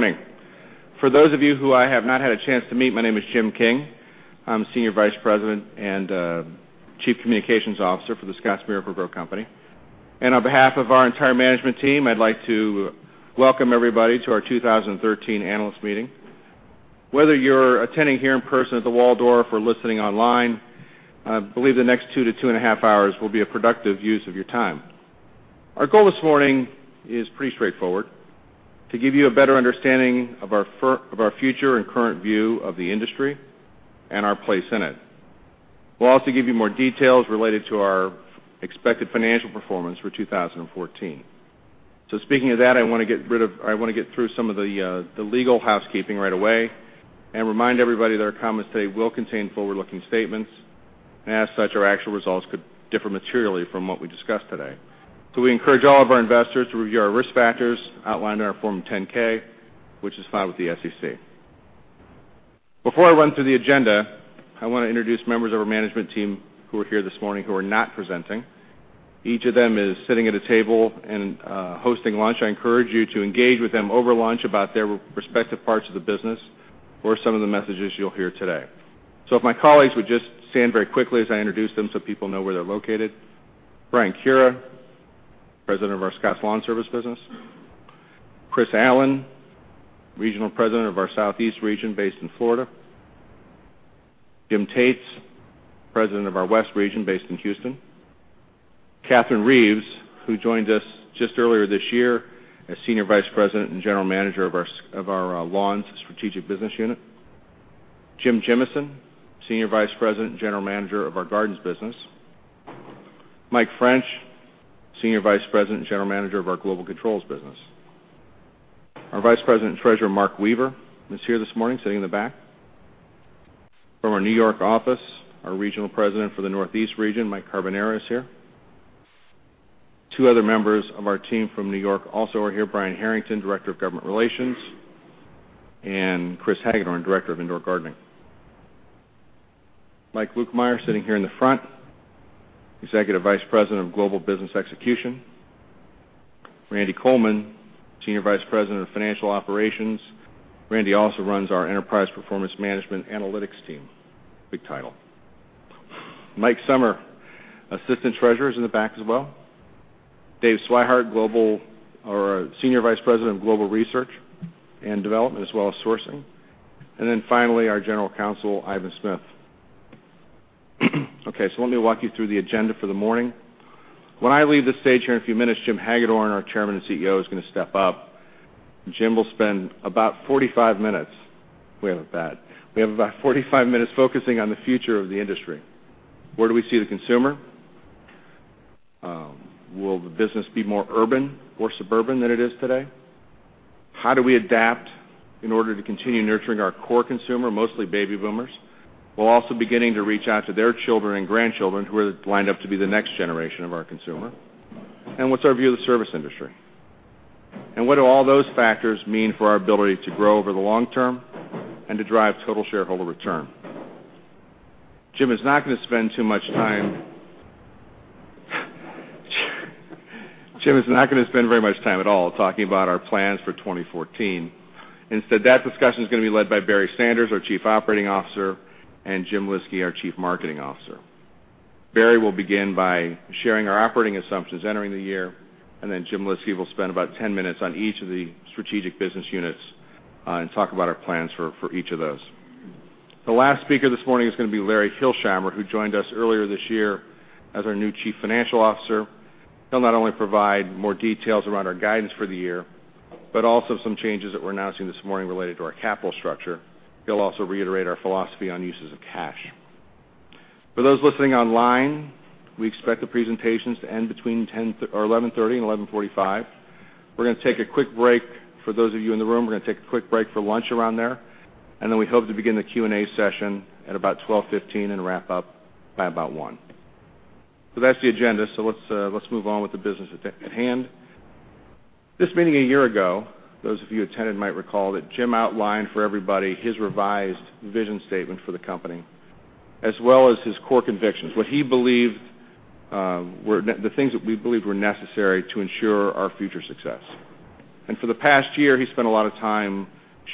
Morning. For those of you who I have not had a chance to meet, my name is Jim King. I'm Senior Vice President and Chief Communications Officer for The Scotts Miracle-Gro Company. On behalf of our entire management team, I'd like to welcome everybody to our 2013 analyst meeting. Whether you're attending here in person at The Waldorf or listening online, I believe the next two to two and a half hours will be a productive use of your time. Our goal this morning is pretty straightforward: to give you a better understanding of our future and current view of the industry and our place in it. We'll also give you more details related to our expected financial performance for 2014. Speaking of that, I want to get through some of the legal housekeeping right away and remind everybody that our comments today will contain forward-looking statements. As such, our actual results could differ materially from what we discuss today. We encourage all of our investors to review our risk factors outlined in our Form 10-K, which is filed with the SEC. Before I run through the agenda, I want to introduce members of our management team who are here this morning, who are not presenting. Each of them is sitting at a table and hosting lunch. I encourage you to engage with them over lunch about their respective parts of the business or some of the messages you'll hear today. If my colleagues would just stand very quickly as I introduce them so people know where they're located. Brian Kura, President of our Scotts LawnService business. Chris Allen, Regional President of our Southeast region based in Florida. Jim Tates, President of our West region based in Houston. Catherine Reeves, who joined us just earlier this year as Senior Vice President and General Manager of our Lawns Strategic Business Unit. Jim Gimeson, Senior Vice President and General Manager of our Gardens business. Mike French, Senior Vice President and General Manager of our Global Controls business. Our Vice President and Treasurer, Mark Weaver, is here this morning sitting in the back. From our New York office, our Regional President for the Northeast region, Mike Carbonara, is here. Two other members of our team from New York also are here, Brian Harrington, Director of Government Relations, and Chris Hagedorn, Director of Indoor Gardening. Mike Lukemire, sitting here in the front, Executive Vice President of Global Business Execution. Randy Coleman, Senior Vice President of Financial Operations. Randy also runs our Enterprise Performance Management Analytics team. Big title. Mike Sommer, Assistant Treasurer, is in the back as well. Dave Swihart, Senior Vice President of Global Research and Development, as well as Sourcing. Then finally, our General Counsel, Ivan Smith. Let me walk you through the agenda for the morning. When I leave the stage here in a few minutes, Jim Hagedorn, our Chairman and CEO, is going to step up, Jim will spend about 45 minutes. We have about 45 minutes focusing on the future of the industry. Where do we see the consumer? Will the business be more urban or suburban than it is today? How do we adapt in order to continue nurturing our core consumer, mostly baby boomers, while also beginning to reach out to their children and grandchildren, who are lined up to be the next generation of our consumer? What's our view of the service industry? What do all those factors mean for our ability to grow over the long term and to drive total shareholder return? Jim is not going to spend too much time at all talking about our plans for 2014. Instead, that discussion is going to be led by Barry Sanders, our Chief Operating Officer, and Jim Lyski, our Chief Marketing Officer. Barry will begin by sharing our operating assumptions entering the year, then Jim Lyski will spend about 10 minutes on each of the Strategic Business Units and talk about our plans for each of those. The last speaker this morning is going to be Larry Hilsheimer, who joined us earlier this year as our new Chief Financial Officer. He'll not only provide more details around our guidance for the year, but also some changes that we're announcing this morning related to our capital structure. He'll also reiterate our philosophy on uses of cash. For those listening online, we expect the presentations to end between 11:30 A.M. and 11:45 A.M. We're going to take a quick break. For those of you in the room, we're going to take a quick break for lunch around there, then we hope to begin the Q&A session at about 12:15 P.M. and wrap up by about 1:00 P.M. That's the agenda. Let's move on with the business at hand. This meeting a year ago, those of you who attended might recall that Jim outlined for everybody his revised vision statement for the company, as well as his core convictions, the things that we believed were necessary to ensure our future success. For the past year, he spent a lot of time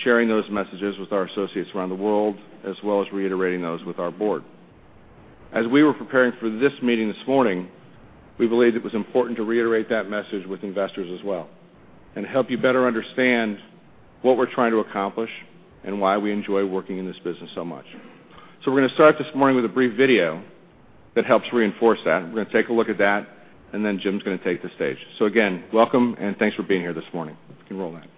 sharing those messages with our associates around the world, as well as reiterating those with our board. As we were preparing for this meeting this morning, we believed it was important to reiterate that message with investors as well and help you better understand what we're trying to accomplish and why we enjoy working in this business so much. We're going to start this morning with a brief video that helps reinforce that. We're going to take a look at that, then Jim's going to take the stage. Again, welcome, and thanks for being here this morning. You can roll that.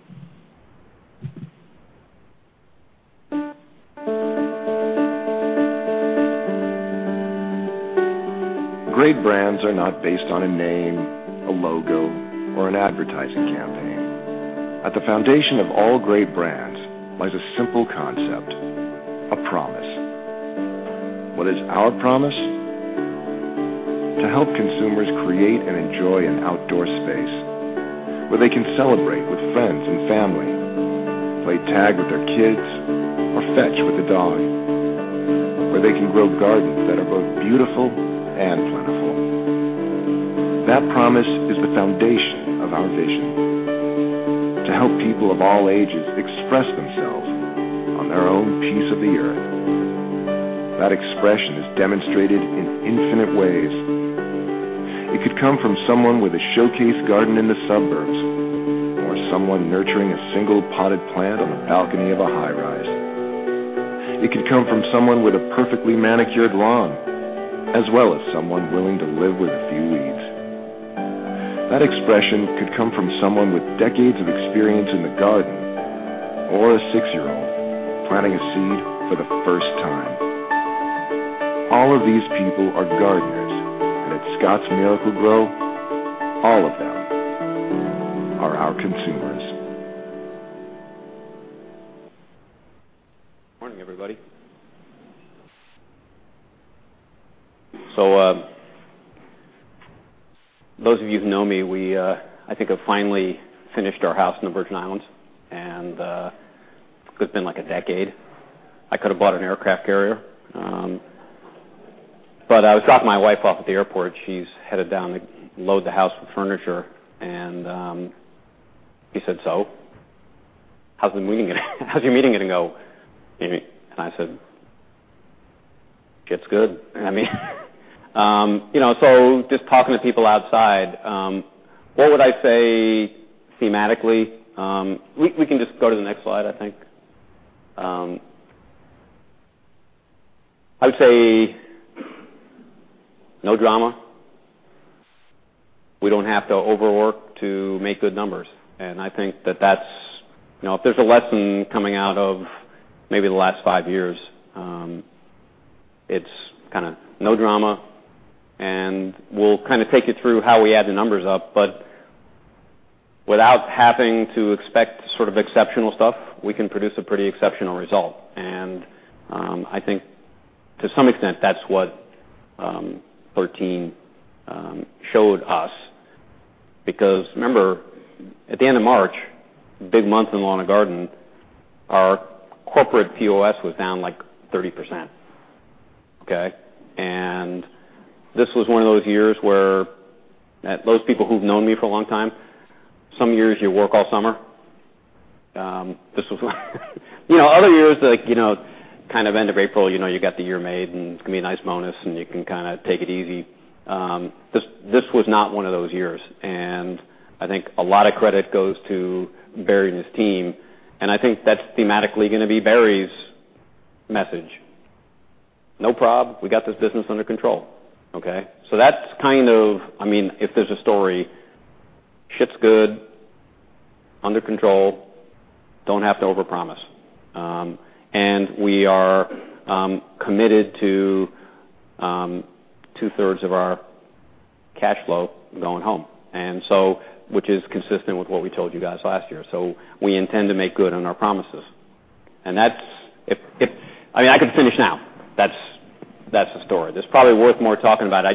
Great brands are not based on a name, a logo, or an advertising campaign. At the foundation of all great brands lies a simple concept: a promise. What is our promise? To help consumers create and enjoy an outdoor space where they can celebrate with friends and family, play tag with their kids, or fetch with the dog. Where they can grow gardens that are both beautiful and plentiful. That promise is the foundation of our vision to help people of all ages express themselves on their own piece of the earth. That expression is demonstrated in infinite ways. It could come from someone with a showcase garden in the suburbs or someone nurturing a single potted plant on the balcony of a high-rise. It could come from someone with a perfectly manicured lawn, as well as someone willing to live with a few weeds. That expression could come from someone with decades of experience in the garden or a six-year-old planting a seed for the first time. All of these people are gardeners, and at Scotts Miracle-Gro, all of them are our consumers. Morning, everybody. Those of you who know me, we, I think, have finally finished our house in the Virgin Islands, and it could've been like a decade. I could've bought an aircraft carrier. I was dropping my wife off at the airport. She's headed down to load the house with furniture. She said, "So how's your meeting going to go?" I said, "It's good." Just talking to people outside, what would I say thematically? We can just go to the next slide, I think. I would say no drama. We don't have to overwork to make good numbers. I think that that's. If there's a lesson coming out of maybe the last five years, it's no drama, and we'll take you through how we add the numbers up. Without having to expect sort of exceptional stuff, we can produce a pretty exceptional result. I think to some extent, that's what 2013 showed us because remember, at the end of March, big month in lawn and garden, our corporate POS was down like 30%. Okay. This was one of those years where those people who've known me for a long time, some years you work all summer. This was like other years, like, kind of end of April, you know you got the year made, and it's going to be a nice bonus, and you can kind of take it easy. This was not one of those years, and I think a lot of credit goes to Barry and his team, and I think that's thematically going to be Barry's message. No prob. We got this business under control. Okay. That's kind of, if there's a story, shit's good, under control, don't have to overpromise. We are committed to two-thirds of our cash flow going home. Which is consistent with what we told you guys last year. We intend to make good on our promises. I mean, I could finish now. That's the story. There's probably worth more talking about.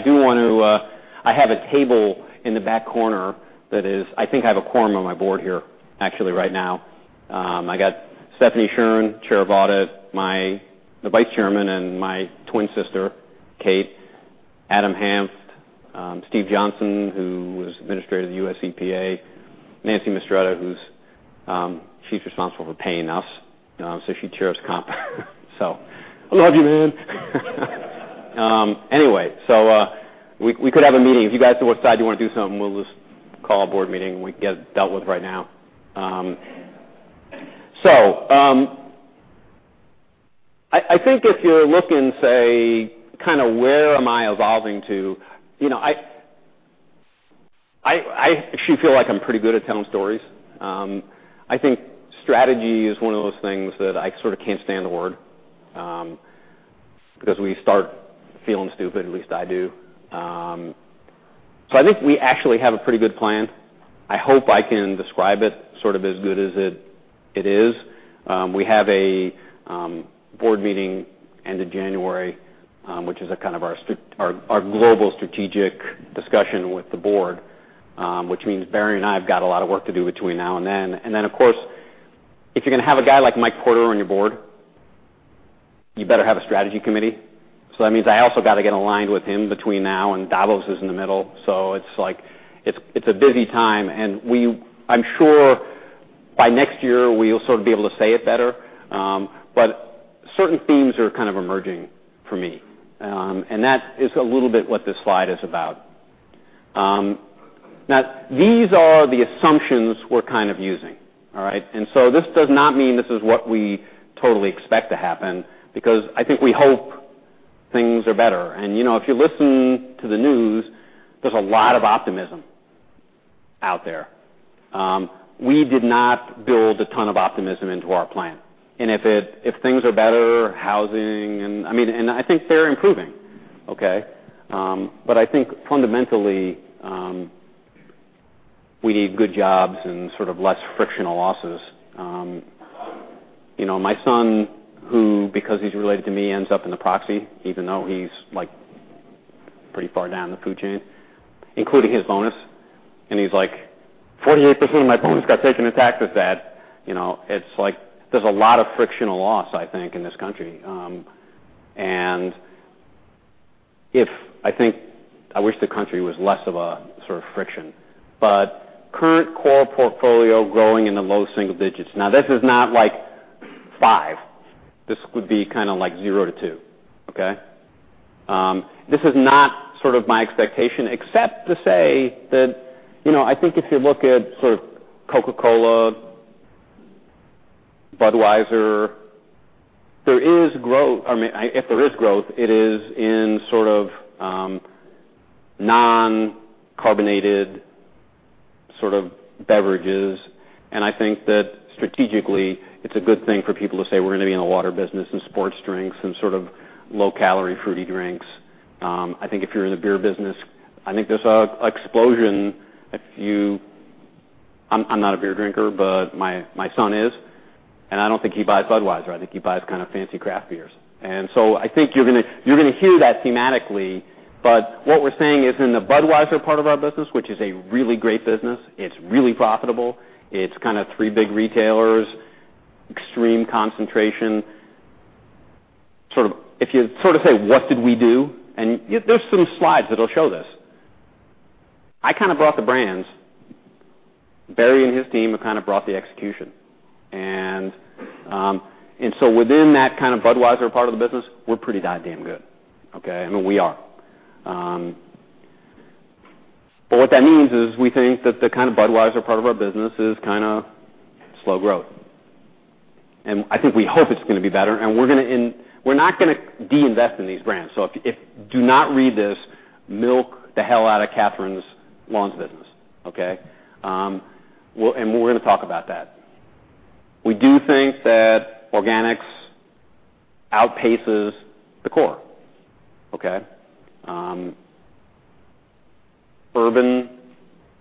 I have a table in the back corner that is. I think I have a quorum on my board here, actually, right now. I got Stephanie Shern, Chair of Audit, the Vice Chairman, and my twin sister, Kate, Adam Hanft, Stephen Johnson, who was Administrator of the U.S. EPA, Nancy Mistretta, she's responsible for paying us. She chairs comp. I love you, man. Anyway, we could have a meeting. If you guys decide you want to do something, we'll just call a board meeting, and we can get it dealt with right now. I think if you're looking, say, where am I evolving to? I actually feel like I'm pretty good at telling stories. I think strategy is one of those things that I sort of can't stand the word, because we start feeling stupid, at least I do. I think we actually have a pretty good plan. I hope I can describe it sort of as good as it is. We have a board meeting end of January, which is our global strategic discussion with the board, which means Barry and I have got a lot of work to do between now and then. Of course, if you're going to have a guy like Mike Porter on your board, you better have a strategy committee. That means I also got to get aligned with him between now and Davos is in the middle. It's a busy time, and I'm sure by next year, we'll sort of be able to say it better. Certain themes are kind of emerging for me. That is a little bit what this slide is about. Now, these are the assumptions we're kind of using. All right? This does not mean this is what we totally expect to happen because I think we hope things are better. If you listen to the news, there's a lot of optimism out there. We did not build a ton of optimism into our plan. If things are better, housing and I think they're improving, okay? I think fundamentally, we need good jobs and sort of less frictional losses. My son, who, because he's related to me, ends up in the proxy even though he's pretty far down the food chain, including his bonus. He's like, "48% of my bonus got taken in taxes dad." There's a lot of frictional loss, I think, in this country. I wish the country was less of a friction. Current core portfolio growing in the low single digits. Now, this is not like 5. This would be kind of like 0 to 2. Okay? This is not sort of my expectation except to say that, I think if you look at sort of Coca-Cola, Budweiser, if there is growth, it is in sort of non-carbonated sort of beverages. I think that strategically, it's a good thing for people to say we're going to be in the water business and sports drinks and sort of low-calorie fruity drinks. I think if you're in the beer business, I think there's an explosion if you I'm not a beer drinker, but my son is, and I don't think he buys Budweiser. I think he buys kind of fancy craft beers. I think you're going to hear that thematically, but what we're saying is in the Budweiser part of our business, which is a really great business. It's really profitable. It's kind of 3 big retailers, extreme concentration. If you say, what did we do? There's some slides that'll show this. I kind of brought the brands. Barry and his team have kind of brought the execution. Within that kind of Budweiser part of the business, we're pretty goddamn good. Okay? I mean, we are. What that means is we think that the kind of Budweiser part of our business is kind of slow growth. I think we hope it's going to be better, we're not going to de-invest in these brands. Do not read this, milk the hell out of Catherine's lawns business. Okay? We're going to talk about that. We do think that organics outpaces the core. Okay? Urban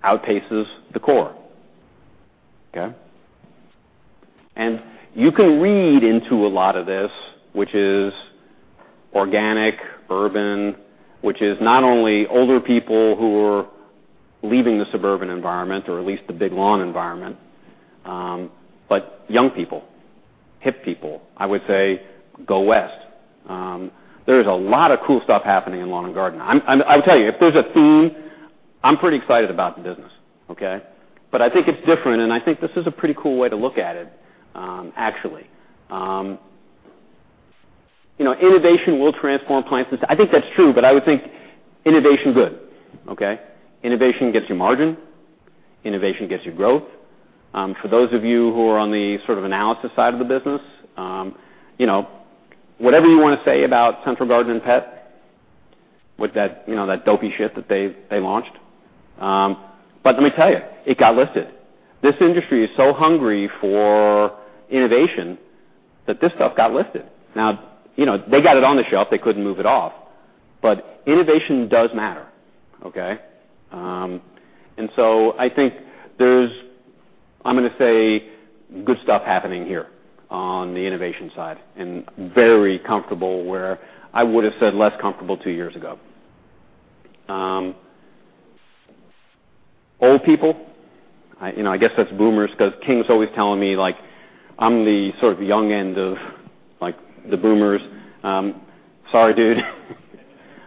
outpaces the core. Okay? You can read into a lot of this, which is organic, urban, which is not only older people who are leaving the suburban environment or at least the big lawn environment, but young people, hip people, I would say, go west. There's a lot of cool stuff happening in lawn and garden. I'll tell you, if there's a theme, I'm pretty excited about the business. Okay? I think it's different, and I think this is a pretty cool way to look at it, actually. Innovation will transform plant systems. I think that's true, I would think innovation good. Okay? Innovation gets you margin. Innovation gets you growth. For those of you who are on the sort of analysis side of the business, whatever you want to say about Central Garden & Pet with that dopey shit that they launched. Let me tell you, it got listed. This industry is so hungry for innovation that this stuff got listed. Now, they got it on the shelf. They couldn't move it off. Innovation does matter. Okay? I think there's, I'm going to say, good stuff happening here on the innovation side, and very comfortable where I would've said less comfortable two years ago. Old people, I guess that's boomers because King's always telling me, like I'm the sort of young end of like the boomers. Sorry, dude.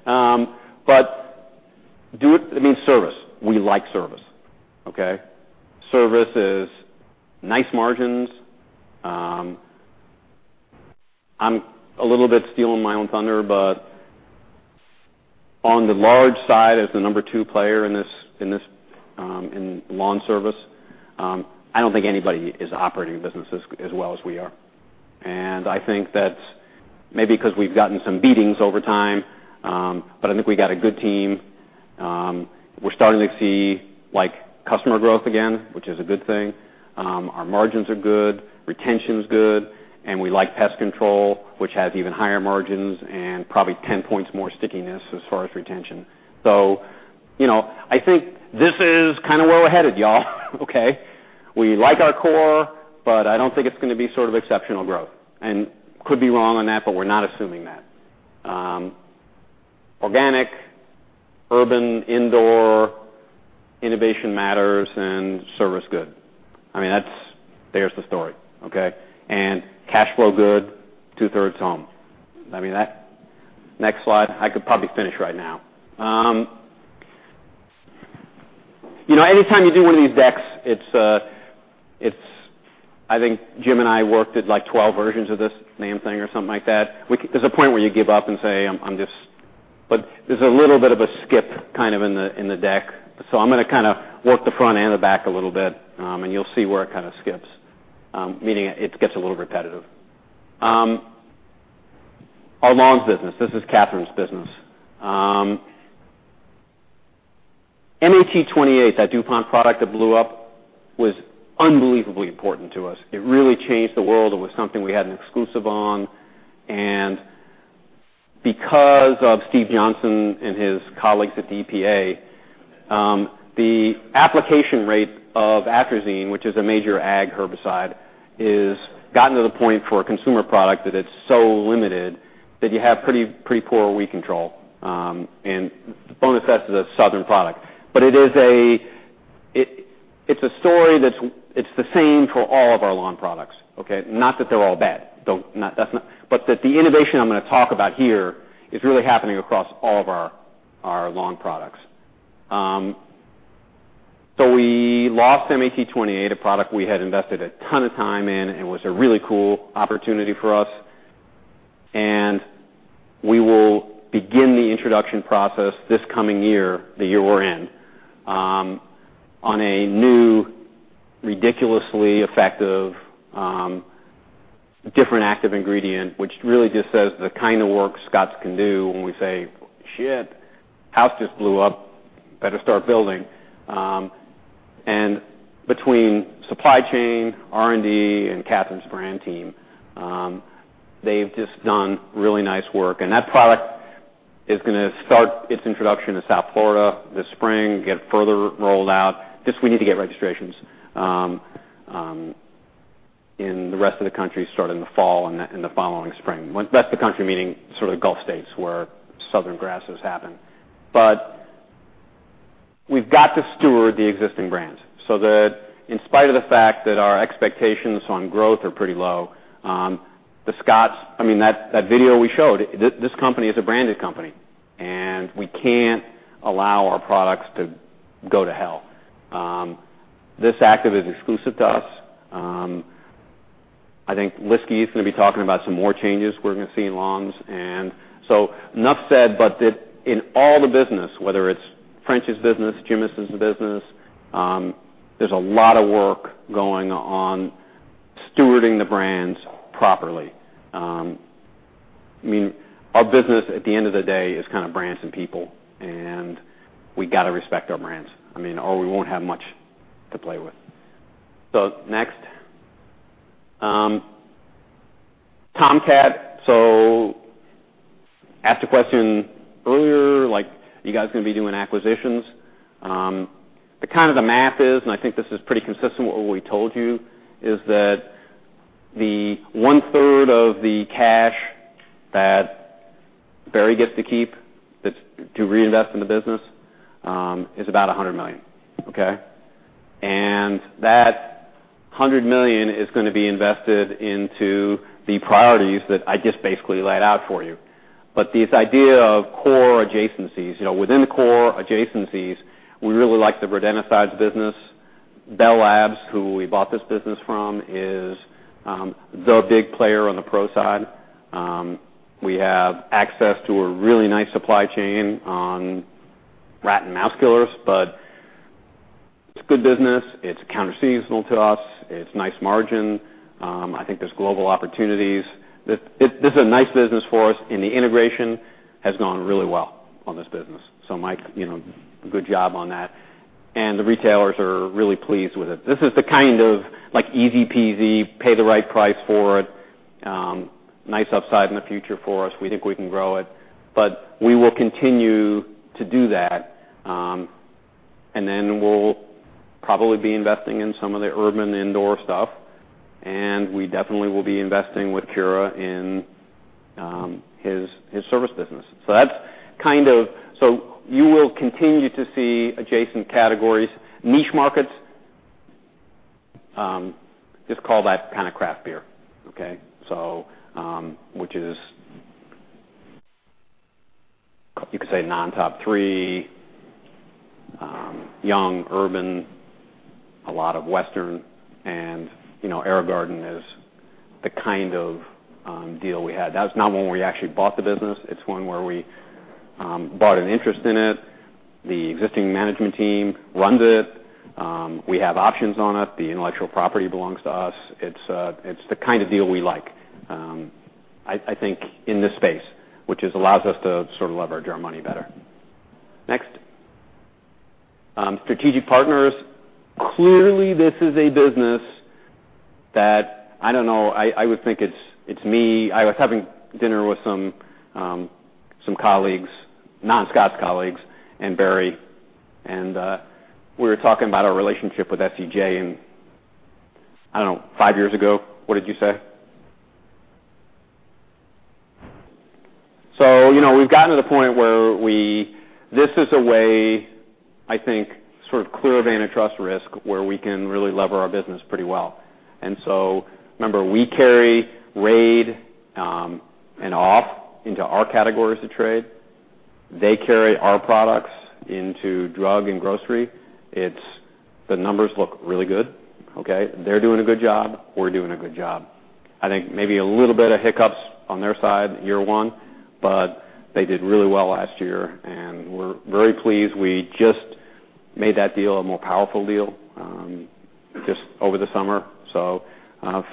I mean, service. We like service. Okay? Service is nice margins. I'm a little bit stealing my own thunder, but on the large side, as the number 2 player in lawn service, I don't think anybody is operating a business as well as we are. I think that's maybe because we've gotten some beatings over time, I think we got a good team. We're starting to see customer growth again, which is a good thing. Our margins are good. Retention's good. We like pest control, which has even higher margins and probably 10 points more stickiness as far as retention. I think this is kind of where we're headed, y'all. Okay? We like our core, I don't think it's going to be sort of exceptional growth. Could be wrong on that, but we're not assuming that. Organic, urban, indoor, innovation matters, and service good. I mean, there's the story. Okay? Cash flow good, two-thirds home. I mean, next slide. I could probably finish right now. Anytime you do one of these decks, I think Jim and I worked at like 12 versions of this damn thing or something like that. There's a point where you give up and say, There's a little bit of a skip kind of in the deck. I'm going to kind of work the front and the back a little bit. You'll see where it kind of skips, meaning it gets a little repetitive. Our lawns business. This is Catherine's business. MET 28, that DuPont product that blew up, was unbelievably important to us. It really changed the world. It was something we had an exclusive on. Because of Steve Johnson and his colleagues at the EPA, the application rate of atrazine, which is a major ag herbicide, has gotten to the point for a consumer product that it's so limited That you have pretty poor weed control, Bonus S is a southern product. It's a story that's the same for all of our lawn products, okay? Not that they're all bad. That the innovation I'm going to talk about here is really happening across all of our lawn products. We lost MET28, a product we had invested a ton of time in, and was a really cool opportunity for us. We will begin the introduction process this coming year, the year we're in, on a new, ridiculously effective, different active ingredient, which really just says the kind of work Scotts can do when we say, "Shit, house just blew up. Better start building." Between supply chain, R&D, and Catherine's brand team, they've just done really nice work. That product is going to start its introduction to South Florida this spring, get further rolled out. Just we need to get registrations in the rest of the country, starting in the fall and the following spring. Rest of the country meaning sort of the Gulf states, where southern grasses happen. We've got to steward the existing brands, so that in spite of the fact that our expectations on growth are pretty low. The Scotts-- that video we showed, this company is a branded company, and we can't allow our products to go to hell. This active is exclusive to us. I think Lyski is going to be talking about some more changes we're going to see in lawns, enough said. In all the business, whether it's French's business, Jim's business, there's a lot of work going on stewarding the brands properly. Our business, at the end of the day, is kind of brands and people, and we got to respect our brands. Or we won't have much to play with. Next. Tomcat. Asked a question earlier like, are you guys going to be doing acquisitions? The kind of the math is, and I think this is pretty consistent with what we told you, is that the one-third of the cash that Barry gets to keep to reinvest in the business is about $100 million, okay? That $100 million is going to be invested into the priorities that I just basically laid out for you. This idea of core adjacencies. Within core adjacencies, we really like the rodenticides business. Bell Labs, who we bought this business from, is the big player on the pro side. We have access to a really nice supply chain on rat and mouse killers, it's a good business. It's counter-seasonal to us. It's nice margin. I think there's global opportunities. This is a nice business for us, and the integration has gone really well on this business. Mike, good job on that. The retailers are really pleased with it. This is the kind of easy peasy, pay the right price for it, nice upside in the future for us. We think we can grow it, we will continue to do that. We'll probably be investing in some of the urban indoor stuff, we definitely will be investing with Kura in his service business. You will continue to see adjacent categories. Niche markets, just call that kind of craft beer, okay? Which is, you could say non-top three, young, urban, a lot of Western, and AeroGarden is the kind of deal we had. That's not one where we actually bought the business. It's one where we bought an interest in it. The existing management team runs it. We have options on it. The intellectual property belongs to us. It's the kind of deal we like, I think, in this space, which just allows us to sort of leverage our money better. Next. Strategic partners. Clearly, this is a business that, I don't know, I would think it's me. I was having dinner with some colleagues, non-Scotts colleagues, and Barry, and we were talking about our relationship with SCJ, and, I don't know, five years ago. What did you say? We've gotten to the point where this is a way, I think, sort of clear of any trust risk, where we can really lever our business pretty well. Remember, we carry Raid and OFF! into our categories of trade. They carry our products into drug and grocery. The numbers look really good, okay? They're doing a good job. We're doing a good job. I think maybe a little bit of hiccups on their side, year one, but they did really well last year, and we're very pleased. We just made that deal a more powerful deal just over the summer.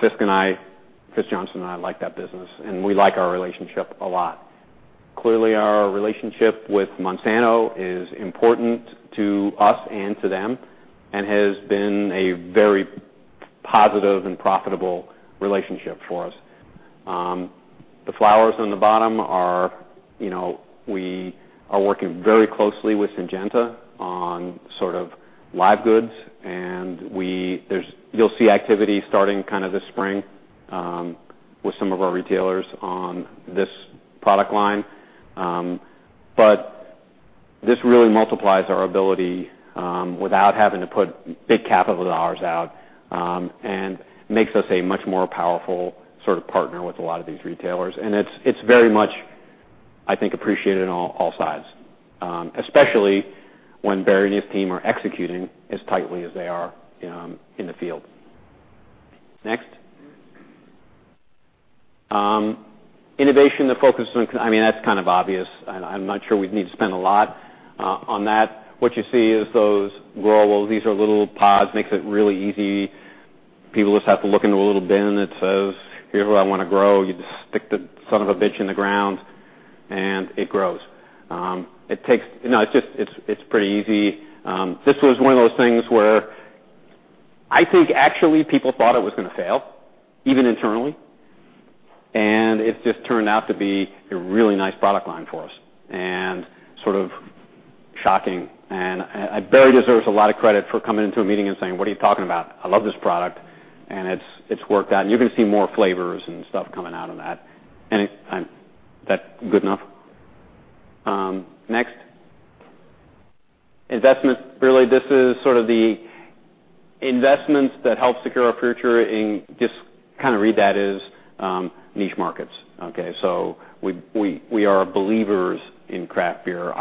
Fisk and I, Fisk Johnson and I, like that business, and we like our relationship a lot. Clearly, our relationship with Monsanto is important to us and to them and has been a very positive and profitable relationship for us. We are working very closely with Syngenta on live goods. You'll see activity starting this spring with some of our retailers on this product line. This really multiplies our ability without having to put big capital dollars out and makes us a much more powerful sort of partner with a lot of these retailers. It's very much, I think, appreciated on all sides, especially when Barry and his team are executing as tightly as they are in the field. Next. Innovation, the focus on. That's kind of obvious. I'm not sure we need to spend a lot on that. What you see is those Gro-ables. These are little pods, makes it really easy. People just have to look into a little bin that says, "Here's what I want to grow." You just stick the son of a bitch in the ground, and it grows. It's pretty easy. This was one of those things where I think actually people thought it was going to fail, even internally. It's just turned out to be a really nice product line for us, and sort of shocking. Barry deserves a lot of credit for coming into a meeting and saying, "What are you talking about? I love this product." It's worked out. You're going to see more flavors and stuff coming out on that. That good enough? Next. Investments. Really, this is sort of the investments that help secure our future in, just kind of read that as niche markets. Okay, we are believers in craft beer.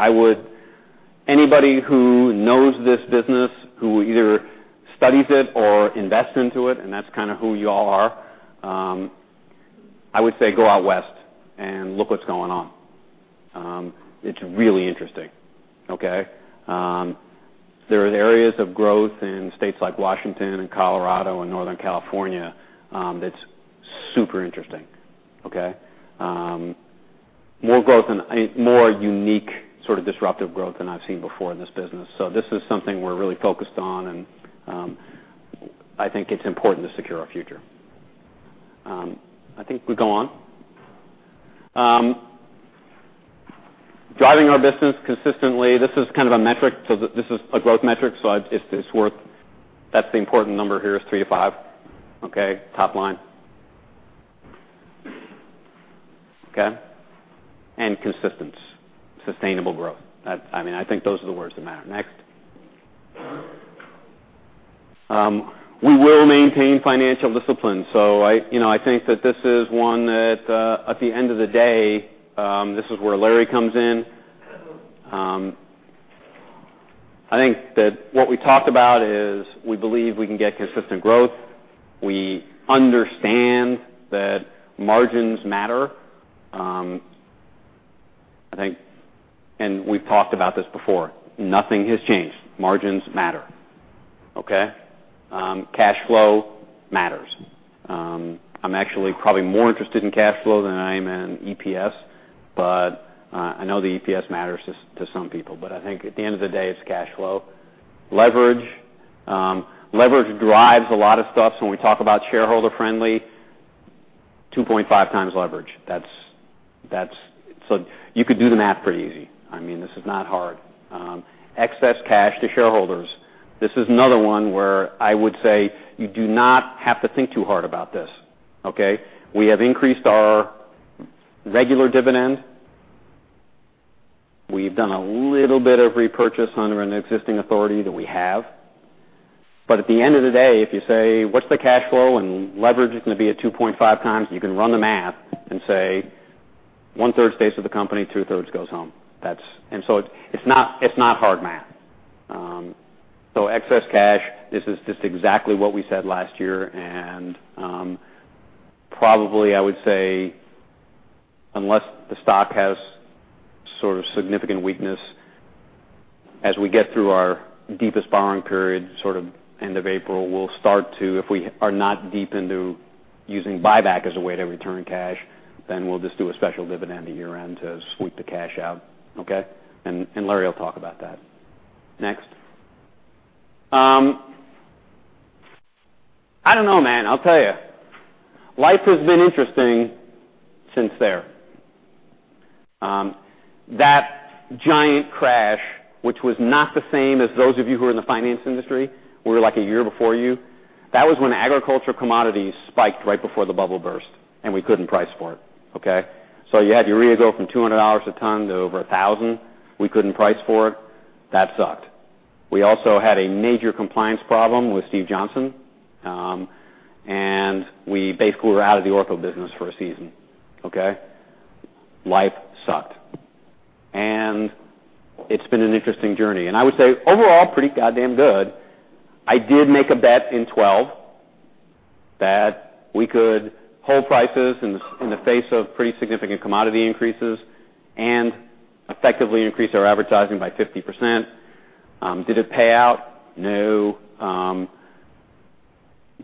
Anybody who knows this business, who either studies it or invests into it, and that's kind of who you all are, I would say go out West and look what's going on. It's really interesting. There's areas of growth in states like Washington and Colorado and Northern California that's super interesting. More unique, sort of disruptive growth than I've seen before in this business. This is something we're really focused on, and I think it's important to secure our future. I think we go on. Driving our business consistently. This is kind of a metric. This is a growth metric, so it's worth the important number here is 3-5. Top line. Consistency. Sustainable growth. I think those are the words that matter. Next. We will maintain financial discipline. I think that this is one that at the end of the day, this is where Larry comes in. I think that what we talked about is we believe we can get consistent growth. We understand that margins matter. We've talked about this before. Nothing has changed. Margins matter. Cash flow matters. I'm actually probably more interested in cash flow than I am in EPS, but I know the EPS matters to some people. I think at the end of the day, it's cash flow. Leverage. Leverage drives a lot of stuff. When we talk about shareholder friendly, 2.5x leverage. You could do the math pretty easy. This is not hard. Excess cash to shareholders. This is another one where I would say you do not have to think too hard about this. We have increased our regular dividend. We've done a little bit of repurchase under an existing authority that we have. At the end of the day, if you say, "What's the cash flow?" Leverage is going to be at 2.5x, you can run the math and say one-third stays with the company, two-thirds goes home. It's not hard math. Excess cash, this is just exactly what we said last year. Probably I would say, unless the stock has sort of significant weakness as we get through our deepest borrowing period, sort of end of April, we'll start to, if we are not deep into using buyback as a way to return cash, then we'll just do a special dividend at year-end to sweep the cash out. Larry will talk about that. Next. I don't know, man. I'll tell you. Life has been interesting since there. That giant crash, which was not the same as those of you who are in the finance industry, we're like a year before you. That was when agriculture commodities spiked right before the bubble burst, and we couldn't price for it. You had urea go from $200 a ton to over 1,000. We couldn't price for it. That sucked. We also had a major compliance problem with Steve Johnson, and we basically were out of the Ortho business for a season. Life sucked. It's been an interesting journey. I would say overall, pretty goddamn good. I did make a bet in 2012 that we could hold prices in the face of pretty significant commodity increases and effectively increase our advertising by 50%. Did it pay out? No.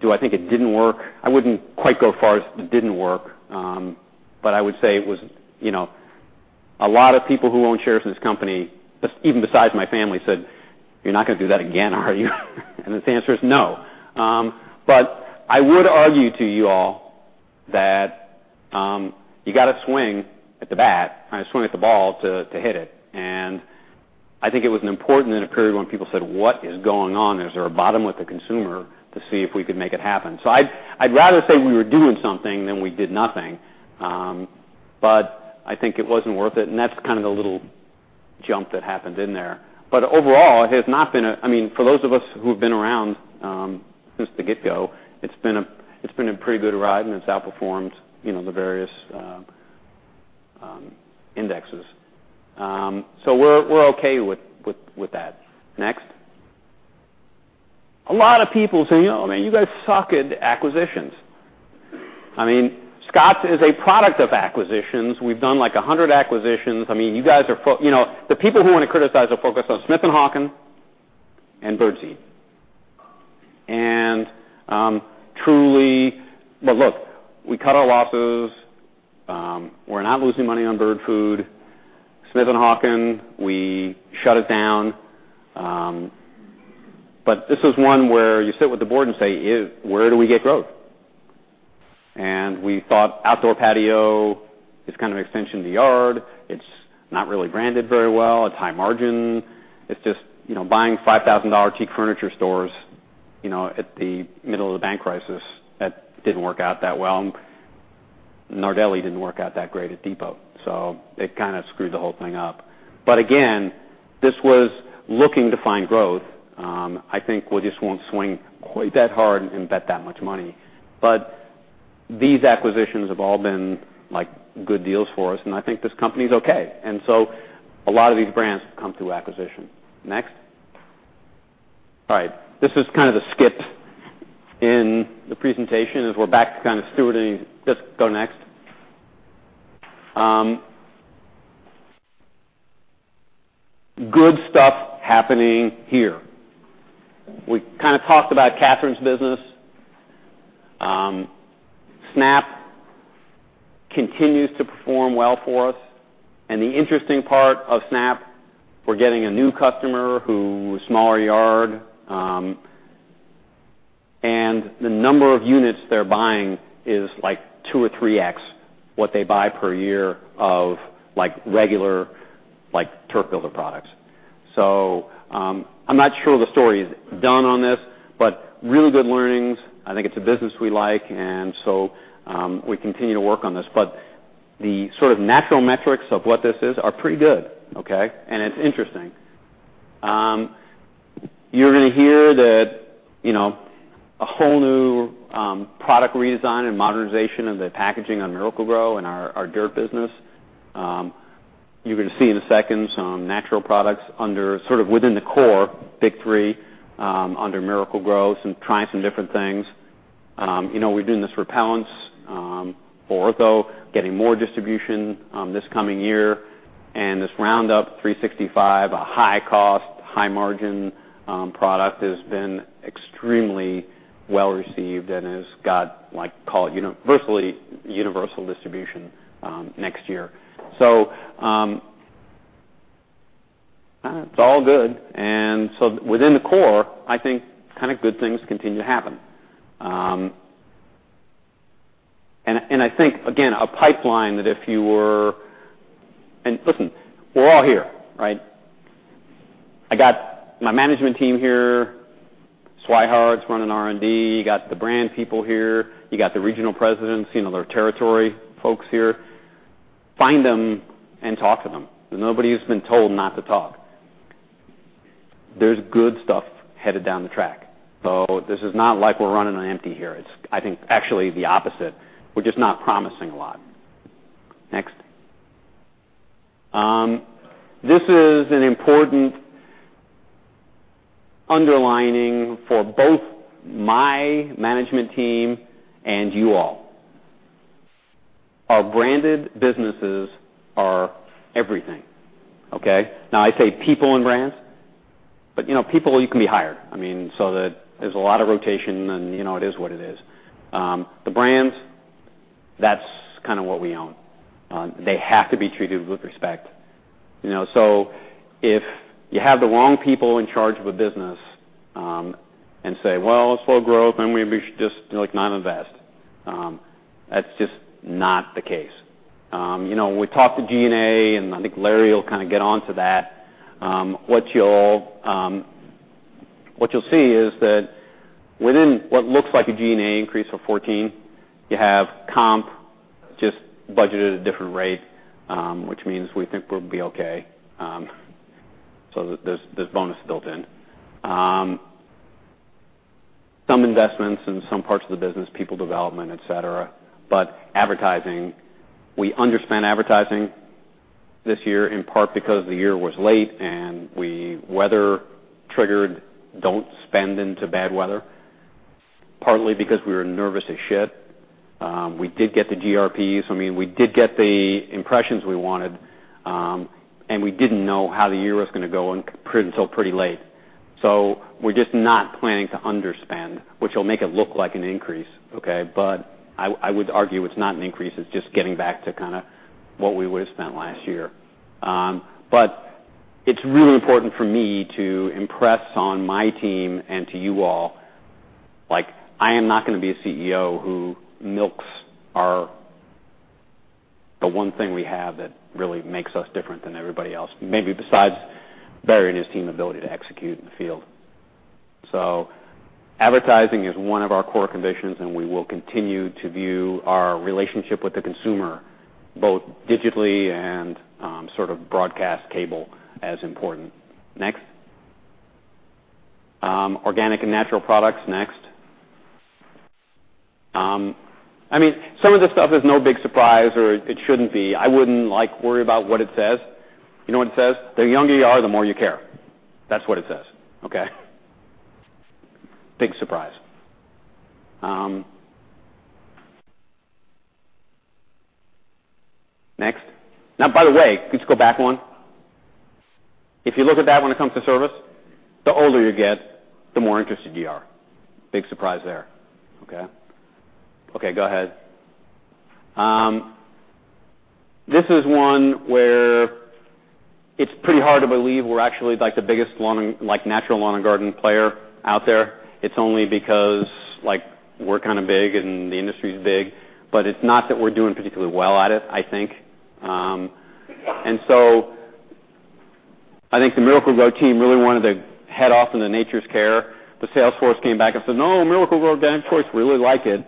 Do I think it didn't work? I wouldn't quite go far as it didn't work. I would say a lot of people who own shares in this company, even besides my family, said You're not going to do that again, are you? The answer is no. I would argue to you all that you got to swing at the ball to hit it. I think it was important in a period when people said, "What is going on? Is there a bottom with the consumer?" to see if we could make it happen. I'd rather say we were doing something than we did nothing. I think it wasn't worth it, and that's kind of the little jump that happened in there. Overall, for those of us who have been around since the get-go, it's been a pretty good ride, and it's outperformed the various indexes. We're okay with that. Next. A lot of people say, "You guys suck at acquisitions." Scotts is a product of acquisitions. We've done like 100 acquisitions. The people who want to criticize will focus on Smith & Hawken and Bird Seed. Look, we cut our losses. We're not losing money on Bird Food. Smith & Hawken, we shut it down. This is one where you sit with the board and say, "Where do we get growth?" We thought outdoor patio is kind of an extension to yard. It's not really branded very well. It's high margin. It's just buying $5,000 cheap furniture stores at the middle of the bank crisis, that didn't work out that well. Nardelli didn't work out that great at Depot. It kind of screwed the whole thing up. Again, this was looking to find growth. I think we just won't swing quite that hard and bet that much money. These acquisitions have all been good deals for us, I think this company's okay. A lot of these brands have come through acquisition. Next. All right. This is kind of the skip in the presentation, as we're back to kind of stewarding. Just go next. Good stuff happening here. We kind of talked about Catherine's business. Snap continues to perform well for us. The interesting part of Snap, we're getting a new customer who has a smaller yard. The number of units they're buying is like 2 or 3x what they buy per year of regular Turf Builder products. I'm not sure the story is done on this, really good learnings. I think it's a business we like, we continue to work on this. The sort of natural metrics of what this is are pretty good, okay? It's interesting. You're going to hear that a whole new product redesign and modernization of the packaging on Miracle-Gro and our dirt business. You're going to see in a second some natural products within the core big three under Miracle-Gro. Trying some different things. We're doing this repellents for Ortho, getting more distribution this coming year. This Roundup 365, a high-cost, high-margin product has been extremely well-received and has got virtually universal distribution next year. It's all good. Within the core, I think kind of good things continue to happen. I think, again, a pipeline that if you were-- Listen, we're all here, right? I got my management team here. Swihart's running R&D. You got the brand people here. You got the regional presidents, their territory folks here. Find them and talk to them. Nobody has been told not to talk. There's good stuff headed down the track. This is not like we're running on empty here. It's, I think, actually the opposite. We're just not promising a lot. Next. This is an important underlining for both my management team and you all. Our branded businesses are everything, okay? Now I say people and brands, but people, you can be hired. There's a lot of rotation, and it is what it is. The brands, that's kind of what we own. They have to be treated with respect. If you have the wrong people in charge of a business and say, "Well, it's slow growth, maybe we should just not invest." That's just not the case. We talked to G&A, and I think Larry will kind of get onto that. What you'll see is that within what looks like a G&A increase for 2014, you have comp just budgeted at a different rate, which means we think we'll be okay. There's bonus built-in. Some investments in some parts of the business, people development, et cetera. Advertising, we underspent advertising this year, in part because the year was late, and we weather-triggered don't spend into bad weather, partly because we were nervous as shit. We did get the GRPs, so we did get the impressions we wanted, and we didn't know how the year was going to go until pretty late. We're just not planning to underspend, which will make it look like an increase, okay? I would argue it's not an increase. It's just getting back to what we would've spent last year. It's really important for me to impress on my team and to you all I am not going to be a CEO who milks the one thing we have that really makes us different than everybody else, maybe besides Barry and his team ability to execute in the field. Advertising is one of our core conditions, and we will continue to view our relationship with the consumer, both digitally and sort of broadcast cable, as important. Next. Organic and natural products. Next. Some of this stuff is no big surprise, or it shouldn't be. I wouldn't worry about what it says. You know what it says? The younger you are, the more you care. That's what it says, okay? Big surprise. Next. Now, by the way, could you go back one? If you look at that when it comes to service, the older you get, the more interested you are. Big surprise there, okay? Okay, go ahead. This is one where it's pretty hard to believe we're actually the biggest natural lawn and garden player out there. It's only because we're kind of big and the industry's big, but it's not that we're doing particularly well at it, I think. I think the Miracle-Gro team really wanted to head off into Nature's Care. The sales force came back and said, "No, Miracle-Gro Organic Choice really like it."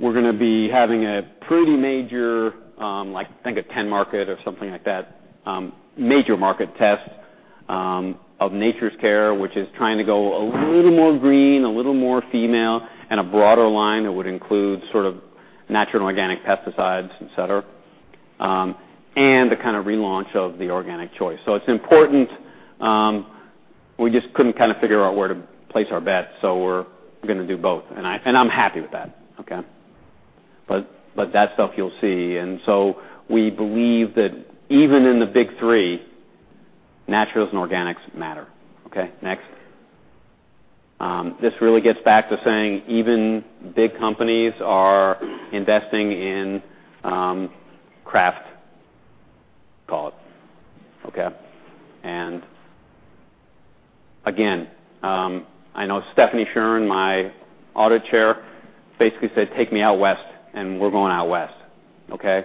We're going to be having a pretty major, I think, a 10 market or something like that, major market test of Nature's Care, which is trying to go a little more green, a little more female and a broader line that would include sort of natural and organic pesticides, et cetera, and the kind of relaunch of the Organic Choice. It's important. We just couldn't kind of figure out where to place our bet, we're going to do both. I'm happy with that, okay? That stuff you'll see. We believe that even in the big three, naturals and organics matter. Okay, next. This really gets back to saying even big companies are investing in craft, call it. Okay. Again, I know Stephanie Shern, my audit chair, basically said, "Take me out West," we're going out West, okay?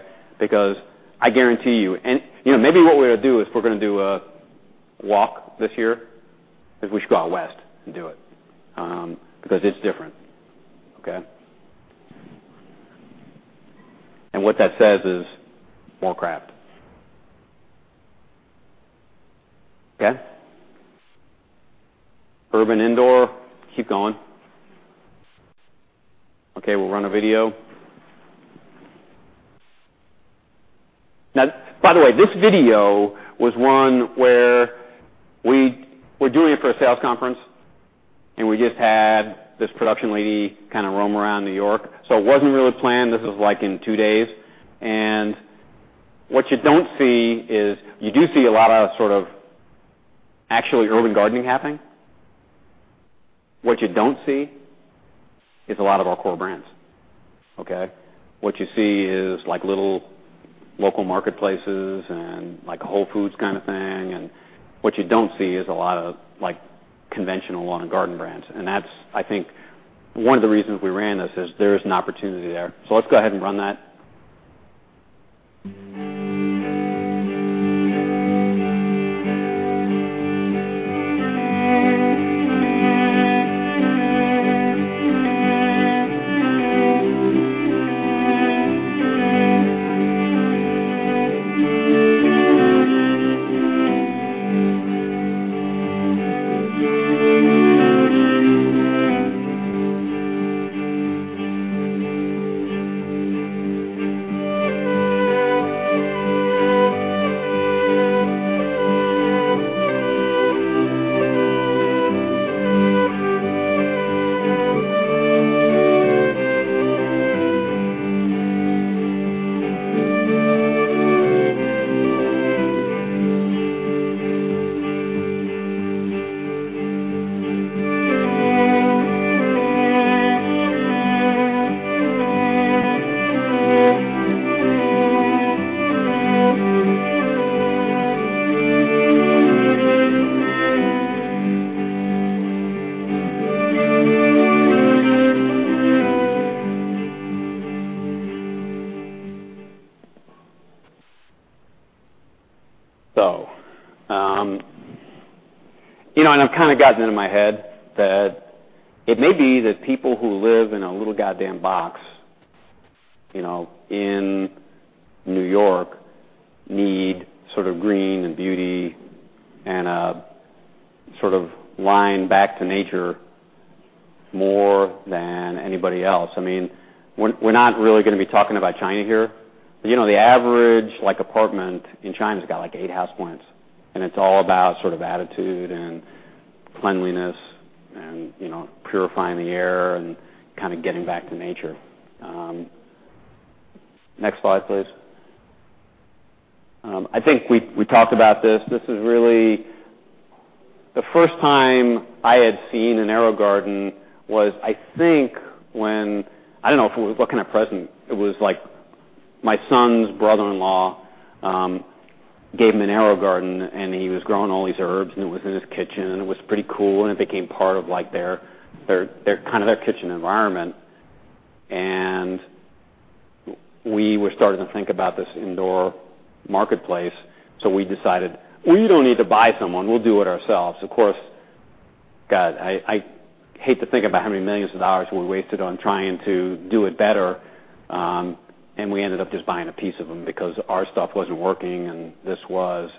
I guarantee you-- maybe what we ought to do is we're going to do a walk this year, because we should go out West and do it, because it's different. Okay? What that says is more craft. Okay. Urban indoor. Keep going. Okay, we'll run a video. By the way, this video was one where we're doing it for a sales conference, and we just had this production lady kind of roam around New York. It wasn't really planned. This was in two days. What you don't see is you do see a lot of sort of actually urban gardening happening. What you don't see is a lot of our core brands, okay? What you see is little local marketplaces and like a Whole Foods kind of thing, what you don't see is a lot of conventional lawn and garden brands. That's, I think, one of the reasons we ran this is there is an opportunity there. Let's go ahead and run that. I've kind of gotten it into my head that it may be that people who live in a little goddamn box in New York need sort of green and beauty and a sort of line back to nature more than anybody else. We're not really going to be talking about China here. The average apartment in China's got eight house plants, and it's all about sort of attitude and cleanliness and purifying the air and kind of getting back to nature. Next slide, please. I think we talked about this. The first time I had seen an AeroGarden was, I think when-- I don't know what kind of present it was like My son's brother-in-law gave him an AeroGarden, and he was growing all these herbs, and it was in his kitchen, and it was pretty cool, and it became part of their kitchen environment. We were starting to think about this indoor marketplace, we decided, "We don't need to buy someone. We'll do it ourselves." Of course, God, I hate to think about how many millions of dollars we wasted on trying to do it better, we ended up just buying a piece of them because our stuff wasn't working, and this was.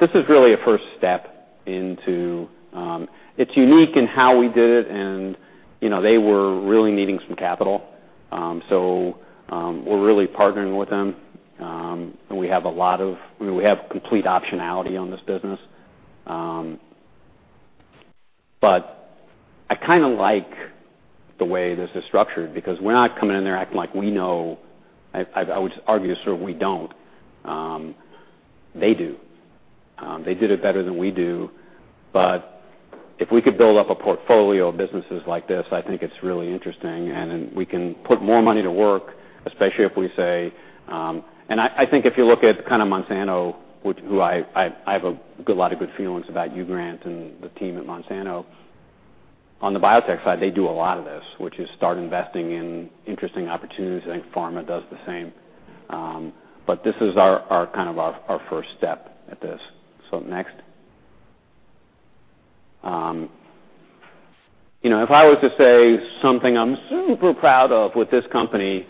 This is really a first step into-- It's unique in how we did it, they were really needing some capital. We're really partnering with them. We have complete optionality on this business. I kind of like the way this is structured because we're not coming in there acting like we know. I would just argue we don't. They do. They did it better than we do. If we could build up a portfolio of businesses like this, I think it's really interesting, and then we can put more money to work, especially if we say-- I think if you look at kind of Monsanto, who I have a lot of good feelings about, Hugh Grant and the team at Monsanto. On the biotech side, they do a lot of this, which is start investing in interesting opportunities. I think pharma does the same. This is our first step at this. Next. If I was to say something I'm super proud of with this company,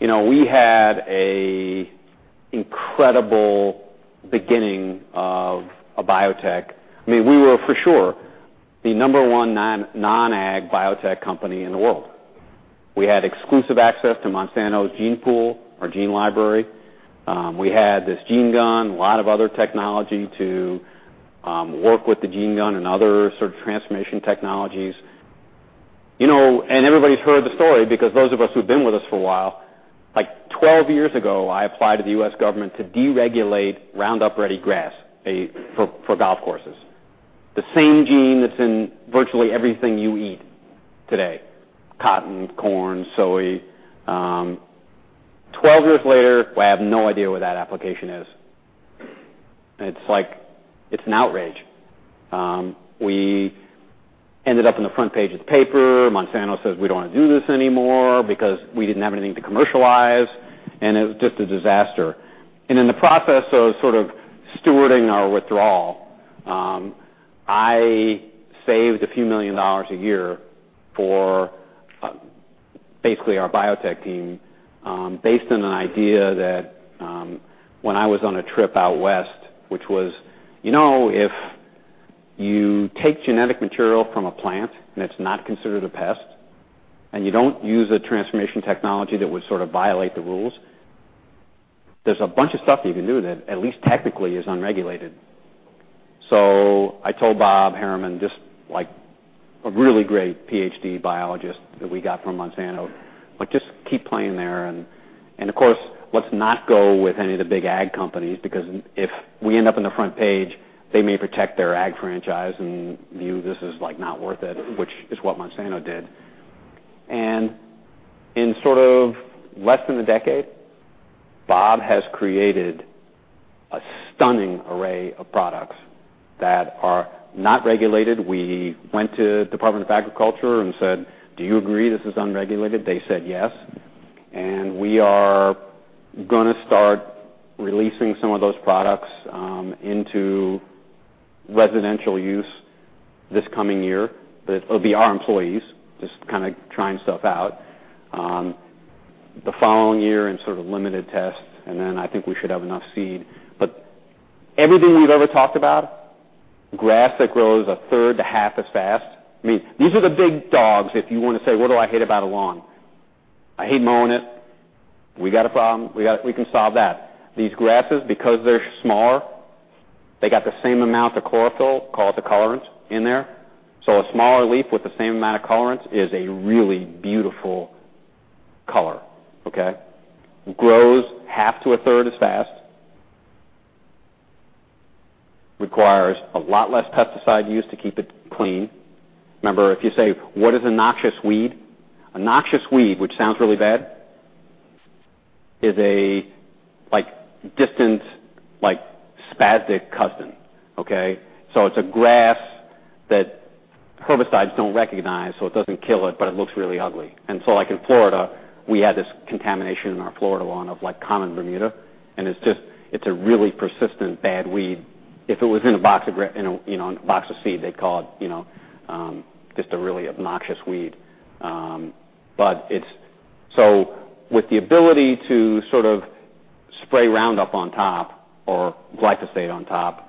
we had an incredible beginning of a biotech. We were, for sure, the number 1 non-ag biotech company in the world. We had exclusive access to Monsanto's gene pool, or gene library. We had this gene gun, a lot of other technology to work with the gene gun and other sort of transformation technologies. Everybody's heard the story because those of us who've been with us for a while, like 12 years ago, I applied to the U.S. government to deregulate Roundup Ready grass for golf courses. The same gene that's in virtually everything you eat today, cotton, corn, soy. 12 years later, I have no idea where that application is. It's an outrage. We ended up on the front page of the paper. Monsanto says we don't want to do this anymore because we didn't have anything to commercialize, and it was just a disaster. In the process of sort of stewarding our withdrawal, I saved a few million dollars a year for basically our biotech team based on an idea that when I was on a trip out West, which was, if you take genetic material from a plant and it's not considered a pest and you don't use a transformation technology that would sort of violate the rules, there's a bunch of stuff you can do that at least technically is unregulated. I told Bob Harriman, just a really great PhD biologist that we got from Monsanto, "Just keep playing there." Of course, let's not go with any of the big ag companies because if we end up in the front page, they may protect their ag franchise and view this as not worth it, which is what Monsanto did. In sort of less than a decade, Bob has created a stunning array of products that are not regulated. We went to Department of Agriculture and said, "Do you agree this is unregulated?" They said yes. We are going to start releasing some of those products into residential use this coming year. It'll be our employees just kind of trying stuff out. The following year in sort of limited tests, I think we should have enough seed. Everything we've ever talked about, grass that grows a third to half as fast. These are the big dogs. If you want to say, what do I hate about a lawn? I hate mowing it. We got a problem. We can solve that. These grasses, because they're smaller, they got the same amount of chlorophyll, called the chloroplasts in there. So a smaller leaf with the same amount of chloroplasts is a really beautiful color, okay? Grows half to a third as fast. Requires a lot less pesticide use to keep it clean. Remember, if you say, what is a noxious weed? A noxious weed, which sounds really bad, is a distant, like spastic cousin, okay? It's a grass that herbicides don't recognize, so it doesn't kill it, but it looks really ugly. In Florida, we had this contamination in our Florida lawn of common Bermuda, and it's a really persistent bad weed. If it was in a box of seed, they'd call it just a really obnoxious weed. With the ability to sort of spray Roundup on top or glyphosate on top,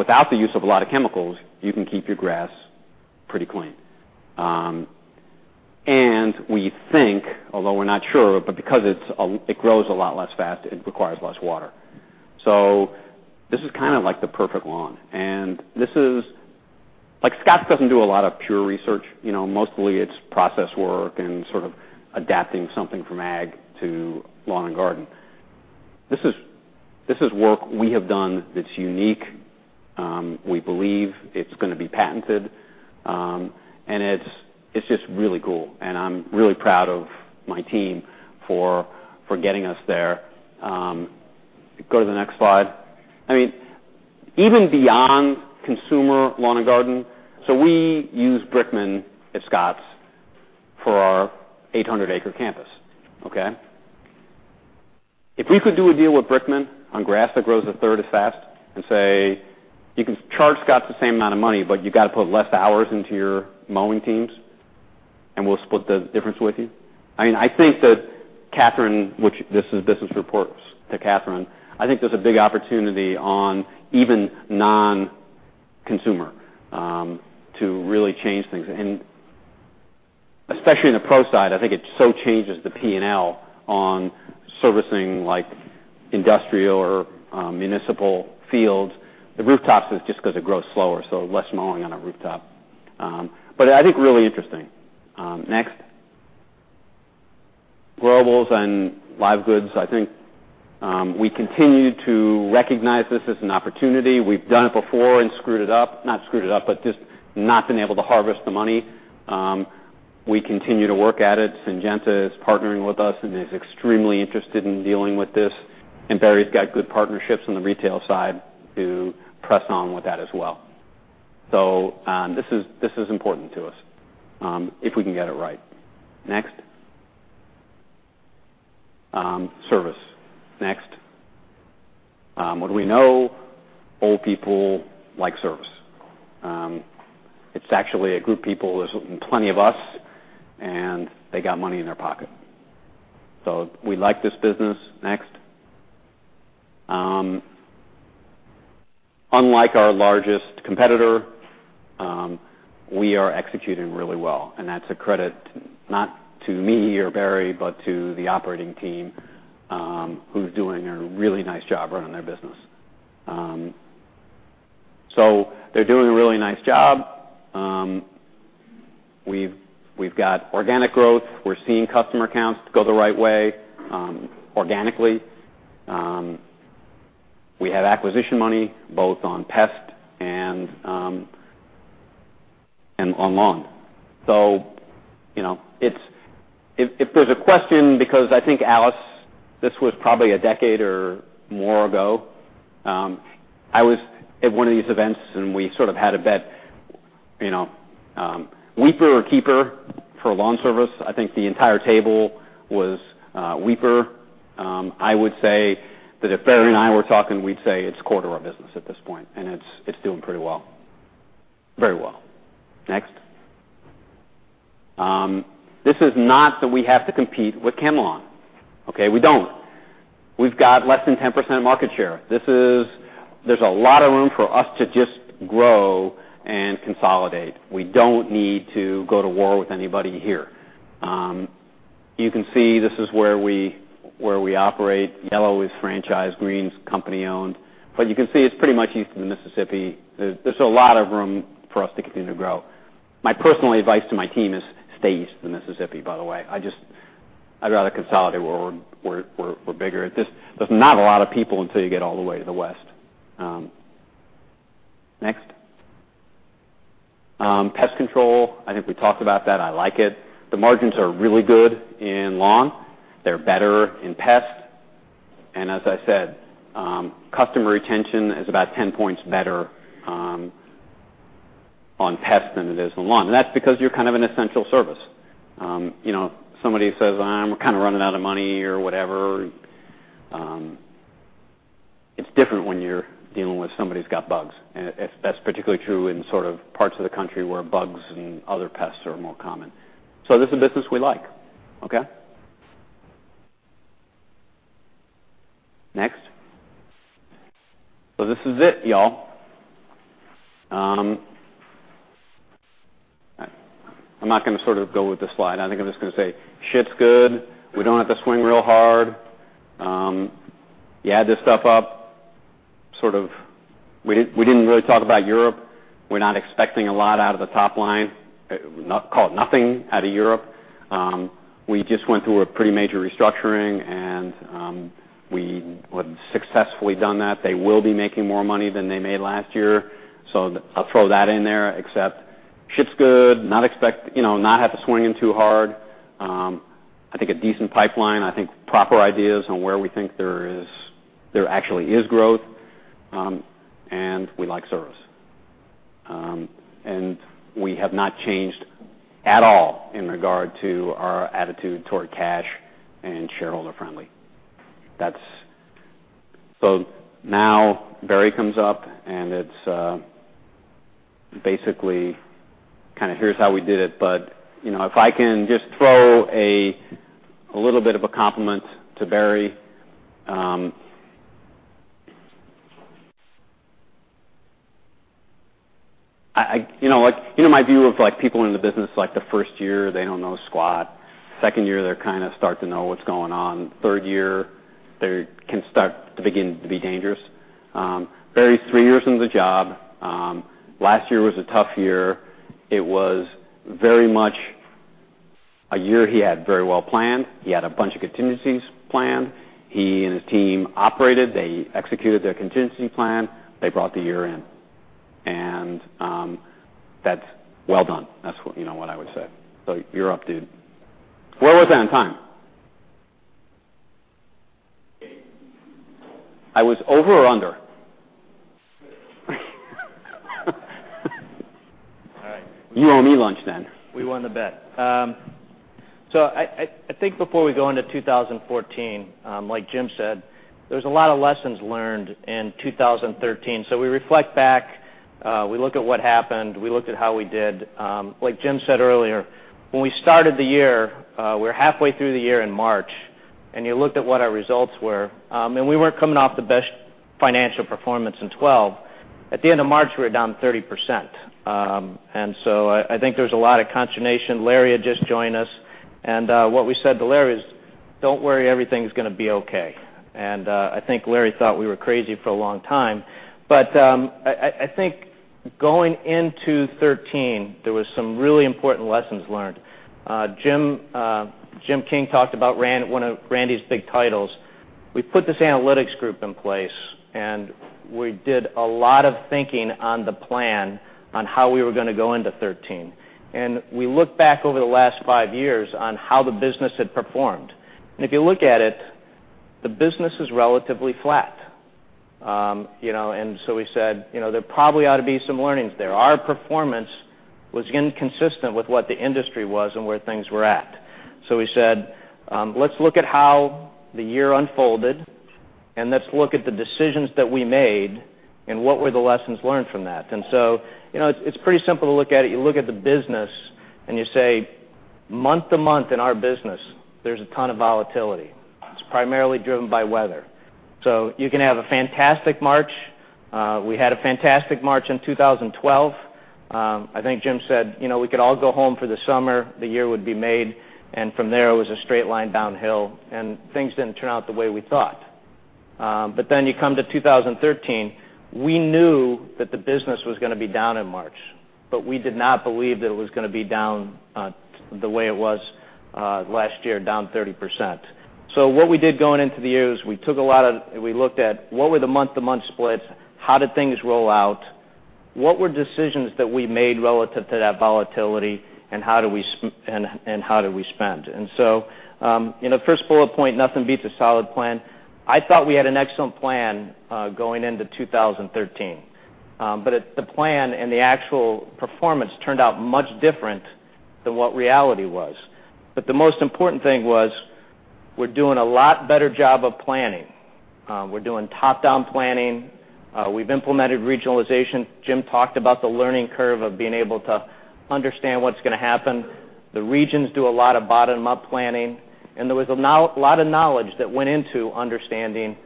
without the use of a lot of chemicals, you can keep your grass pretty clean. We think, although we're not sure, but because it grows a lot less fast, it requires less water. This is kind of like the perfect lawn. Scotts doesn't do a lot of pure research. Mostly it's process work and sort of adapting something from ag to lawn and garden. This is work we have done that's unique. We believe it's going to be patented. It's just really cool, and I'm really proud of my team for getting us there. Go to the next slide. Even beyond consumer lawn and garden. We use The Brickman Group at Scotts for our 800-acre campus. Okay? If we could do a deal with The Brickman Group on grass that grows a third as fast and say, "You can charge Scotts the same amount of money, but you got to put less hours into your mowing teams, and we'll split the difference with you." I think that Catherine, which this business reports to Catherine, I think there's a big opportunity on even non-consumer to really change things. Especially in the pro side, I think it so changes the P&L on servicing industrial or municipal fields. The rooftops is just because it grows slower, so less mowing on a rooftop. I think really interesting. Next. Gro-ables and live goods, I think, we continue to recognize this as an opportunity. We've done it before and screwed it up. Not screwed it up, but just not been able to harvest the money. We continue to work at it. Syngenta is partnering with us and is extremely interested in dealing with this. Barry's got good partnerships on the retail side to press on with that as well. This is important to us, if we can get it right. Next. Service. Next. What do we know? Old people like service. It's actually a group of people, there's plenty of us, and they got money in their pocket. We like this business. Next. Unlike our largest competitor, we are executing really well, and that's a credit not to me or Barry, but to the operating team, who's doing a really nice job running their business. They're doing a really nice job. We've got organic growth. We're seeing customer accounts go the right way organically. We have acquisition money both on pest and on lawn. If there's a question, because I think, Alice, this was probably a decade or more ago. I was at one of these events, and we sort of had a bet, weeper or keeper for lawn service. I think the entire table was weeper. I would say that if Barry and I were talking, we'd say it's core to our business at this point, and it's doing pretty well. Very well. Next. This is not that we have to compete with ChemLawn. Okay? We don't. We've got less than 10% market share. There's a lot of room for us to just grow and consolidate. We don't need to go to war with anybody here. You can see this is where we operate. Yellow is franchise, green is company-owned. You can see it's pretty much east of the Mississippi. There's a lot of room for us to continue to grow. My personal advice to my team is stay east of the Mississippi, by the way. I'd rather consolidate where we're bigger. There's not a lot of people until you get all the way to the west. Next. Pest control, I think we talked about that. I like it. The margins are really good in lawn. They're better in pest. As I said, customer retention is about 10 points better on pest than it is on lawn. That's because you're kind of an essential service. Somebody says, "I'm kind of running out of money," or whatever, it's different when you're dealing with somebody who's got bugs. That's particularly true in parts of the country where bugs and other pests are more common. This is a business we like. Okay? Next. This is it, y'all. I'm not going to sort of go with the slide. I think I'm just going to say ship's good. We don't have to swing real hard. You add this stuff up, sort of, we didn't really talk about Europe. We're not expecting a lot out of the top line. Call it nothing out of Europe. We just went through a pretty major restructuring, and we have successfully done that. They will be making more money than they made last year. I'll throw that in there, except ship's good. Not have to swing in too hard. I think a decent pipeline. I think proper ideas on where we think there actually is growth, and we like service. We have not changed at all in regard to our attitude toward cash and shareholder friendly. Now Barry comes up, and it's basically kind of here's how we did it. If I can just throw a little bit of a compliment to Barry. My view of people in the business, the first year, they don't know squat. Second year, they kind of start to know what's going on. Third year, they can start to begin to be dangerous. Barry's three years into the job. Last year was a tough year. A year he had very well planned. He had a bunch of contingencies planned. He and his team operated. They executed their contingency plan. They brought the year in, and that's well done. That's what I would say. You're up, dude. Where was I on time? Eight. I was over or under? Over. You owe me lunch. We won the bet. I think before we go into 2014, like Jim said, there's a lot of lessons learned in 2013. We reflect back, we look at what happened, we looked at how we did. Like Jim said earlier, when we started the year, we were halfway through the year in March, and you looked at what our results were. We weren't coming off the best financial performance in 2012. At the end of March, we were down 30%. I think there's a lot of consternation. Larry had just joined us, and what we said to Larry is, "Don't worry, everything's going to be okay." I think Larry thought we were crazy for a long time. I think going into 2013, there was some really important lessons learned. Jim King talked about one of Randy's big titles. We put this analytics group in place, we did a lot of thinking on the plan on how we were going to go into 2013. We looked back over the last five years on how the business had performed. If you look at it, the business is relatively flat. We said, "There probably ought to be some learnings there." Our performance was inconsistent with what the industry was and where things were at. We said, "Let's look at how the year unfolded, and let's look at the decisions that we made and what were the lessons learned from that." It's pretty simple to look at it. You look at the business, and you say, month to month in our business, there's a ton of volatility. It's primarily driven by weather. You can have a fantastic March. We had a fantastic March in 2012. I think Jim said we could all go home for the summer. The year would be made. From there, it was a straight line downhill, and things didn't turn out the way we thought. You come to 2013. We knew that the business was going to be down in March, but we did not believe that it was going to be down the way it was last year, down 30%. What we did going into the year is we looked at what were the month-to-month splits, how did things roll out, what were decisions that we made relative to that volatility, and how did we spend? First bullet point, nothing beats a solid plan. I thought we had an excellent plan, going into 2013. The plan and the actual performance turned out much different than what reality was. The most important thing was we're doing a lot better job of planning. We're doing top-down planning. We've implemented regionalization. Jim talked about the learning curve of being able to understand what's going to happen. The regions do a lot of bottom-up planning, and there was a lot of knowledge that went into understanding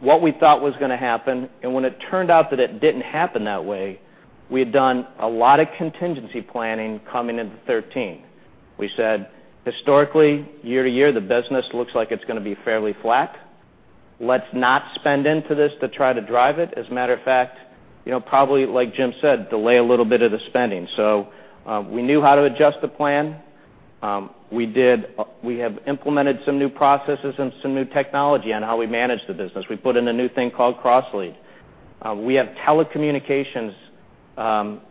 what we thought was going to happen, and when it turned out that it didn't happen that way, we had done a lot of contingency planning coming into 2013. We said, historically, year-to-year, the business looks like it's going to be fairly flat. Let's not spend into this to try to drive it. As a matter of fact, probably, like Jim said, delay a little bit of the spending. We knew how to adjust the plan. We have implemented some new processes and some new technology on how we manage the business. We put in a new thing called CrossLead. We have telecommunications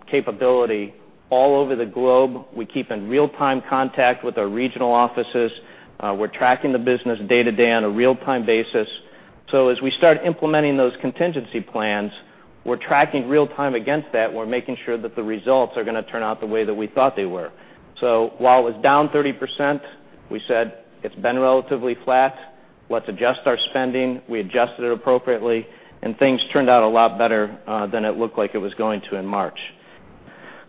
capability all over the globe. We keep in real-time contact with our regional offices. We're tracking the business day-to-day on a real-time basis. As we start implementing those contingency plans, we're tracking real-time against that. We're making sure that the results are going to turn out the way that we thought they were. While it was down 30%, we said, it's been relatively flat. Let's adjust our spending. We adjusted it appropriately, and things turned out a lot better than it looked like it was going to in March.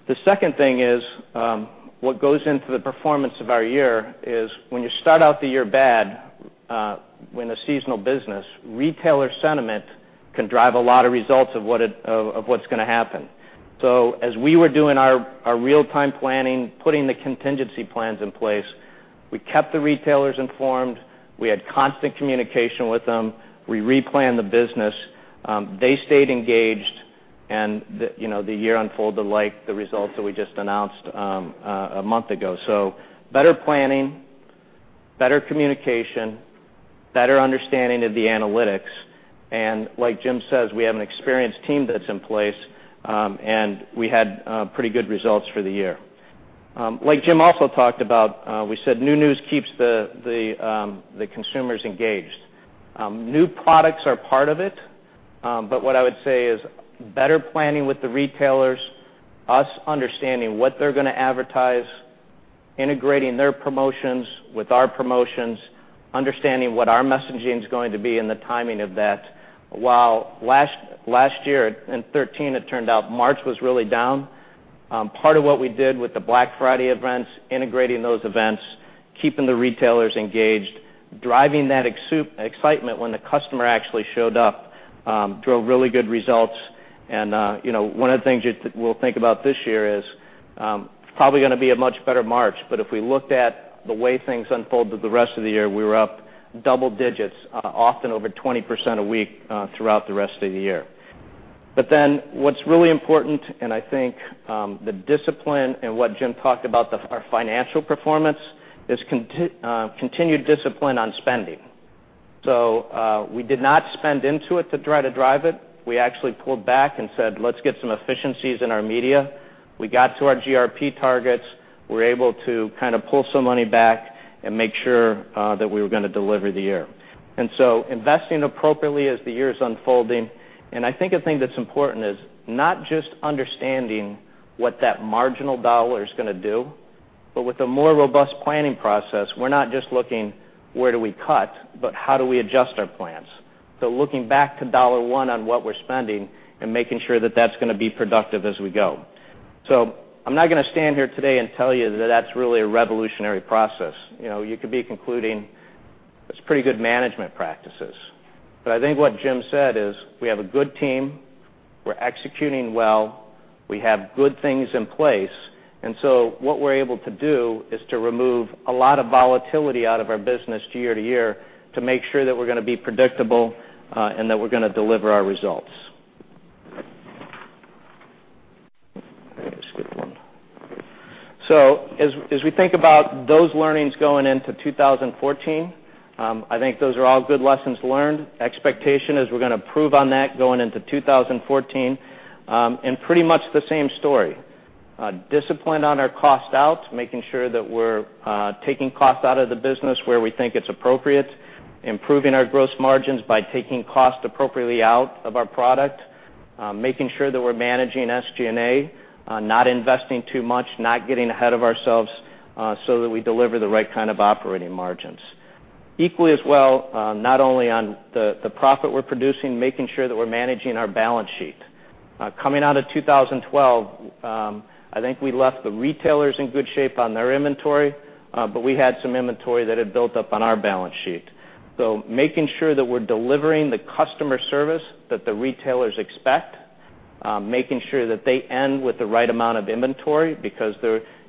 The second thing is, what goes into the performance of our year is when you start out the year bad, in a seasonal business, retailer sentiment can drive a lot of results of what's going to happen. As we were doing our real-time planning, putting the contingency plans in place, we kept the retailers informed. We had constant communication with them. We replanned the business. They stayed engaged and the year unfolded like the results that we just announced a month ago. Better planning, better communication, better understanding of the analytics. Like Jim says, we have an experienced team that's in place, and we had pretty good results for the year. Like Jim also talked about, we said new news keeps the consumers engaged. New products are part of it. What I would say is better planning with the retailers, us understanding what they're going to advertise, integrating their promotions with our promotions, understanding what our messaging is going to be and the timing of that. While last year in 2013, it turned out March was really down. Part of what we did with the Black Friday events, integrating those events, keeping the retailers engaged, driving that excitement when the customer actually showed up, drove really good results. One of the things we'll think about this year is probably going to be a much better March. If we looked at the way things unfold through the rest of the year, we were up double digits, often over 20% a week, throughout the rest of the year. What's really important, and I think the discipline and what Jim talked about our financial performance is continued discipline on spending. We did not spend into it to try to drive it. We actually pulled back and said, "Let's get some efficiencies in our media." We got to our GRP targets. We're able to kind of pull some money back and make sure that we were going to deliver the year. Investing appropriately as the year is unfolding. I think a thing that's important is not just understanding what that marginal dollar is going to do, but with a more robust planning process, we're not just looking where do we cut, but how do we adjust our plans. Looking back to dollar one on what we're spending and making sure that that's going to be productive as we go. I'm not going to stand here today and tell you that's really a revolutionary process. You could be concluding it's pretty good management practices. I think what Jim said is we have a good team, we're executing well, we have good things in place. What we're able to do is to remove a lot of volatility out of our business year to year to make sure that we're going to be predictable, and that we're going to deliver our results. I skipped one. As we think about those learnings going into 2014, I think those are all good lessons learned. Expectation is we're going to improve on that going into 2014. Pretty much the same story. Discipline on our cost out, making sure that we're taking cost out of the business where we think it's appropriate, improving our gross margins by taking cost appropriately out of our product. Making sure that we're managing SG&A, not investing too much, not getting ahead of ourselves, so that we deliver the right kind of operating margins. Equally as well, not only on the profit we're producing, making sure that we're managing our balance sheet. Coming out of 2012, I think we left the retailers in good shape on their inventory, but we had some inventory that had built up on our balance sheet. Making sure that we're delivering the customer service that the retailers expect, making sure that they end with the right amount of inventory because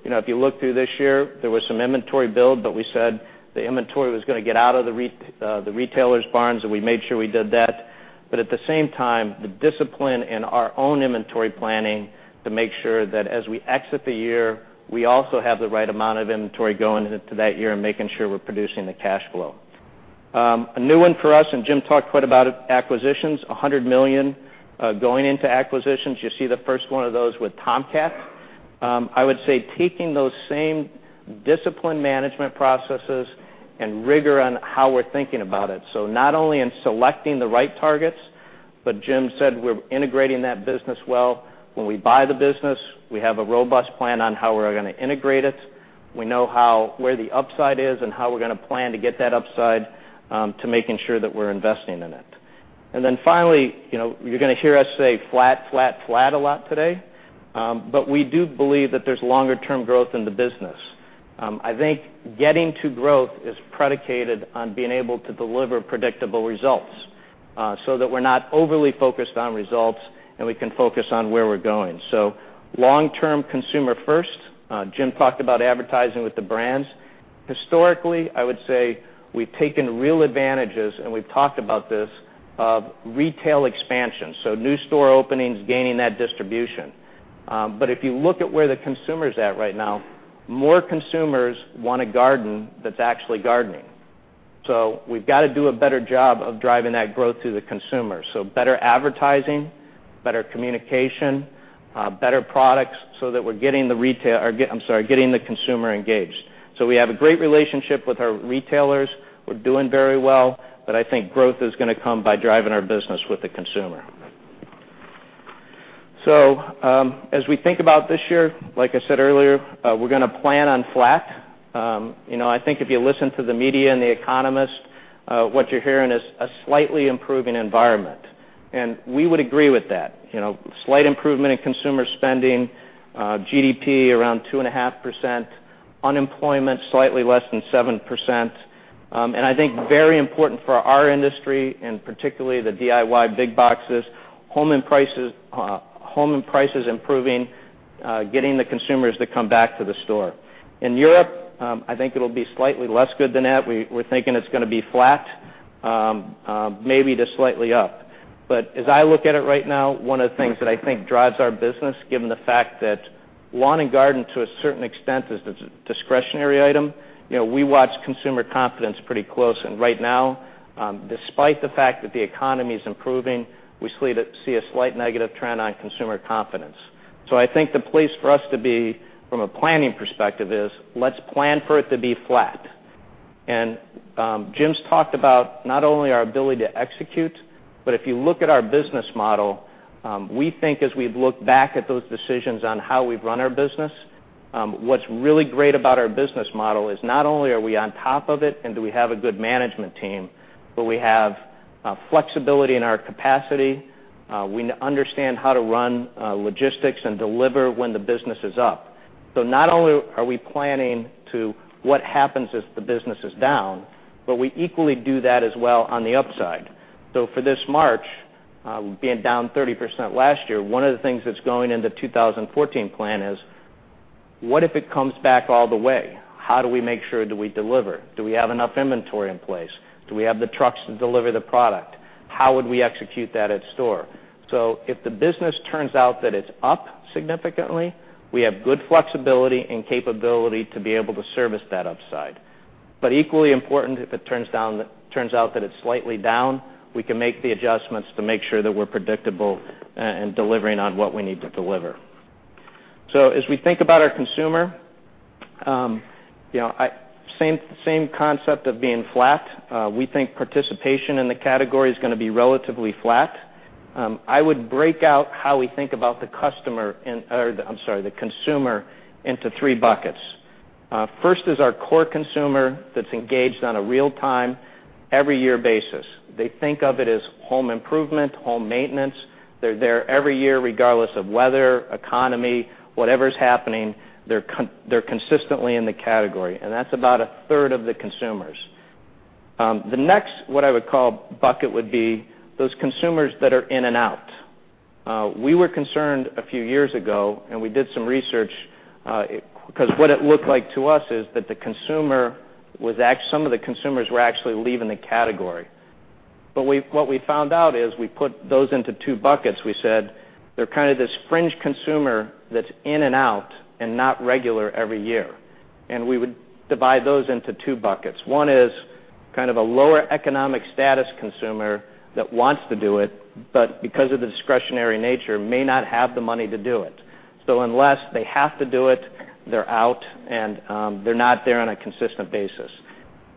if you look through this year, there was some inventory build, but we said the inventory was going to get out of the retailers' barns, and we made sure we did that. At the same time, the discipline in our own inventory planning to make sure that as we exit the year, we also have the right amount of inventory going into that year and making sure we're producing the cash flow. A new one for us, and Jim talked quite about it, acquisitions, $100 million going into acquisitions. You see the first one of those with Tomcat. I would say taking those same discipline management processes and rigor on how we're thinking about it. Not only in selecting the right targets, but Jim said we're integrating that business well. When we buy the business, we have a robust plan on how we're going to integrate it. We know where the upside is and how we're going to plan to get that upside to making sure that we're investing in it. Finally, you're going to hear us say flat a lot today, but we do believe that there's longer-term growth in the business. I think getting to growth is predicated on being able to deliver predictable results, so that we're not overly focused on results and we can focus on where we're going. Long-term consumer first. Jim talked about advertising with the brands. Historically, I would say we've taken real advantages, and we've talked about this, of retail expansion. New store openings, gaining that distribution. If you look at where the consumer's at right now, more consumers want a garden that's actually gardening. We've got to do a better job of driving that growth to the consumer. Better advertising, better communication, better products so that we're getting the consumer engaged. We have a great relationship with our retailers. We're doing very well, but I think growth is going to come by driving our business with the consumer. As we think about this year, like I said earlier, we're going to plan on flat. I think if you listen to the media and the economists, what you're hearing is a slightly improving environment. We would agree with that. Slight improvement in consumer spending, GDP around 2.5%, unemployment slightly less than 7%. I think very important for our industry and particularly the DIY big boxes, home and prices improving, getting the consumers to come back to the store. In Europe, I think it'll be slightly less good than that. We're thinking it's going to be flat, maybe just slightly up. As I look at it right now, one of the things that I think drives our business, given the fact that lawn and garden, to a certain extent, is a discretionary item, we watch consumer confidence pretty close. Right now, despite the fact that the economy is improving, we see a slight negative trend on consumer confidence. I think the place for us to be from a planning perspective is let's plan for it to be flat. Jim's talked about not only our ability to execute, but if you look at our business model, we think as we've looked back at those decisions on how we've run our business, what's really great about our business model is not only are we on top of it and do we have a good management team, but we have flexibility in our capacity. We understand how to run logistics and deliver when the business is up. Not only are we planning to what happens if the business is down, but we equally do that as well on the upside. For this March, being down 30% last year, one of the things that's going into the 2014 plan is, what if it comes back all the way? How do we make sure? Do we deliver? Do we have enough inventory in place? Do we have the trucks to deliver the product? How would we execute that at store? If the business turns out that it's up significantly, we have good flexibility and capability to be able to service that upside. Equally important, if it turns out that it's slightly down, we can make the adjustments to make sure that we're predictable and delivering on what we need to deliver. As we think about our consumer, same concept of being flat. We think participation in the category is going to be relatively flat. I would break out how we think about the consumer into three buckets. First is our core consumer that's engaged on a real-time, every year basis. They think of it as home improvement, home maintenance. They're there every year, regardless of weather, economy, whatever's happening, they're consistently in the category, and that's about a third of the consumers. The next, what I would call bucket, would be those consumers that are in and out. We were concerned a few years ago, and we did some research, because what it looked like to us is that some of the consumers were actually leaving the category. What we found out is we put those into two buckets. We said they're kind of this fringe consumer that's in and out and not regular every year. We would divide those into two buckets. One is kind of a lower economic status consumer that wants to do it, but because of the discretionary nature, may not have the money to do it. Unless they have to do it, they're out and they're not there on a consistent basis.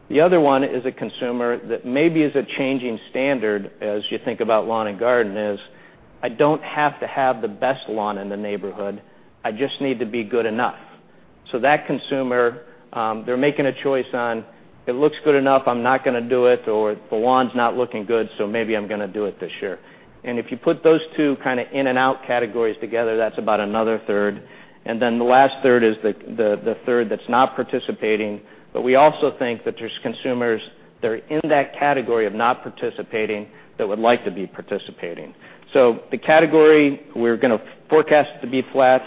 The other one is a consumer that maybe is a changing standard as you think about lawn and garden is, I don't have to have the best lawn in the neighborhood. I just need to be good enough. That consumer, they're making a choice on if it looks good enough, I'm not going to do it, or the lawn's not looking good, so maybe I'm going to do it this year. If you put those two kind of in and out categories together, that's about another third. The last third is the third that's not participating. We also think that there's consumers that are in that category of not participating that would like to be participating. The category we're going to forecast to be flat,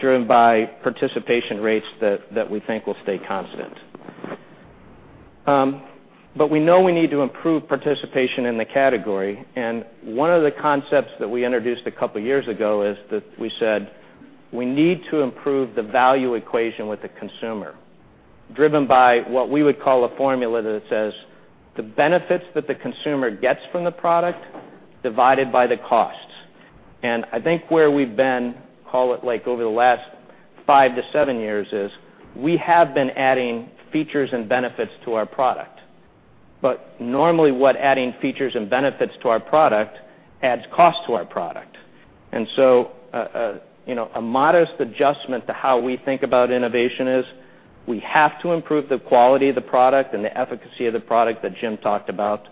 driven by participation rates that we think will stay constant. We know we need to improve participation in the category. One of the concepts that we introduced a couple of years ago is that we said we need to improve the value equation with the consumer, driven by what we would call a formula that says the benefits that the consumer gets from the product divided by the costs. I think where we've been, call it like over the last 5 to 7 years, is we have been adding features and benefits to our product. Normally, what adding features and benefits to our product adds cost to our product. A modest adjustment to how we think about innovation is we have to improve the quality of the product and the efficacy of the product that Jim talked about,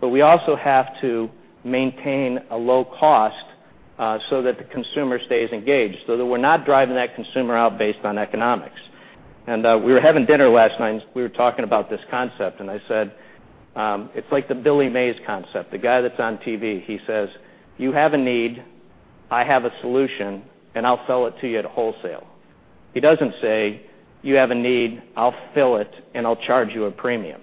but we also have to maintain a low cost so that the consumer stays engaged, so that we're not driving that consumer out based on economics. We were having dinner last night and we were talking about this concept, and I said, it's like the Billy Mays concept, the guy that's on TV. He says, "You have a need, I have a solution, and I'll sell it to you at wholesale." He doesn't say, "You have a need, I'll fill it, and I'll charge you a premium."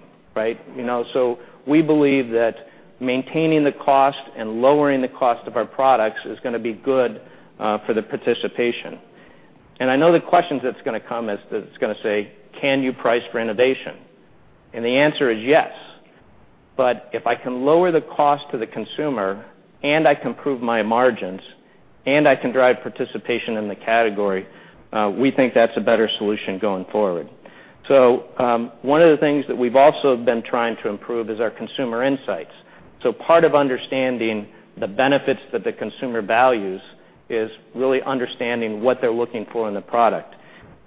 We believe that maintaining the cost and lowering the cost of our products is going to be good for the participation. I know the questions that's going to come is that it's going to say, "Can you price for innovation?" The answer is yes. If I can lower the cost to the consumer and I can prove my margins and I can drive participation in the category, we think that's a better solution going forward. One of the things that we've also been trying to improve is our consumer insights. Part of understanding the benefits that the consumer values is really understanding what they're looking for in the product.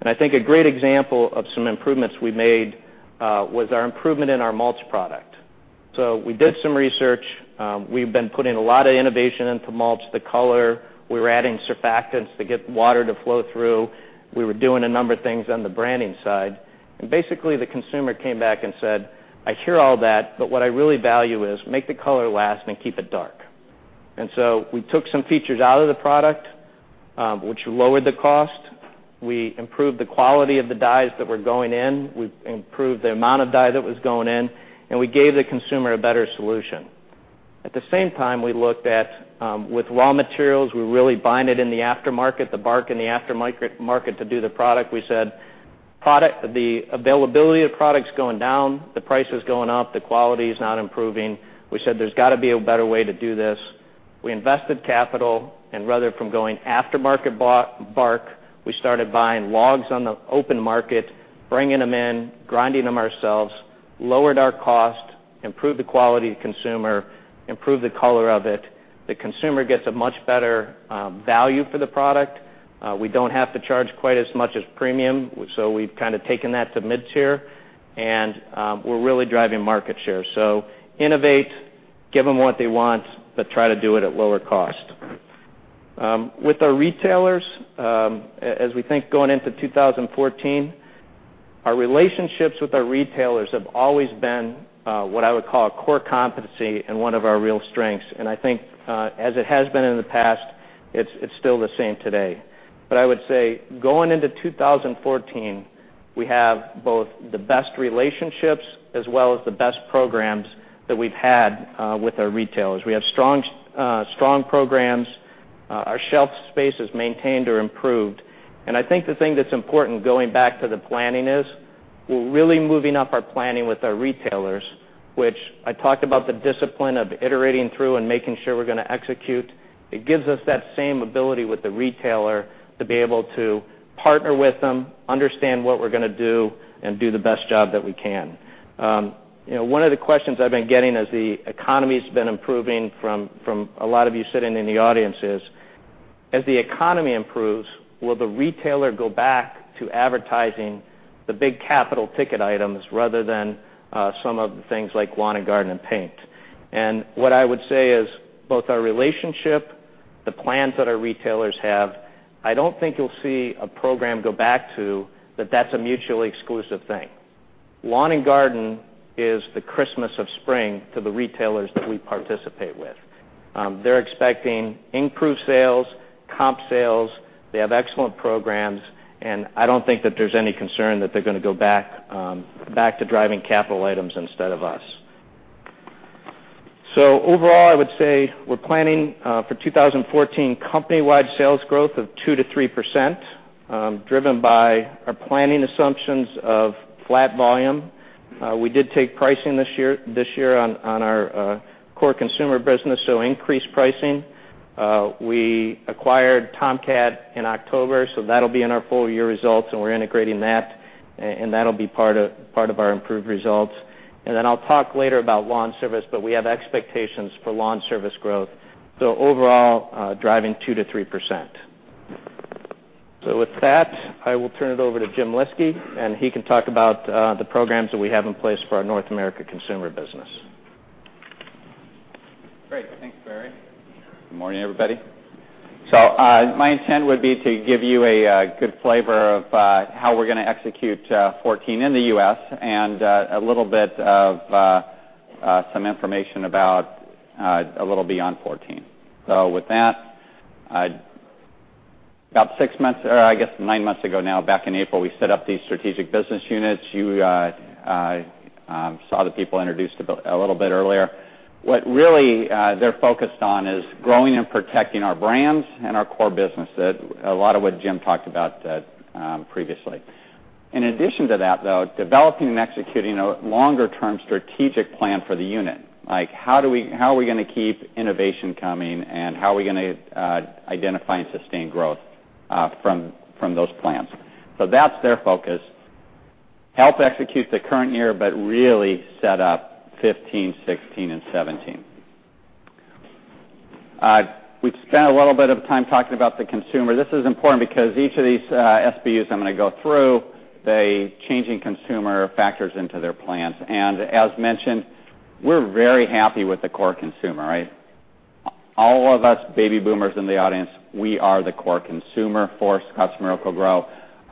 I think a great example of some improvements we made was our improvement in our mulch product. We did some research. We've been putting a lot of innovation into mulch, the color. We were adding surfactants to get water to flow through. We were doing a number of things on the branding side. Basically, the consumer came back and said, "I hear all that, but what I really value is make the color last and keep it dark." We took some features out of the product, which lowered the cost. We improved the quality of the dyes that were going in. We improved the amount of dye that was going in, and we gave the consumer a better solution. At the same time, we looked at, with raw materials, we're really buying it in the aftermarket, the bark in the aftermarket to do the product. We said the availability of product's going down, the price is going up, the quality is not improving. We said there's got to be a better way to do this. Rather from going aftermarket bark, we started buying logs on the open market, bringing them in, grinding them ourselves, lowered our cost, improved the quality of the consumer, improved the color of it. The consumer gets a much better value for the product. We don't have to charge quite as much as premium, we've kind of taken that to mid-tier and we're really driving market share. Innovate, give them what they want, but try to do it at lower cost. With our retailers, as we think going into 2014. Our relationships with our retailers have always been what I would call a core competency and one of our real strengths. I think as it has been in the past, it's still the same today. I would say going into 2014, we have both the best relationships as well as the best programs that we've had with our retailers. We have strong programs. Our shelf space is maintained or improved. I think the thing that's important, going back to the planning is, we're really moving up our planning with our retailers, which I talked about the discipline of iterating through and making sure we're going to execute. It gives us that same ability with the retailer to be able to partner with them, understand what we're going to do, and do the best job that we can. One of the questions I've been getting as the economy's been improving from a lot of you sitting in the audience is, as the economy improves, will the retailer go back to advertising the big capital ticket items rather than some of the things like lawn and garden and paint? What I would say is, both our relationship, the plans that our retailers have, I don't think you'll see a program go back to that that's a mutually exclusive thing. Lawn and garden is the Christmas of spring to the retailers that we participate with. They're expecting improved sales, comp sales. They have excellent programs, and I don't think that there's any concern that they're going to go back to driving capital items instead of us. Overall, I would say we're planning for 2014 company-wide sales growth of 2% to 3%, driven by our planning assumptions of flat volume. We did take pricing this year on our core consumer business, increased pricing. We acquired Tomcat in October, that'll be in our full-year results, and we're integrating that, and that'll be part of our improved results. Then I'll talk later about lawn service, but we have expectations for lawn service growth. Overall, driving 2% to 3%. With that, I will turn it over to Jim Lyski, and he can talk about the programs that we have in place for our North America consumer business. Great. Thanks, Barry. My intent would be to give you a good flavor of how we're going to execute 2014 in the U.S. and a little bit of some information about a little beyond 2014. With that, about six months or I guess nine months ago now, back in April, we set up these strategic business units. You saw the people introduced a little bit earlier. What really they're focused on is growing and protecting our brands and our core business, a lot of what Jim talked about previously. In addition to that, though, developing and executing a longer-term strategic plan for the unit. Like how are we going to keep innovation coming, and how are we going to identify and sustain growth from those plans? That's their focus. Help execute the current year, but really set up 2015, 2016, and 2017. We've spent a little bit of time talking about the consumer. This is important because each of these SBUs I'm going to go through, the changing consumer factors into their plans. As mentioned, we're very happy with the core consumer, right? All of us baby boomers in the audience, we are the core consumer for Scotts Miracle-Gro.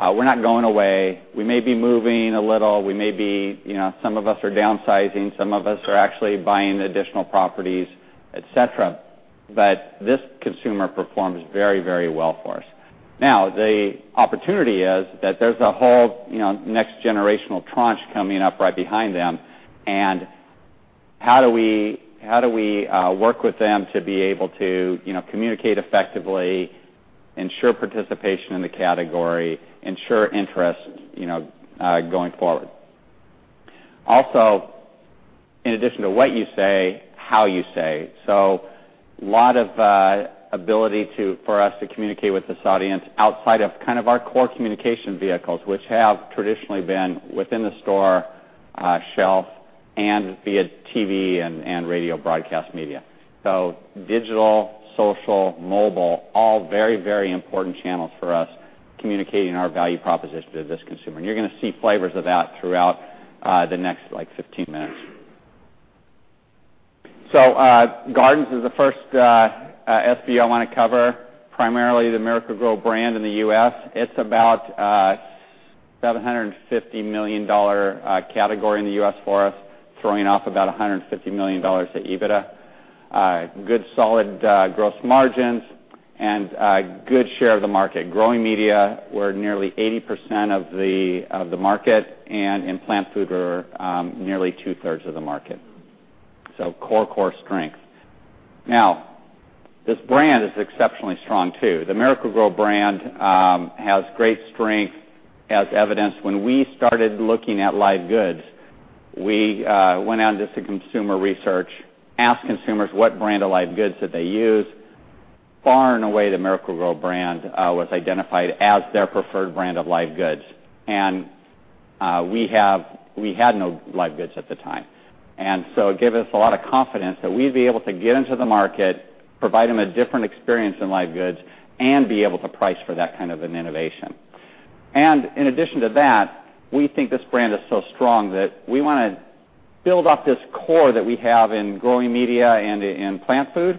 We're not going away. We may be moving a little. Some of us are downsizing. Some of us are actually buying additional properties, et cetera. This consumer performs very well for us. The opportunity is that there's a whole next generational tranche coming up right behind them, and how do we work with them to be able to communicate effectively, ensure participation in the category, ensure interest going forward? Also, in addition to what you say, how you say. A lot of ability for us to communicate with this audience outside of our core communication vehicles, which have traditionally been within the store shelf and via TV and radio broadcast media. Digital, social, mobile, all very important channels for us communicating our value proposition to this consumer. You're going to see flavors of that throughout the next 15 minutes. Gardens is the first SBU I want to cover, primarily the Miracle-Gro brand in the U.S. It's about a $750 million category in the U.S. for us, throwing off about $150 million to EBITDA. Good solid gross margins and a good share of the market. Growing media, we're nearly 80% of the market, and in plant food, we're nearly two-thirds of the market. Core strength. This brand is exceptionally strong too. The Miracle-Gro brand has great strength as evidenced when we started looking at live goods. We went out and did some consumer research, asked consumers what brand of live goods that they use. Far and away, the Miracle-Gro brand was identified as their preferred brand of live goods. We had no live goods at the time. It gave us a lot of confidence that we'd be able to get into the market, provide them a different experience in live goods, and be able to price for that kind of an innovation. In addition to that, we think this brand is so strong that we want to build up this core that we have in growing media and in plant food,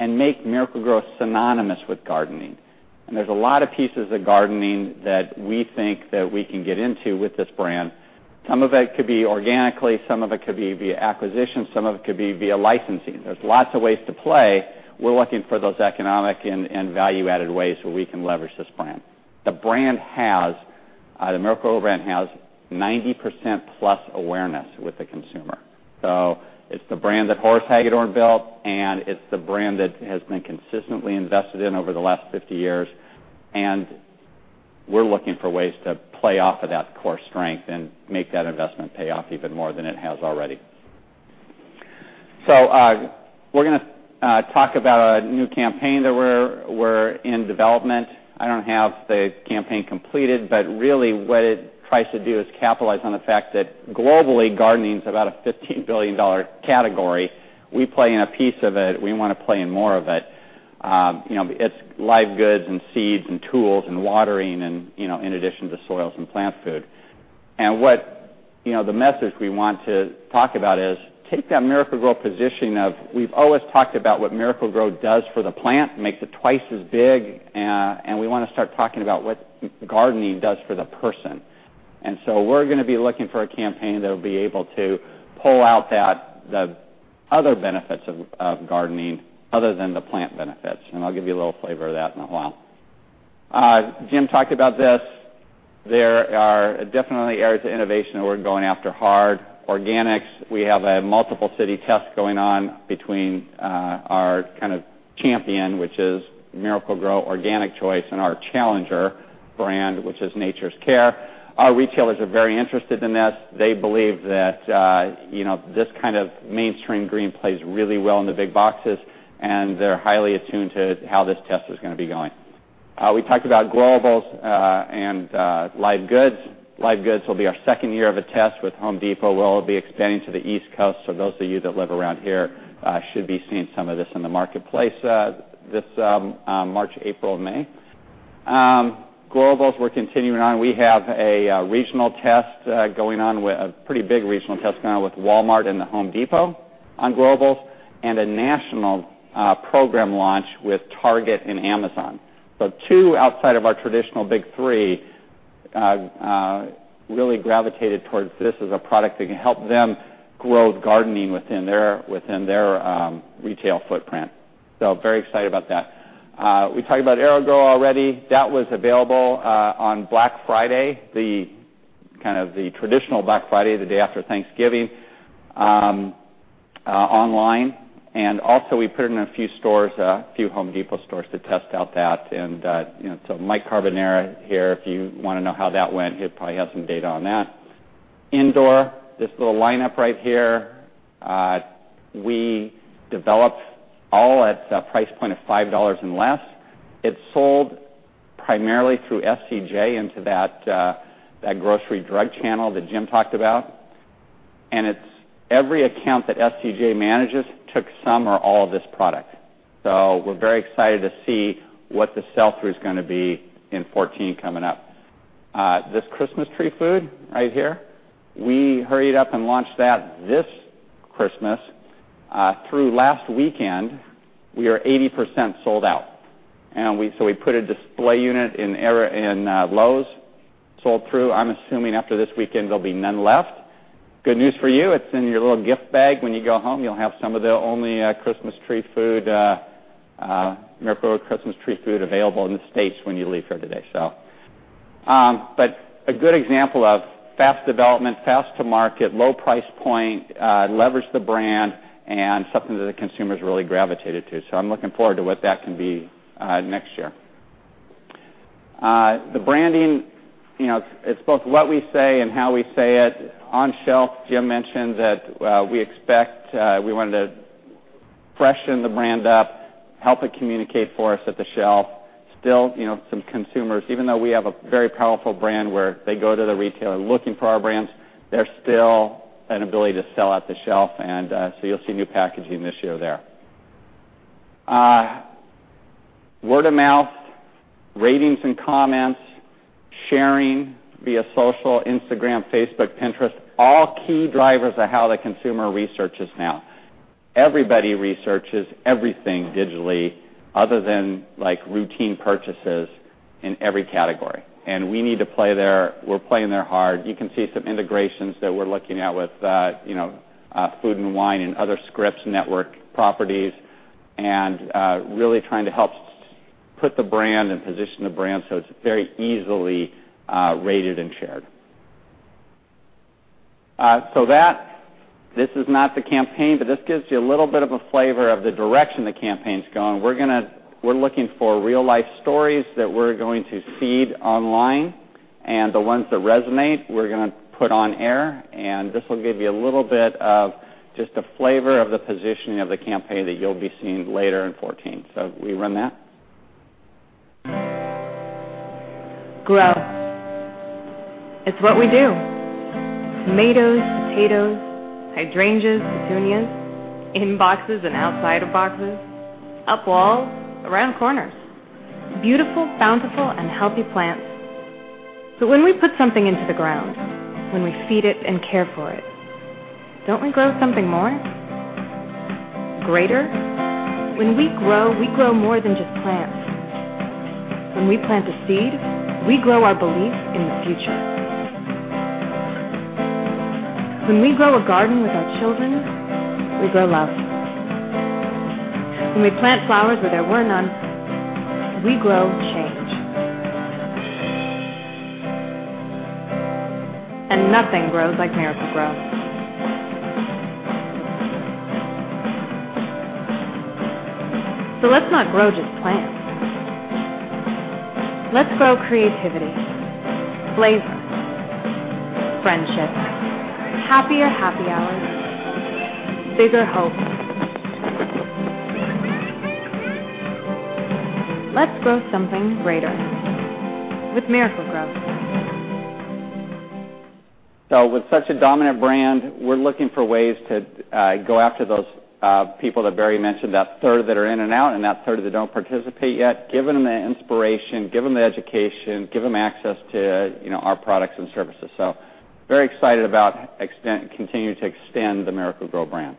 and make Miracle-Gro synonymous with gardening. There's a lot of pieces of gardening that we think that we can get into with this brand. Some of it could be organically, some of it could be via acquisition, some of it could be via licensing. There's lots of ways to play. We're looking for those economic and value-added ways where we can leverage this brand. The Miracle-Gro brand has 90%-plus awareness with the consumer. It's the brand that Horace Hagedorn built, and it's the brand that has been consistently invested in over the last 50 years. We're looking for ways to play off of that core strength and make that investment pay off even more than it has already. We're going to talk about a new campaign that we're in development. I don't have the campaign completed, but really what it tries to do is capitalize on the fact that globally, gardening is about a $15 billion category. We play in a piece of it. We want to play in more of it. It's live goods and seeds and tools and watering, in addition to soils and plant food. The message we want to talk about is take that Miracle-Gro position of we've always talked about what Miracle-Gro does for the plant, makes it twice as big, and we want to start talking about what gardening does for the person. We're going to be looking for a campaign that will be able to pull out the other benefits of gardening other than the plant benefits. I'll give you a little flavor of that in a while. Jim talked about this. There are definitely areas of innovation that we're going after hard. Organics, we have a multiple city test going on between our kind of champion, which is Miracle-Gro Organic Choice, and our challenger brand, which is Nature's Care. Our retailers are very interested in this. They believe that this kind of mainstream green plays really well in the big boxes, and they're highly attuned to how this test is going to be going. We talked about global and live goods. Live goods will be our second year of a test with The Home Depot. We'll be expanding to the East Coast, so those of you that live around here should be seeing some of this in the marketplace this March, April, May. Gro-ables, we're continuing on. We have a regional test going on, a pretty big regional test going on with Walmart and The Home Depot on Gro-ables, and a national program launch with Target and Amazon. Two outside of our traditional big three really gravitated towards this as a product that can help them grow gardening within their retail footprint. Very excited about that. We talked about AeroGrow already. That was available on Black Friday, the kind of traditional Black Friday, the day after Thanksgiving, online. Also we put it in a few The Home Depot stores to test out that. Mike Carbonara here, if you want to know how that went, he'll probably have some data on that. Indoor, this little lineup right here, we developed all at the price point of $5 and less. It sold primarily through SCJ into that grocery drug channel that Jim talked about. Every account that SCJ manages took some or all of this product. We're very excited to see what the sell-through is going to be in 2014 coming up. This Christmas tree food right here, we hurried up and launched that this Christmas through last weekend. We are 80% sold out, we put a display unit in Lowe's. Sold through. I'm assuming after this weekend, there'll be none left. Good news for you, it's in your little gift bag. When you go home, you'll have some of the only Miracle-Gro Christmas tree food available in the States when you leave here today. A good example of fast development, fast to market, low price point, leverage the brand, and something that the consumers really gravitated to. I'm looking forward to what that can be next year. The branding, it's both what we say and how we say it. On shelf, Jim mentioned that we wanted to freshen the brand up, help it communicate for us at the shelf. Still, some consumers, even though we have a very powerful brand where they go to the retailer looking for our brands, there's still an ability to sell at the shelf, you'll see new packaging this year there. Word of mouth, ratings and comments, sharing via social, Instagram, Facebook, Pinterest, all key drivers of how the consumer researches now. Everybody researches everything digitally other than routine purchases in every category, we need to play there. We're playing there hard. You can see some integrations that we're looking at with Food & Wine and other Scripps Network properties, really trying to help put the brand and position the brand so it's very easily rated and shared. This is not the campaign, this gives you a little bit of a flavor of the direction the campaign's going. We're looking for real-life stories that we're going to seed online, the ones that resonate, we're going to put on air, this will give you a little bit of just a flavor of the positioning of the campaign that you'll be seeing later in 2014. Can we run that? Grow. It's what we do. Tomatoes, potatoes, hydrangeas, petunias, in boxes and outside of boxes, up walls, around corners. Beautiful, bountiful, and healthy plants. When we put something into the ground, when we feed it and care for it, don't we grow something more? Greater? When we grow, we grow more than just plants. When we plant a seed, we grow our belief in the future. When we grow a garden with our children, we grow love. When we plant flowers where there were none, we grow change. Nothing grows like Miracle-Gro. Let's not grow just plants. Let's grow creativity, flavors, friendships, happier happy hours, bigger hopes. Let's grow something greater with Miracle-Gro. With such a dominant brand, we're looking for ways to go after those people that Barry mentioned, that third that are in and out, and that third that don't participate yet. Give them the inspiration, give them the education, give them access to our products and services. Very excited about continuing to extend the Miracle-Gro brand.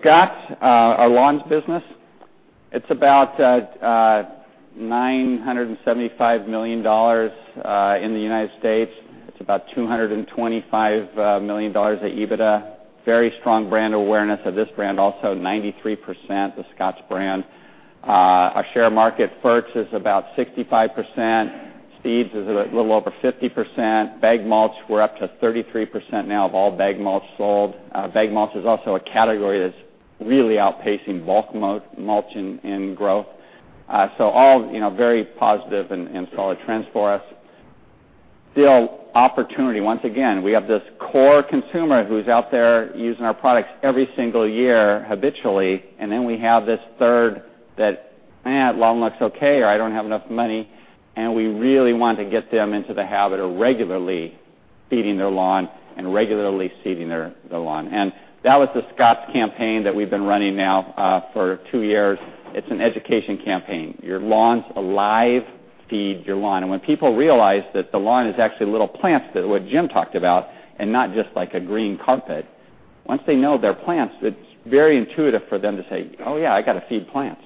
Scotts, our lawns business, it's about $975 million in the U.S. It's about $225 million of EBITDA. Very strong brand awareness of this brand. Also 93% the Scotts brand. Our share of market, ferts is about 65%, seeds is a little over 50%, bag mulches, we're up to 33% now of all bag mulch sold. Bag mulch is also a category that's really outpacing bulk mulch in growth. All very positive and solid trends for us. Still opportunity, once again. We have this core consumer who's out there using our products every single year habitually, then we have this third that, "Eh, lawn looks okay," or, "I don't have enough money." We really want to get them into the habit of regularly feeding their lawn and regularly seeding their lawn. That was the Scotts campaign that we've been running now for two years. It's an education campaign. Your lawn's alive. Feed your lawn. When people realize that the lawn is actually little plants, what Jim talked about, and not just like a green carpet, once they know they're plants, it's very intuitive for them to say, "Oh, yeah, I got to feed plants."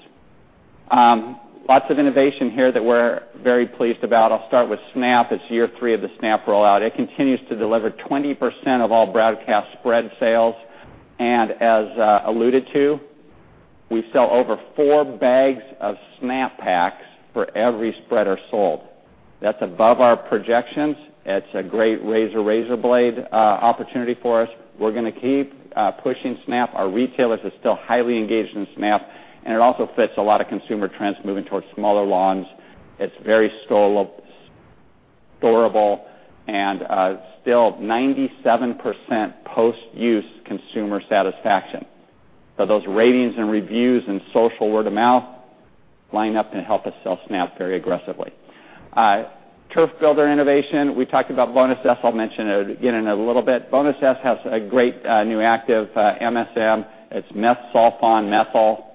Lots of innovation here that we're very pleased about. I'll start with Snap. It's year three of the Snap rollout. It continues to deliver 20% of all broadcast spread sales. As alluded to, we sell over four bags of Snap packs for every spreader sold. That's above our projections. It's a great razor blade opportunity for us. We're going to keep pushing Snap. Our retailers are still highly engaged in Snap, and it also fits a lot of consumer trends moving towards smaller lawns. It's very storable, and still 97% post-use consumer satisfaction. Those ratings and reviews and social word of mouth line up and help us sell Snap very aggressively. Turf Builder innovation, we talked about Bonus S, I'll mention it again in a little bit. Bonus S has a great new active, MSM. It's metsulfuron-methyl.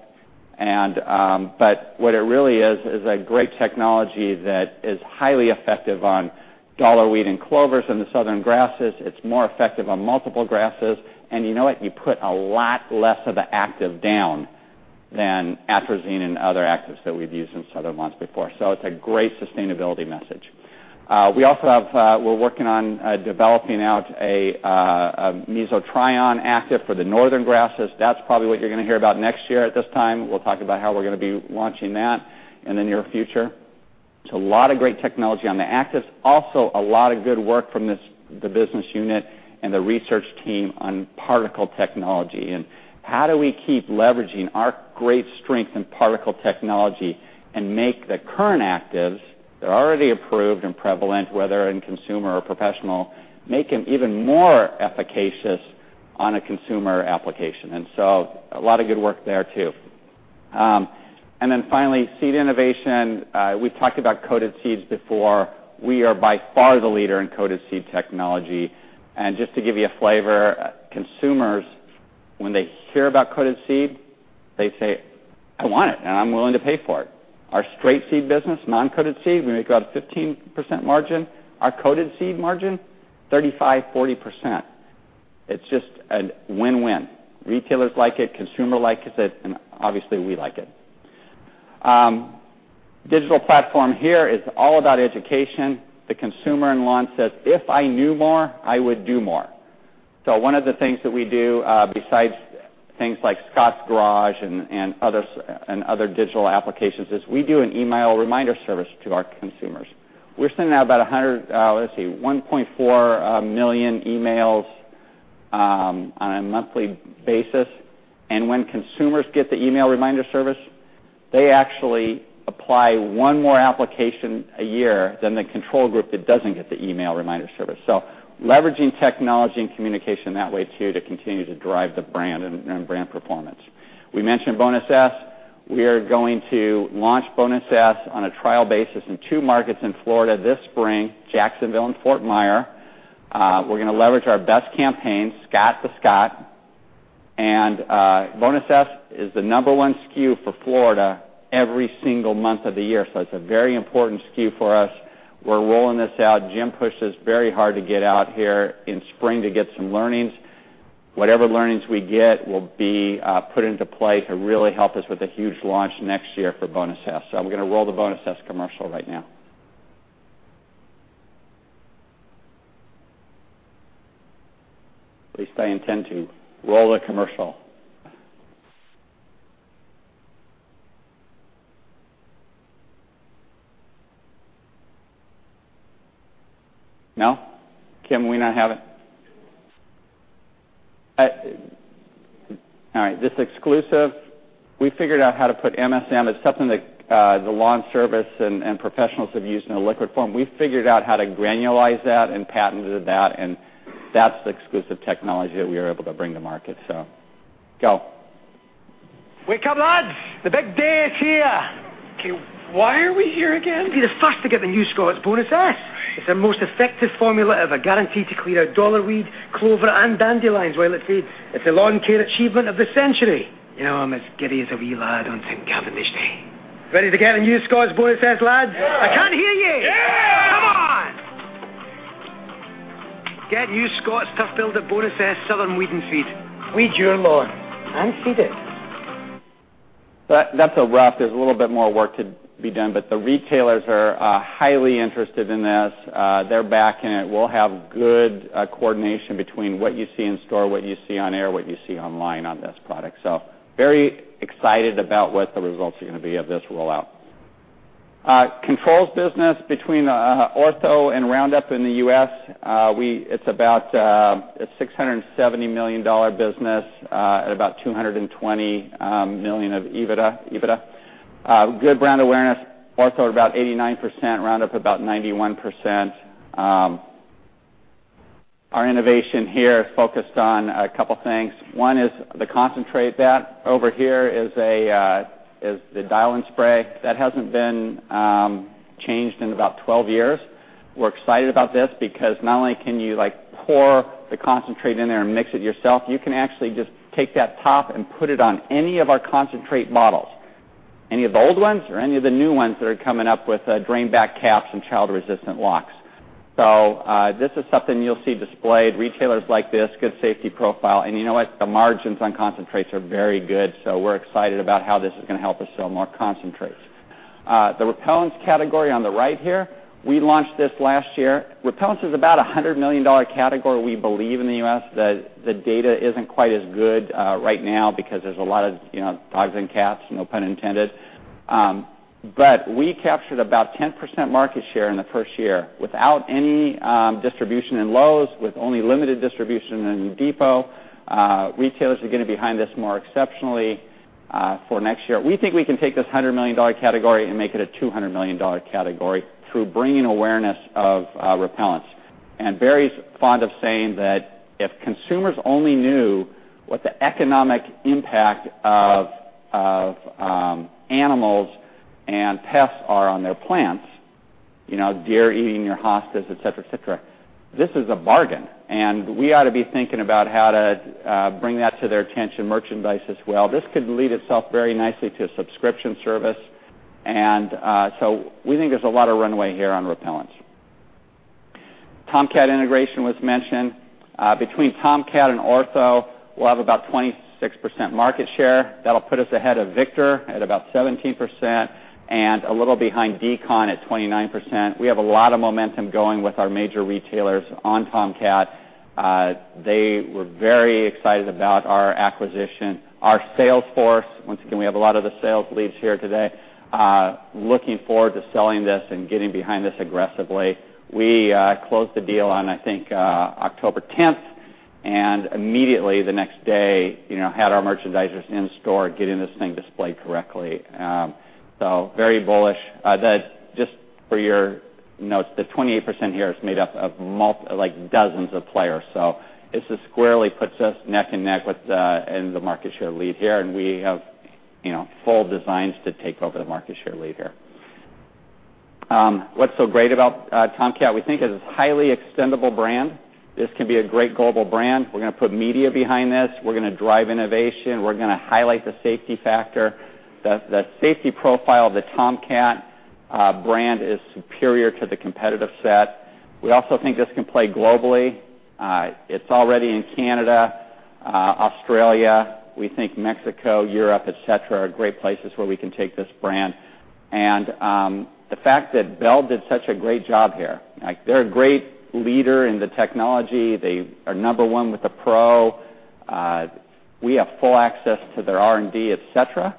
What it really is a great technology that is highly effective on dollar weed and clovers in the southern grasses. It's more effective on multiple grasses. You know what? You put a lot less of the active down than atrazine and other actives that we've used in southern lawns before. It's a great sustainability message. We're working on developing out a mesotrione active for the northern grasses. That's probably what you're going to hear about next year at this time. We'll talk about how we're going to be launching that in the near future. A lot of great technology on the actives. Also, a lot of good work from the business unit and the research team on particle technology, and how do we keep leveraging our great strength in particle technology and make the current actives, that are already approved and prevalent, whether in consumer or professional, make them even more efficacious on a consumer application. A lot of good work there, too. Then finally, seed innovation. We've talked about coated seeds before. We are by far the leader in coated seed technology. Just to give you a flavor, consumers, when they hear about coated seed, they say, "I want it, and I'm willing to pay for it." Our straight seed business, non-coated seed, we make about a 15% margin. Our coated seed margin, 35%, 40%. It's just a win-win. Retailers like it, consumer likes it, and obviously we like it. Digital platform here is all about education. The consumer and lawn says, "If I knew more, I would do more." One of the things that we do, besides things like Scotts Garage and other digital applications, is we do an email reminder service to our consumers. We're sending out about 1.4 million emails on a monthly basis. When consumers get the email reminder service, they actually apply one more application a year than the control group that doesn't get the email reminder service. Leveraging technology and communication that way too, to continue to drive the brand and brand performance. We mentioned Bonus S. We are going to launch Bonus S on a trial basis in two markets in Florida this spring, Jacksonville and Fort Myers. We're going to leverage our best campaign, Scotts the Scott. Bonus S is the number one SKU for Florida every single month of the year. It's a very important SKU for us. We're rolling this out. Jim pushed us very hard to get out here in spring to get some learnings. Whatever learnings we get will be put into play to really help us with the huge launch next year for Bonus S. I'm going to roll the Bonus S commercial right now. At least I intend to. Roll the commercial. No? Kim, we not have it? All right, this exclusive, we figured out how to put MSM. It's something that the lawn service and professionals have used in a liquid form. We figured out how to granulize that and patented that, and that's the exclusive technology that we are able to bring to market. Go. Wake up, lads. The big day is here. Why are we here again? To be the first to get the new Scotts Bonus S. It's their most effective formula ever, guaranteed to clear out dollar weed, clover, and dandelions where it feeds. It's a lawn care achievement of the century. You know, I'm as giddy as a wee lad on St. Gavinish day. Ready to get a new Scotts Bonus S, lads? Yeah. I can't hear you. Yeah. Come on. Get new Scotts Turf Builder Bonus S Southern Weed and Feed. Weed your lawn and feed it. That's a rough. The retailers are highly interested in this. They're backing it. We'll have good coordination between what you see in store, what you see on air, what you see online on this product. Very excited about what the results are going to be of this rollout. Controls business between Ortho and Roundup in the U.S., it's about a $670 million business at about $220 million of EBITDA. Good brand awareness. Ortho at about 89%, Roundup about 91%. Our innovation here focused on a couple things. One is the concentrate vat. Over here is the dial and spray. That hasn't been changed in about 12 years. We're excited about this because not only can you pour the concentrate in there and mix it yourself, you can actually just take that top and put it on any of our concentrate bottles, any of the old ones or any of the new ones that are coming up with drain back caps and child resistant locks. This is something you'll see displayed. Retailers like this, good safety profile. You know what? The margins on concentrates are very good. We're excited about how this is going to help us sell more concentrates. The repellents category on the right here, we launched this last year. Repellents is about a $100 million category, we believe in the U.S. The data isn't quite as good right now because there's a lot of dogs and cats, no pun intended. We captured about 10% market share in the first year without any distribution in Lowe's, with only limited distribution in Depot. Retailers are getting behind this more exceptionally for next year. We think we can take this $100 million category and make it a $200 million category through bringing awareness of repellents. Barry's fond of saying that if consumers only knew what the economic impact of animals and pests are on their plants, deer eating your hostas, et cetera. This is a bargain. We ought to be thinking about how to bring that to their attention, merchandise as well. This could lead itself very nicely to a subscription service. We think there's a lot of runway here on repellents. Tomcat integration was mentioned. Between Tomcat and Ortho, we'll have about 26% market share. That'll put us ahead of Victor at about 17% and a little behind d-CON at 29%. We have a lot of momentum going with our major retailers on Tomcat. They were very excited about our acquisition. Our sales force, once again, we have a lot of the sales leads here today, are looking forward to selling this and getting behind this aggressively. We closed the deal on, I think, October 10th. Immediately the next day, had our merchandisers in store getting this thing displayed correctly. Very bullish. Just for your notes, the 28% here is made up of dozens of players. This squarely puts us neck and neck in the market share lead here. We have full designs to take over the market share lead here. What's so great about Tomcat? We think it is a highly extendible brand. This can be a great global brand. We're going to put media behind this. We're going to drive innovation. We're going to highlight the safety factor. The safety profile of the Tomcat brand is superior to the competitive set. We also think this can play globally. It's already in Canada, Australia. We think Mexico, Europe, et cetera, are great places where we can take this brand. The fact that Bell did such a great job here. They're a great leader in the technology. They are number one with the pro. We have full access to their R&D, et cetera.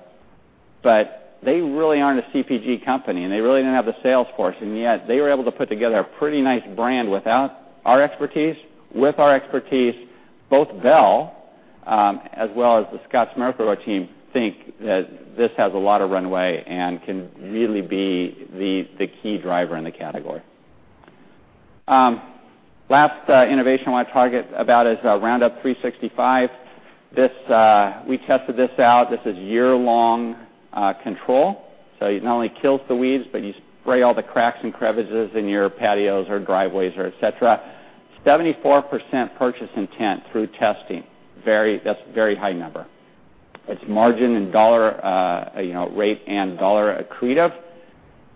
They really aren't a CPG company, and they really didn't have the sales force, and yet they were able to put together a pretty nice brand without our expertise. With our expertise, both Bell, as well as The Scotts Miracle-Gro team, think that this has a lot of runway and can really be the key driver in the category. Last innovation I want to talk about is Roundup 365. We tested this out. This is year-long control. It not only kills the weeds, but you spray all the cracks and crevices in your patios or driveways, or etc. 74% purchase intent through testing. That's a very high number. It's margin in dollar rate and dollar accretive,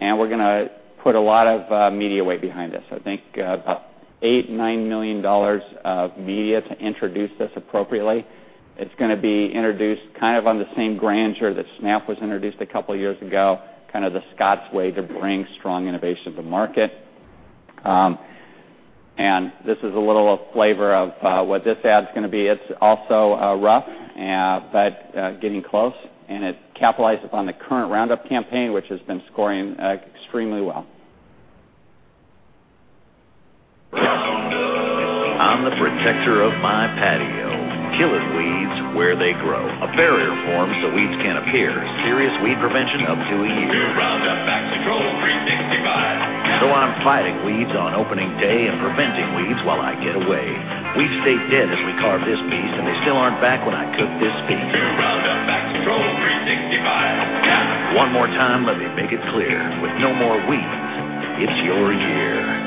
we're going to put a lot of media weight behind this. I think about $8 million, $9 million of media to introduce this appropriately. It's going to be introduced kind of on the same grandeur that Snap was introduced a couple of years ago, kind of The Scotts way to bring strong innovation to market. This is a little flavor of what this ad's going to be. It's also rough, but getting close, and it capitalizes on the current Roundup campaign, which has been scoring extremely well. Roundup. I'm the protector of my patio. Killing weeds where they grow. A barrier forms so weeds can't appear. Serious weed prevention up to a year. New Roundup Max Control 365. I'm fighting weeds on opening day and preventing weeds while I get away. Weeds stay dead as we carve this piece, and they still aren't back when I cook this feast. New Roundup Max Control 365. One more time, let me make it clear. With no more weeds, it's your year.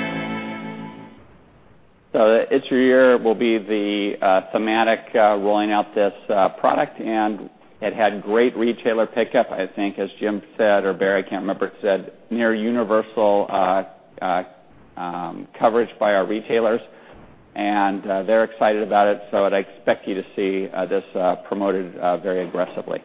The "It's Your Year" will be the thematic rolling out this product, and it had great retailer pickup. I think, as Jim said, or Barry, I can't remember, said, near universal coverage by our retailers, and they're excited about it. I'd expect you to see this promoted very aggressively.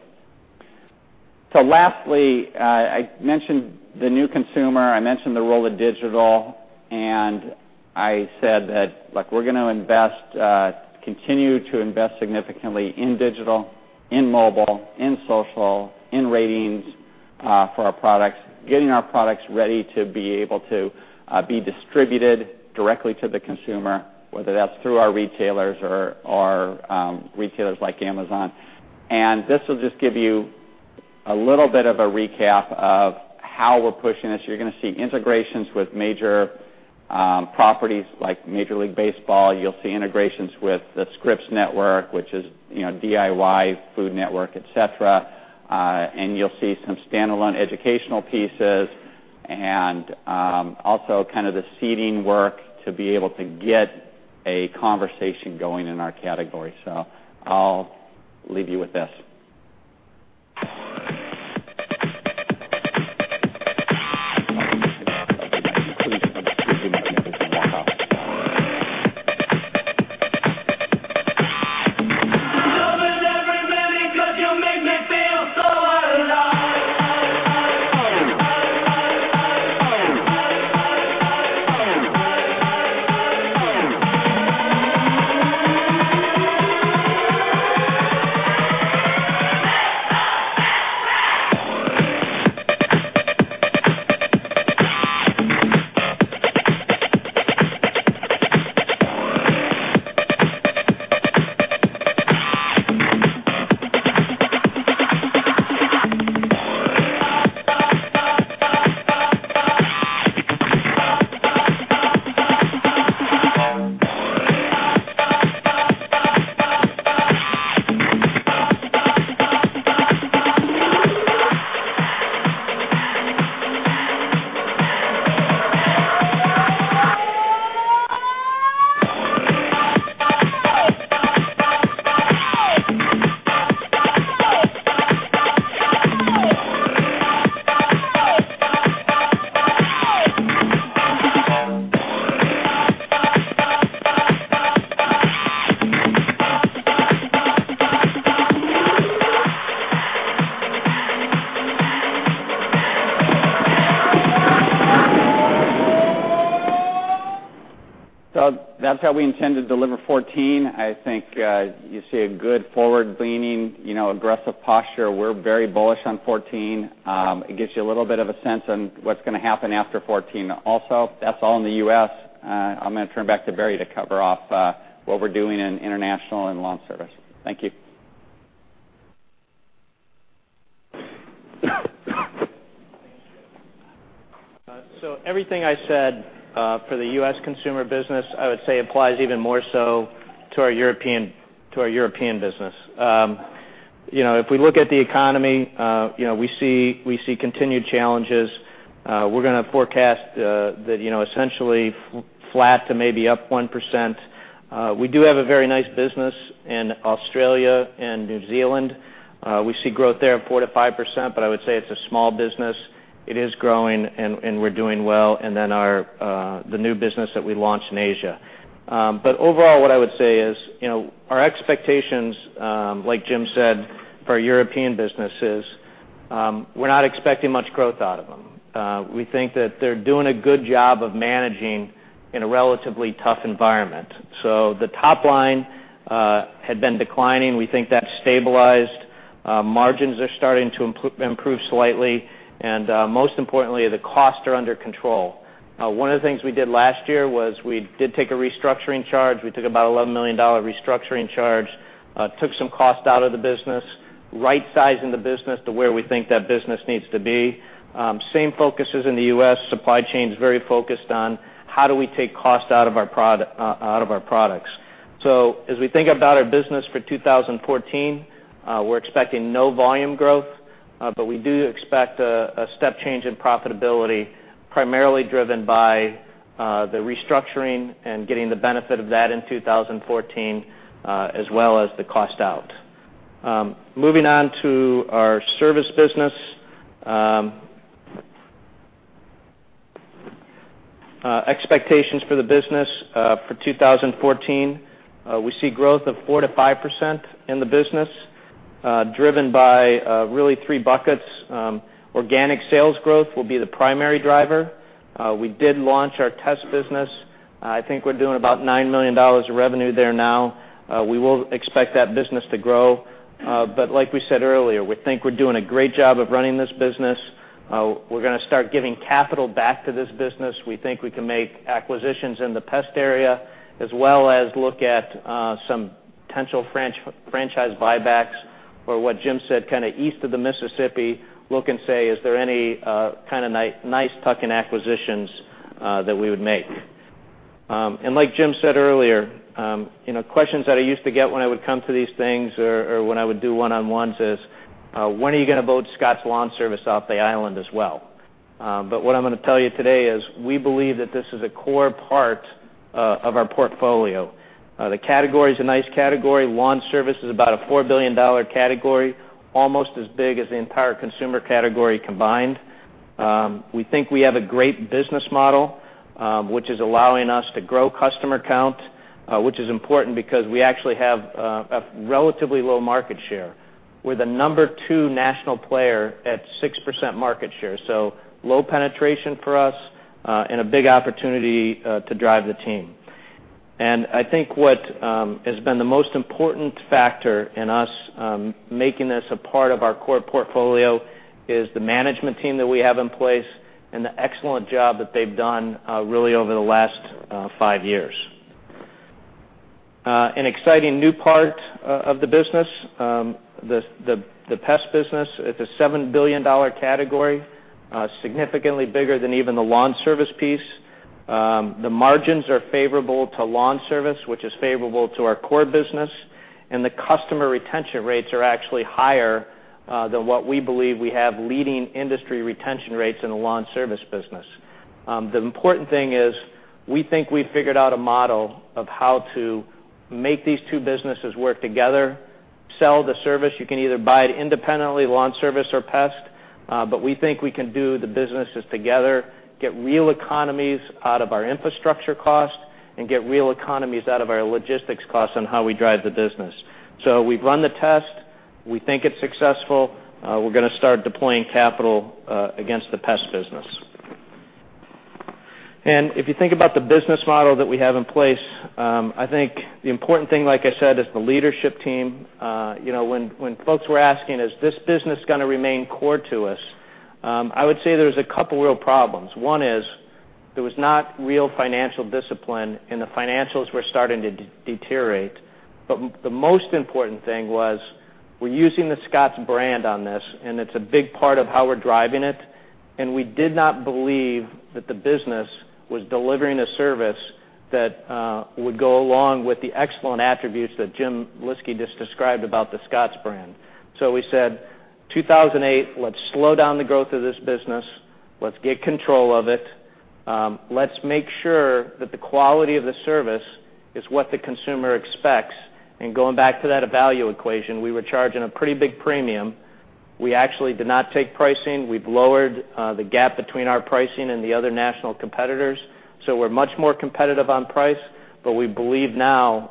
Lastly, I mentioned the new consumer, I mentioned the role of digital, and I said that, look, we're going to continue to invest significantly in digital, in mobile, in social, in ratings for our products, getting our products ready to be able to be distributed directly to the consumer, whether that's through our retailers or our retailers like Amazon. This will just give you a little bit of a recap of how we're pushing this. You're going to see integrations with major properties like Major League Baseball. You'll see integrations with the Scripps network, which is DIY, Food Network, et cetera. You'll see some standalone educational pieces and also kind of the seeding work to be able to get a conversation going in our category. I'll leave you with this. That's how we intend to deliver 2014. I think you see a good forward-leaning aggressive posture. We're very bullish on 2014. It gives you a little bit of a sense on what's going to happen after 2014 also. That's all in the U.S. I'm going to turn back to Barry to cover off what we're doing in international and Scotts LawnService. Thank you. Everything I said for the U.S. consumer business, I would say applies even more so to our European business. If we look at the economy, we see continued challenges. We're going to forecast that essentially flat to maybe up 1%. We do have a very nice business in Australia and New Zealand. We see growth there of 4%-5%, but I would say it's a small business. It is growing, and we're doing well, and then the new business that we launched in Asia. Overall, what I would say is our expectations, like Jim said, for our European business is we're not expecting much growth out of them. We think that they're doing a good job of managing in a relatively tough environment. The top line had been declining. We think that's stabilized. Margins are starting to improve slightly, and most importantly, the costs are under control. One of the things we did last year was we did take a restructuring charge. We took about $11 million restructuring charge, took some cost out of the business, rightsizing the business to where we think that business needs to be. Same focus as in the U.S., supply chain is very focused on how do we take cost out of our products. As we think about our business for 2014, we're expecting no volume growth, but we do expect a step change in profitability, primarily driven by the restructuring and getting the benefit of that in 2014, as well as the cost out. Moving on to our Scotts LawnService business. Expectations for the business for 2014, we see growth of 4%-5% in the business, driven by really three buckets. Organic sales growth will be the primary driver. We did launch our test business. I think we're doing about $9 million of revenue there now. We will expect that business to grow. Like we said earlier, we think we're doing a great job of running this business. We're going to start giving capital back to this business. We think we can make acquisitions in the pest area, as well as look at some potential franchise buybacks, or what Jim said, kind of east of the Mississippi, look and say, is there any kind of nice tuck-in acquisitions that we would make? Like Jim said earlier, questions that I used to get when I would come to these things or when I would do one-on-ones is, "When are you going to vote Scotts LawnService off the island as well?" What I'm going to tell you today is we believe that this is a core part of our portfolio. The category is a nice category. Lawn service is about a $4 billion category, almost as big as the entire consumer category combined. We think we have a great business model, which is allowing us to grow customer count, which is important because we actually have a relatively low market share. We're the number 2 national player at 6% market share. Low penetration for us and a big opportunity to drive the team. I think what has been the most important factor in us making this a part of our core portfolio is the management team that we have in place and the excellent job that they've done really over the last 5 years. An exciting new part of the business, the pest business. It's a $7 billion category, significantly bigger than even the lawn service piece. The margins are favorable to lawn service, which is favorable to our core business, and the customer retention rates are actually higher than what we believe we have leading industry retention rates in the lawn service business. The important thing is we think we've figured out a model of how to make these 2 businesses work together, sell the service. You can either buy it independently, lawn service or pest, we think we can do the businesses together, get real economies out of our infrastructure costs, and get real economies out of our logistics costs on how we drive the business. We've run the test. We think it's successful. We're going to start deploying capital against the pest business. If you think about the business model that we have in place, I think the important thing, like I said, is the leadership team. When folks were asking, "Is this business going to remain core to us?" I would say there's a couple of real problems. One is there was not real financial discipline, and the financials were starting to deteriorate. The most important thing was we're using the Scotts brand on this, it's a big part of how we're driving it, we did not believe that the business was delivering a service that would go along with the excellent attributes that Jim Lyski just described about the Scotts brand. We said, "2008, let's slow down the growth of this business. Let's get control of it. Let's make sure that the quality of the service is what the consumer expects." Going back to that value equation, we were charging a pretty big premium. We actually did not take pricing. We've lowered the gap between our pricing and the other national competitors. We're much more competitive on price, but we believe now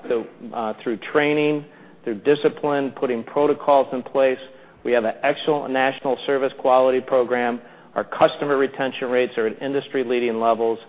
through training, through discipline, putting protocols in place, we have an excellent national service quality program. Our customer retention rates are at industry-leading levels,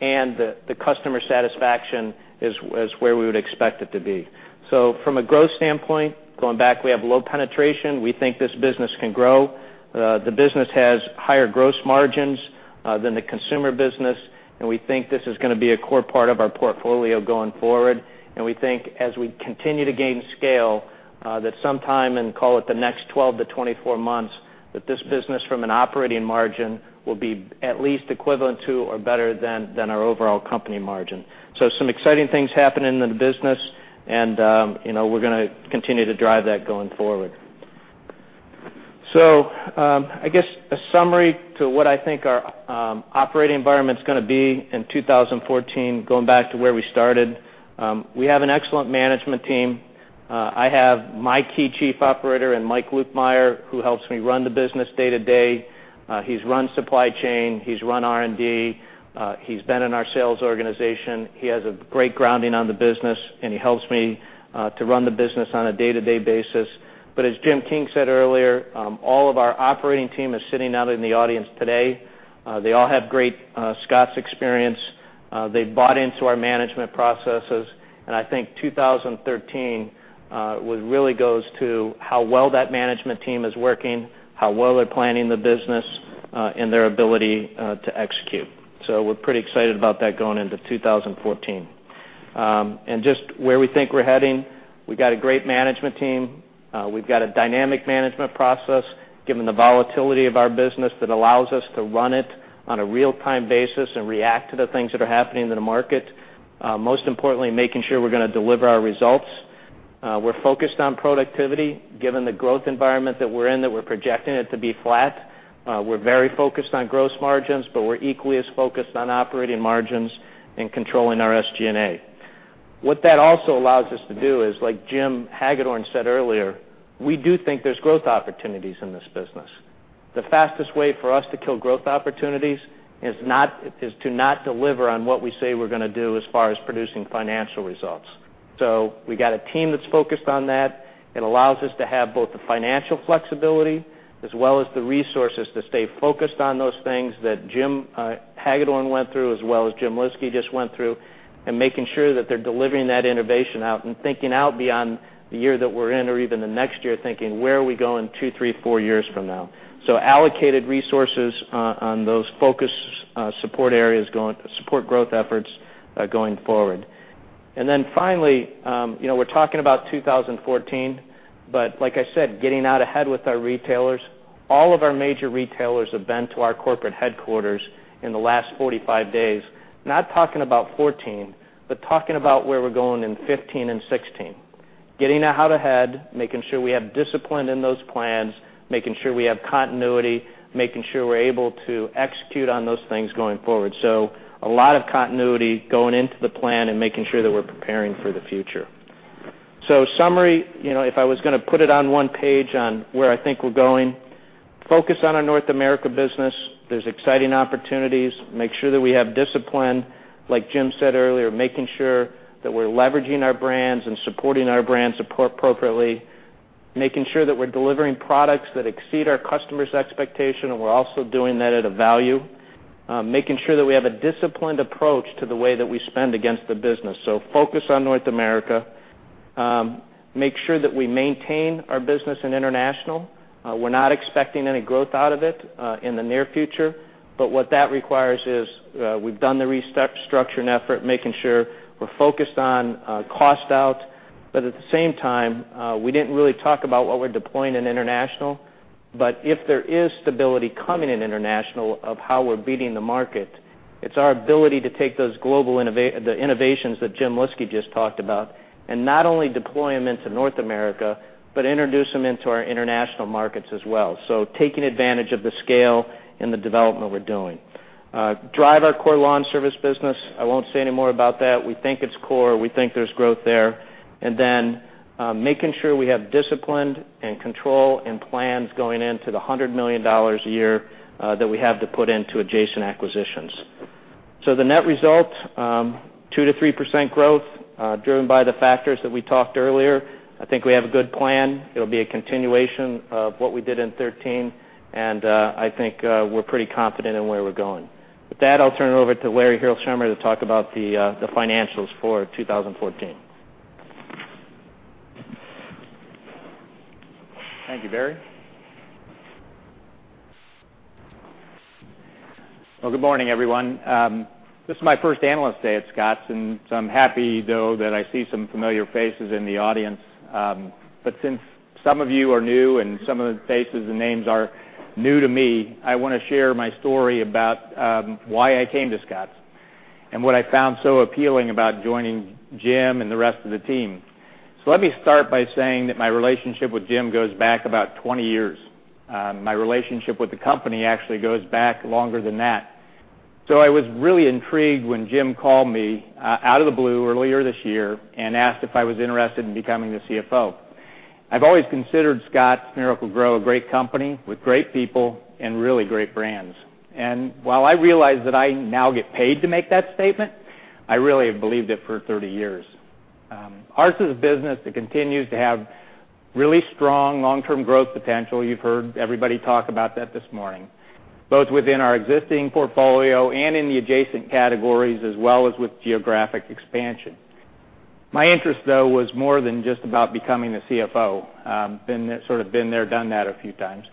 the customer satisfaction is where we would expect it to be. From a growth standpoint, going back, we have low penetration. We think this business can grow. The business has higher gross margins than the consumer business, we think this is going to be a core part of our portfolio going forward. We think as we continue to gain scale, that sometime in, call it the next 12-24 months, that this business from an operating margin will be at least equivalent to or better than our overall company margin. Some exciting things happening in the business, we're going to continue to drive that going forward. I guess a summary to what I think our operating environment is going to be in 2014, going back to where we started. We have an excellent management team. I have my key chief operator in Mike Lukemire, who helps me run the business day-to-day. He's run supply chain. He's run R&D. He's been in our sales organization. He has a great grounding on the business, he helps me to run the business on a day-to-day basis. As Jim King said earlier, all of our operating team is sitting out in the audience today. They all have great Scotts experience. They've bought into our management processes, I think 2013 really goes to how well that management team is working, how well they're planning the business, their ability to execute. We're pretty excited about that going into 2014. Just where we think we're heading We've got a great management team. We've got a dynamic management process, given the volatility of our business that allows us to run it on a real-time basis react to the things that are happening in the market, most importantly, making sure we're going to deliver our results. We're focused on productivity, given the growth environment that we're in, that we're projecting it to be flat. We're very focused on gross margins, we're equally as focused on operating margins and controlling our SG&A. What that also allows us to do is, like Jim Hagedorn said earlier, we do think there's growth opportunities in this business. The fastest way for us to kill growth opportunities is to not deliver on what we say we're going to do as far as producing financial results. We got a team that's focused on that. It allows us to have both the financial flexibility as well as the resources to stay focused on those things that Jim Hagedorn went through, as well as Jim Lyski just went through, and making sure that they're delivering that innovation out and thinking out beyond the year that we're in or even the next year, thinking, where are we going two, three, four years from now? Allocated resources on those focus support areas, support growth efforts going forward. Finally, we're talking about 2014, but like I said, getting out ahead with our retailers. All of our major retailers have been to our corporate headquarters in the last 45 days, not talking about 2014, but talking about where we're going in 2015 and 2016. Getting out ahead, making sure we have discipline in those plans, making sure we have continuity, making sure we're able to execute on those things going forward. A lot of continuity going into the plan and making sure that we're preparing for the future. Summary, if I was going to put it on one page on where I think we're going, focus on our North America business. There's exciting opportunities. Make sure that we have discipline, like Jim said earlier, making sure that we're leveraging our brands and supporting our brands appropriately, making sure that we're delivering products that exceed our customers' expectation, and we're also doing that at a value. Making sure that we have a disciplined approach to the way that we spend against the business. Focus on North America. Make sure that we maintain our business in international. We're not expecting any growth out of it in the near future. What that requires is, we've done the restructuring effort, making sure we're focused on cost out. At the same time, we didn't really talk about what we're deploying in international. If there is stability coming in international of how we're beating the market, it's our ability to take the innovations that Jim Lyski just talked about and not only deploy them into North America, but introduce them into our international markets as well. Taking advantage of the scale and the development we're doing. Drive our core lawn service business. I won't say any more about that. We think it's core. We think there's growth there. Making sure we have discipline and control and plans going into the $100 million a year that we have to put into adjacent acquisitions. The net result, 2%-3% growth, driven by the factors that we talked earlier. I think we have a good plan. It'll be a continuation of what we did in 2013, and I think we're pretty confident in where we're going. With that, I'll turn it over to Larry Hilsheimer to talk about the financials for 2014. Thank you, Barry. Well, good morning, everyone. This is my first Analyst Day at Scotts. I'm happy, though, that I see some familiar faces in the audience. Since some of you are new and some of the faces and names are new to me, I want to share my story about why I came to Scotts and what I found so appealing about joining Jim and the rest of the team. Let me start by saying that my relationship with Jim goes back about 20 years. My relationship with the company actually goes back longer than that. I was really intrigued when Jim called me out of the blue earlier this year and asked if I was interested in becoming the CFO. I've always considered Scotts Miracle-Gro a great company with great people and really great brands. While I realize that I now get paid to make that statement, I really have believed it for 30 years. Ours is a business that continues to have really strong long-term growth potential. You've heard everybody talk about that this morning, both within our existing portfolio and in the adjacent categories, as well as with geographic expansion. My interest, though, was more than just about becoming the CFO. Been there, done that a few times.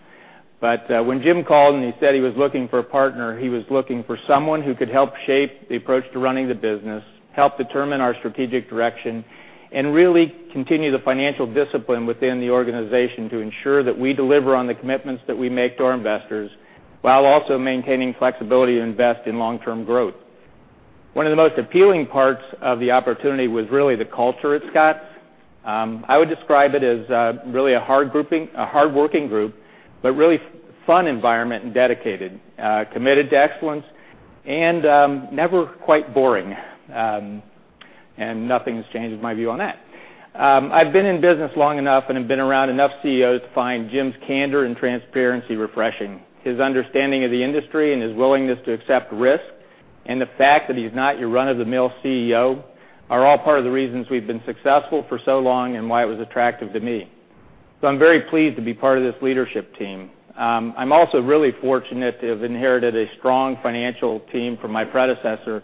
When Jim called and he said he was looking for a partner, he was looking for someone who could help shape the approach to running the business, help determine our strategic direction, and really continue the financial discipline within the organization to ensure that we deliver on the commitments that we make to our investors while also maintaining flexibility to invest in long-term growth. One of the most appealing parts of the opportunity was really the culture at Scotts. I would describe it as really a hardworking group, but really fun environment and dedicated, committed to excellence, and never quite boring, and nothing's changed my view on that. I've been in business long enough and have been around enough CEOs to find Jim's candor and transparency refreshing. His understanding of the industry and his willingness to accept risk, and the fact that he's not your run-of-the-mill CEO are all part of the reasons we've been successful for so long and why it was attractive to me. I'm very pleased to be part of this leadership team. I'm also really fortunate to have inherited a strong financial team from my predecessor, and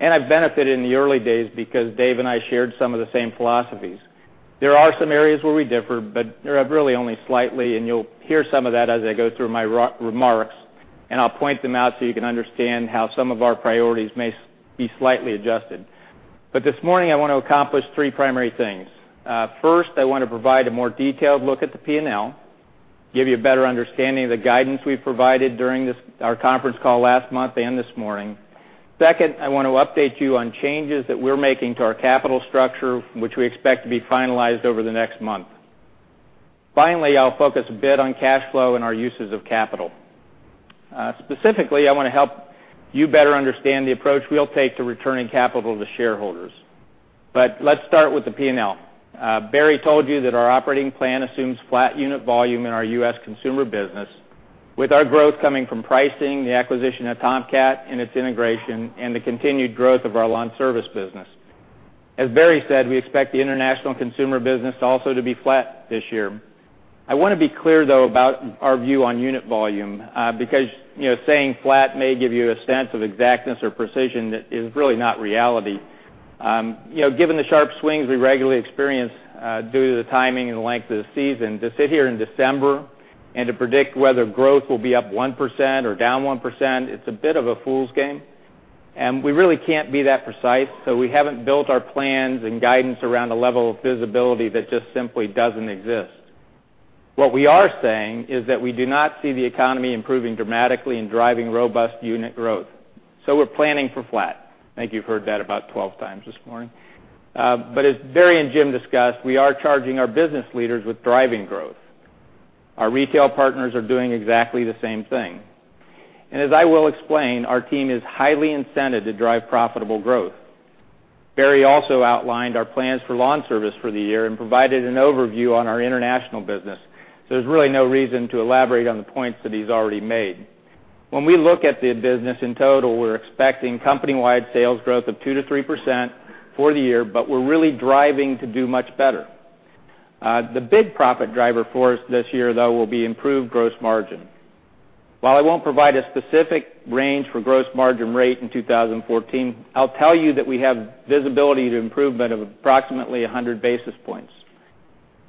I've benefited in the early days because Dave and I shared some of the same philosophies. There are some areas where we differ, but really only slightly, and you'll hear some of that as I go through my remarks. I'll point them out so you can understand how some of our priorities may be slightly adjusted. This morning, I want to accomplish three primary things. First, I want to provide a more detailed look at the P&L, give you a better understanding of the guidance we've provided during our conference call last month and this morning. Second, I want to update you on changes that we're making to our capital structure, which we expect to be finalized over the next month. Finally, I'll focus a bit on cash flow and our uses of capital. Specifically, I want to help you better understand the approach we'll take to returning capital to shareholders. Let's start with the P&L. Barry told you that our operating plan assumes flat unit volume in our U.S. consumer business, with our growth coming from pricing, the acquisition of Tomcat and its integration, and the continued growth of our lawn service business. As Barry said, we expect the international consumer business also to be flat this year. I want to be clear, though, about our view on unit volume, because saying flat may give you a sense of exactness or precision that is really not reality. Given the sharp swings we regularly experience due to the timing and length of the season, to sit here in December and to predict whether growth will be up 1% or down 1%, it's a bit of a fool's game, and we really can't be that precise, we haven't built our plans and guidance around a level of visibility that just simply doesn't exist. What we are saying is that we do not see the economy improving dramatically and driving robust unit growth. We're planning for flat. I think you've heard that about 12 times this morning. As Barry and Jim discussed, we are charging our business leaders with driving growth. Our retail partners are doing exactly the same thing. As I will explain, our team is highly incented to drive profitable growth. Barry also outlined our plans for lawn service for the year and provided an overview on our international business, there's really no reason to elaborate on the points that he's already made. When we look at the business in total, we're expecting company-wide sales growth of 2%-3% for the year, but we're really driving to do much better. The big profit driver for us this year, though, will be improved gross margin. While I won't provide a specific range for gross margin rate in 2014, I'll tell you that we have visibility to improvement of approximately 100 basis points.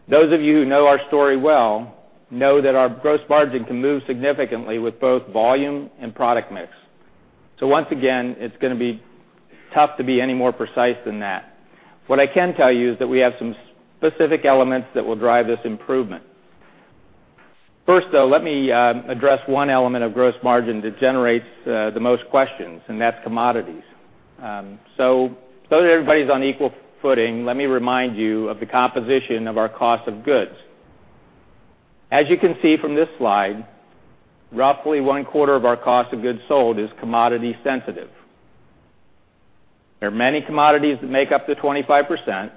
Those of you who know our story well know that our gross margin can move significantly with both volume and product mix. Once again, it's going to be tough to be any more precise than that. What I can tell you is that we have some specific elements that will drive this improvement. First, though, let me address one element of gross margin that generates the most questions, and that's commodities. That everybody's on equal footing, let me remind you of the composition of our cost of goods. As you can see from this slide, roughly one-quarter of our cost of goods sold is commodity sensitive. There are many commodities that make up the 25%.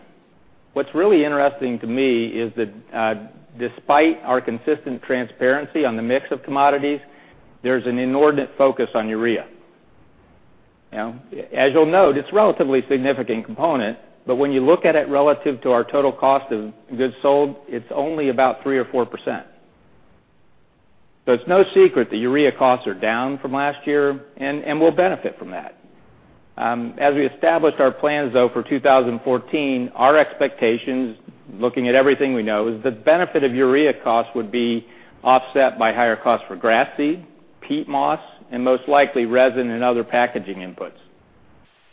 What's really interesting to me is that despite our consistent transparency on the mix of commodities, there's an inordinate focus on urea. As you'll note, it's a relatively significant component, but when you look at it relative to our total cost of goods sold, it's only about 3% or 4%. It's no secret that urea costs are down from last year, and we'll benefit from that. As we established our plans, though, for 2014, our expectations, looking at everything we know, is the benefit of urea costs would be offset by higher costs for grass seed, peat moss, and most likely resin and other packaging inputs.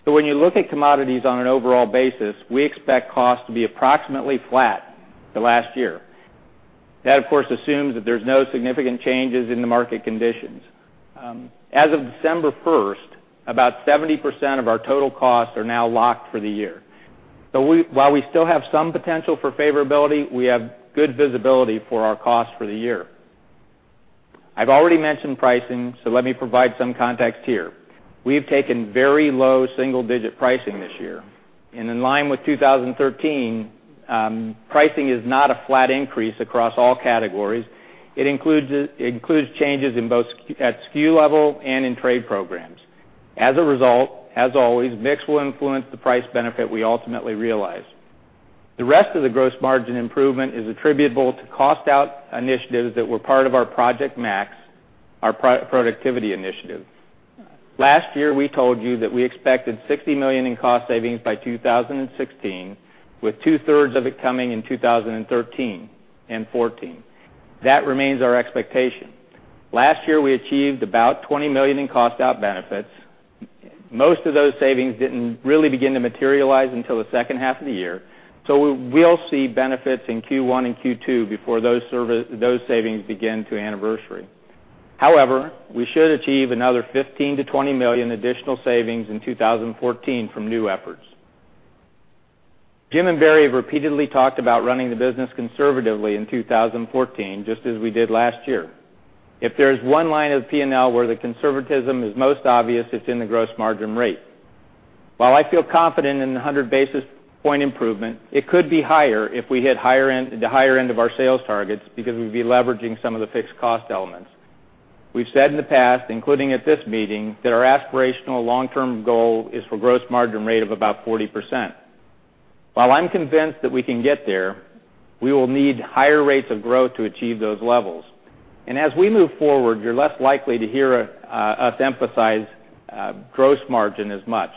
When you look at commodities on an overall basis, we expect costs to be approximately flat the last year. That, of course, assumes that there's no significant changes in the market conditions. As of December 1st, about 70% of our total costs are now locked for the year. While we still have some potential for favorability, we have good visibility for our costs for the year. I've already mentioned pricing, so let me provide some context here. We have taken very low single-digit pricing this year. In line with 2013, pricing is not a flat increase across all categories. It includes changes in both at SKU level and in trade programs. As a result, as always, mix will influence the price benefit we ultimately realize. The rest of the gross margin improvement is attributable to cost out initiatives that were part of our Project Max, our productivity initiative. Last year, we told you that we expected $60 million in cost savings by 2016, with two-thirds of it coming in 2013 and 2014. That remains our expectation. Last year, we achieved about $20 million in cost out benefits. Most of those savings didn't really begin to materialize until the second half of the year, so we'll see benefits in Q1 and Q2 before those savings begin to anniversary. However, we should achieve another $15 million-$20 million additional savings in 2014 from new efforts. Jim and Barry have repeatedly talked about running the business conservatively in 2014, just as we did last year. If there's one line of P&L where the conservatism is most obvious, it's in the gross margin rate. While I feel confident in the 100 basis point improvement, it could be higher if we hit the higher end of our sales targets because we'd be leveraging some of the fixed cost elements. We've said in the past, including at this meeting, that our aspirational long-term goal is for gross margin rate of about 40%. While I'm convinced that we can get there, we will need higher rates of growth to achieve those levels. As we move forward, you're less likely to hear us emphasize gross margin as much.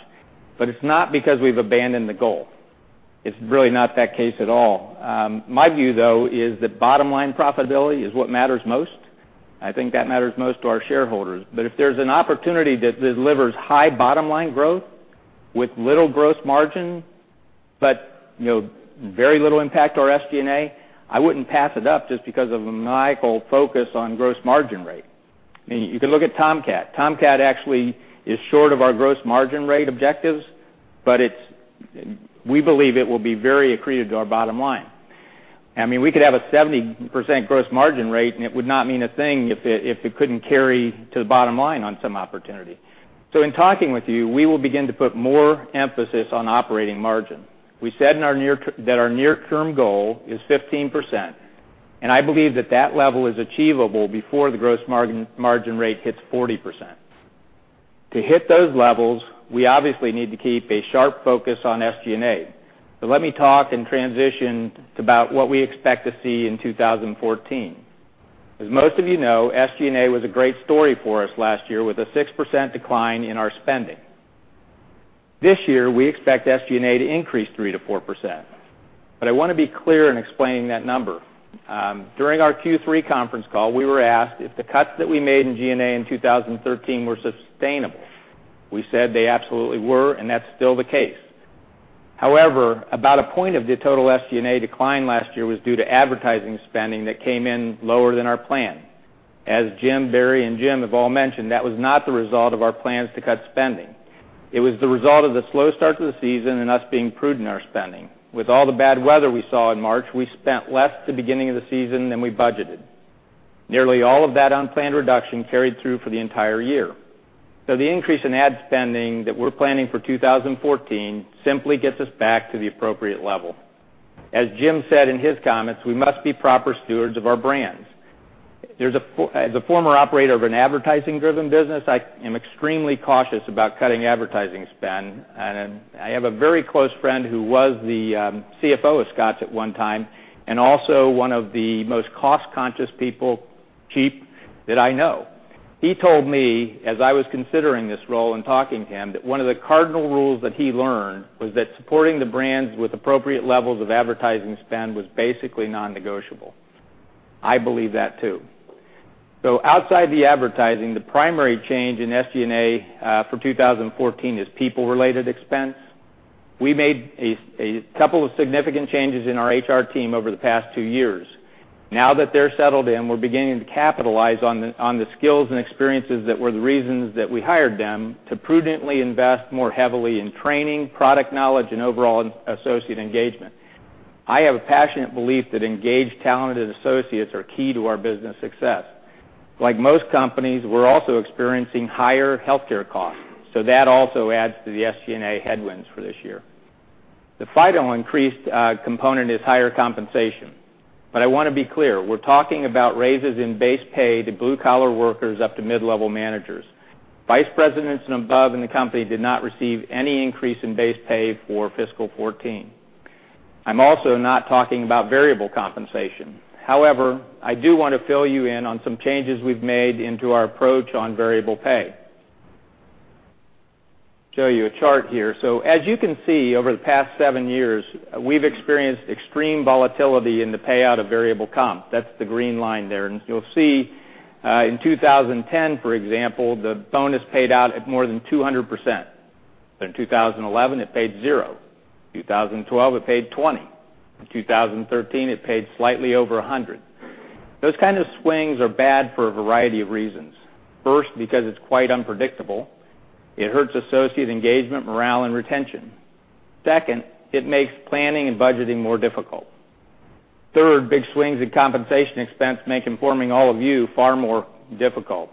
It's not because we've abandoned the goal. It's really not that case at all. My view, though, is that bottom-line profitability is what matters most. I think that matters most to our shareholders. If there's an opportunity that delivers high bottom-line growth with little gross margin, but very little impact to our SG&A, I wouldn't pass it up just because of a maniacal focus on gross margin rate. You can look at Tomcat. Tomcat actually is short of our gross margin rate objectives, but we believe it will be very accretive to our bottom line. We could have a 70% gross margin rate, it would not mean a thing if it couldn't carry to the bottom line on some opportunity. In talking with you, we will begin to put more emphasis on operating margin. We said that our near-term goal is 15%, I believe that that level is achievable before the gross margin rate hits 40%. To hit those levels, we obviously need to keep a sharp focus on SG&A. Let me talk and transition to about what we expect to see in 2014. As most of you know, SG&A was a great story for us last year with a 6% decline in our spending. This year, we expect SG&A to increase 3%-4%. I want to be clear in explaining that number. During our Q3 conference call, we were asked if the cuts that we made in G&A in 2013 were sustainable. We said they absolutely were, and that is still the case. However, about a point of the total SG&A decline last year was due to advertising spending that came in lower than our plan. As Jim, Barry, and Jim have all mentioned, that was not the result of our plans to cut spending. It was the result of the slow start to the season and us being prudent in our spending. With all the bad weather we saw in March, we spent less at the beginning of the season than we budgeted. Nearly all of that unplanned reduction carried through for the entire year. The increase in ad spending that we are planning for 2014 simply gets us back to the appropriate level. As Jim said in his comments, we must be proper stewards of our brands. I am extremely cautious about cutting advertising spend. I have a very close friend who was the CFO of Scotts at one time, and also one of the most cost-conscious people, cheap, that I know. He told me, as I was considering this role and talking to him, that one of the cardinal rules that he learned was that supporting the brands with appropriate levels of advertising spend was basically non-negotiable. I believe that, too. Outside the advertising, the primary change in SG&A for 2014 is people-related expense. We made a couple of significant changes in our HR team over the past two years. Now that they are settled in, we are beginning to capitalize on the skills and experiences that were the reasons that we hired them to prudently invest more heavily in training, product knowledge, and overall associate engagement. I have a passionate belief that engaged, talented associates are key to our business success. Like most companies, we are also experiencing higher healthcare costs, that also adds to the SG&A headwinds for this year. The final increased component is higher compensation. I want to be clear. We are talking about raises in base pay to blue-collar workers up to mid-level managers. Vice presidents and above in the company did not receive any increase in base pay for fiscal 2014. I am also not talking about variable compensation. I do want to fill you in on some changes we have made into our approach on variable pay. Show you a chart here. As you can see, over the past seven years, we have experienced extreme volatility in the payout of variable comp. That is the green line there. You will see in 2010, for example, the bonus paid out at more than 200%. In 2011, it paid zero. In 2012, it paid 20. In 2013, it paid slightly over 100. Those kind of swings are bad for a variety of reasons. First, because it is quite unpredictable. It hurts associate engagement, morale, and retention. Second, it makes planning and budgeting more difficult. Third, big swings in compensation expense make informing all of you far more difficult.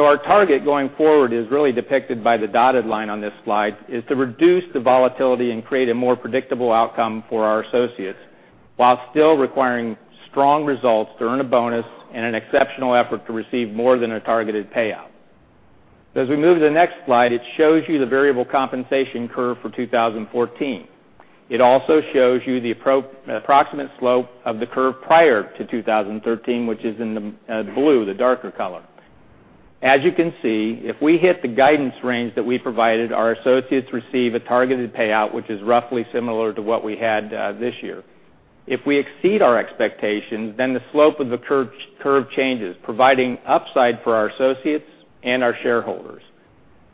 Our target going forward is really depicted by the dotted line on this slide. It is to reduce the volatility and create a more predictable outcome for our associates while still requiring strong results to earn a bonus and an exceptional effort to receive more than a targeted payout. As we move to the next slide, it shows you the variable compensation curve for 2014. It also shows you the approximate slope of the curve prior to 2013, which is in the blue, the darker color. As you can see, if we hit the guidance range that we provided, our associates receive a targeted payout, which is roughly similar to what we had this year. If we exceed our expectations, the slope of the curve changes, providing upside for our associates and our shareholders.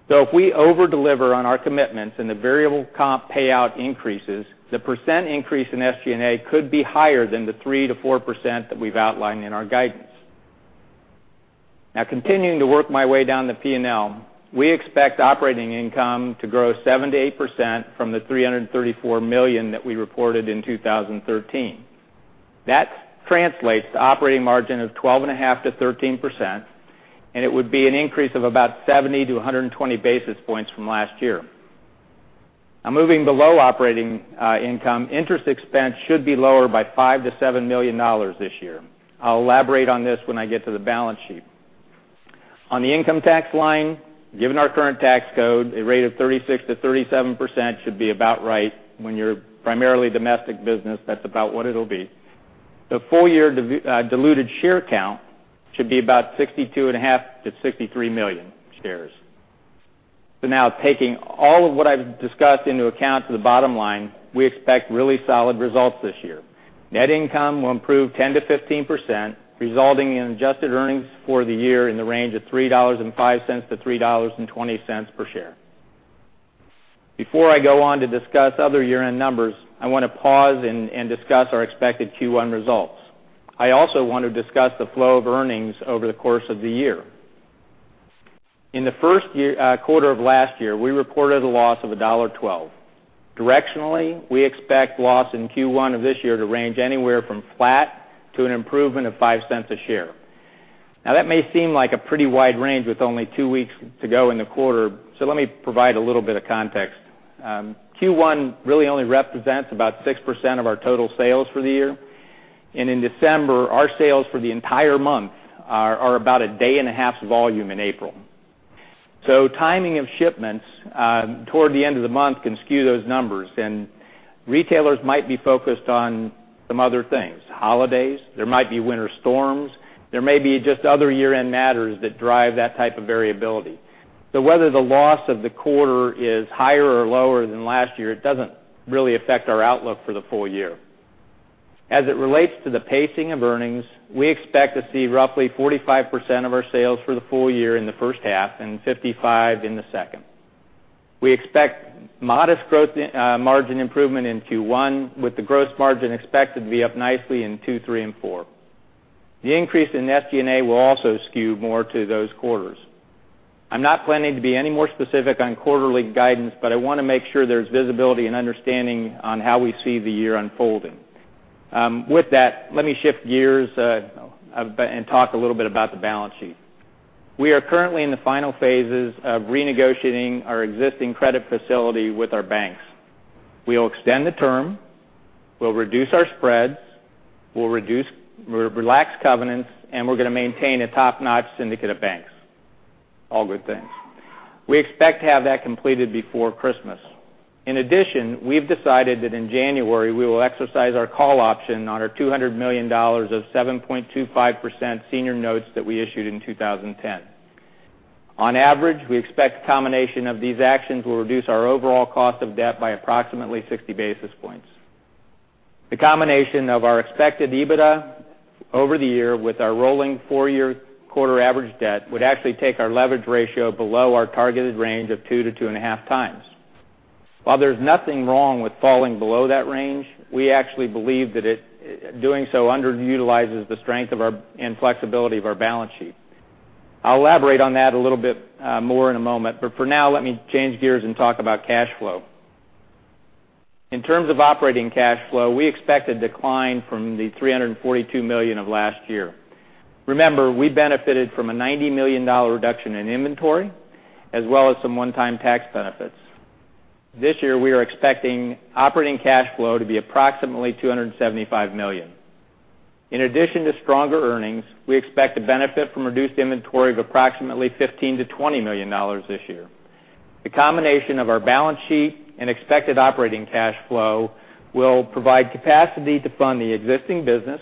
If we over-deliver on our commitments and the variable comp payout increases, the percent increase in SG&A could be higher than the 3%-4% that we've outlined in our guidance. Continuing to work my way down the P&L, we expect operating income to grow 7%-8% from the $334 million that we reported in 2013. That translates to operating margin of 12.5%-13%, and it would be an increase of about 70 to 120 basis points from last year. Moving below operating income, interest expense should be lower by $5 million-$7 million this year. I'll elaborate on this when I get to the balance sheet. On the income tax line, given our current tax code, a rate of 36%-37% should be about right. When you're a primarily domestic business, that's about what it'll be. The full-year diluted share count should be about 62.5 million-63 million shares. Taking all of what I've discussed into account to the bottom line, we expect really solid results this year. Net income will improve 10%-15%, resulting in adjusted earnings for the year in the range of $3.05-$3.20 per share. Before I go on to discuss other year-end numbers, I want to pause and discuss our expected Q1 results. I also want to discuss the flow of earnings over the course of the year. In the first quarter of last year, we reported a loss of $1.12. Directionally, we expect loss in Q1 of this year to range anywhere from flat to an improvement of $0.05 a share. That may seem like a pretty wide range with only two weeks to go in the quarter, let me provide a little bit of context. Q1 really only represents about 6% of our total sales for the year. In December, our sales for the entire month are about a day and a half's volume in April. Timing of shipments toward the end of the month can skew those numbers, retailers might be focused on some other things, holidays, there might be winter storms, there may be just other year-end matters that drive that type of variability. Whether the loss of the quarter is higher or lower than last year, it doesn't really affect our outlook for the full year. As it relates to the pacing of earnings, we expect to see roughly 45% of our sales for the full year in the first half and 55% in the second. We expect modest growth margin improvement in Q1 with the gross margin expected to be up nicely in 2, 3, and 4. The increase in SG&A will also skew more to those quarters. I'm not planning to be any more specific on quarterly guidance, but I want to make sure there's visibility and understanding on how we see the year unfolding. With that, let me shift gears and talk a little bit about the balance sheet. We are currently in the final phases of renegotiating our existing credit facility with our banks. We will extend the term, we'll reduce our spreads, we'll relax covenants, and we're going to maintain a top-notch syndicate of banks. All good things. We expect to have that completed before Christmas. In addition, we've decided that in January, we will exercise our call option on our $200 million of 7.25% senior notes that we issued in 2010. On average, we expect the combination of these actions will reduce our overall cost of debt by approximately 60 basis points. The combination of our expected EBITDA over the year with our rolling four-year quarter average debt would actually take our leverage ratio below our targeted range of 2-2.5 times. While there's nothing wrong with falling below that range, we actually believe that doing so underutilizes the strength and flexibility of our balance sheet. I'll elaborate on that a little bit more in a moment. For now, let me change gears and talk about cash flow. In terms of operating cash flow, we expect a decline from the $342 million of last year. Remember, we benefited from a $90 million reduction in inventory, as well as some one-time tax benefits. This year, we are expecting operating cash flow to be approximately $275 million. In addition to stronger earnings, we expect to benefit from reduced inventory of approximately $15 million-$20 million this year. The combination of our balance sheet and expected operating cash flow will provide capacity to fund the existing business,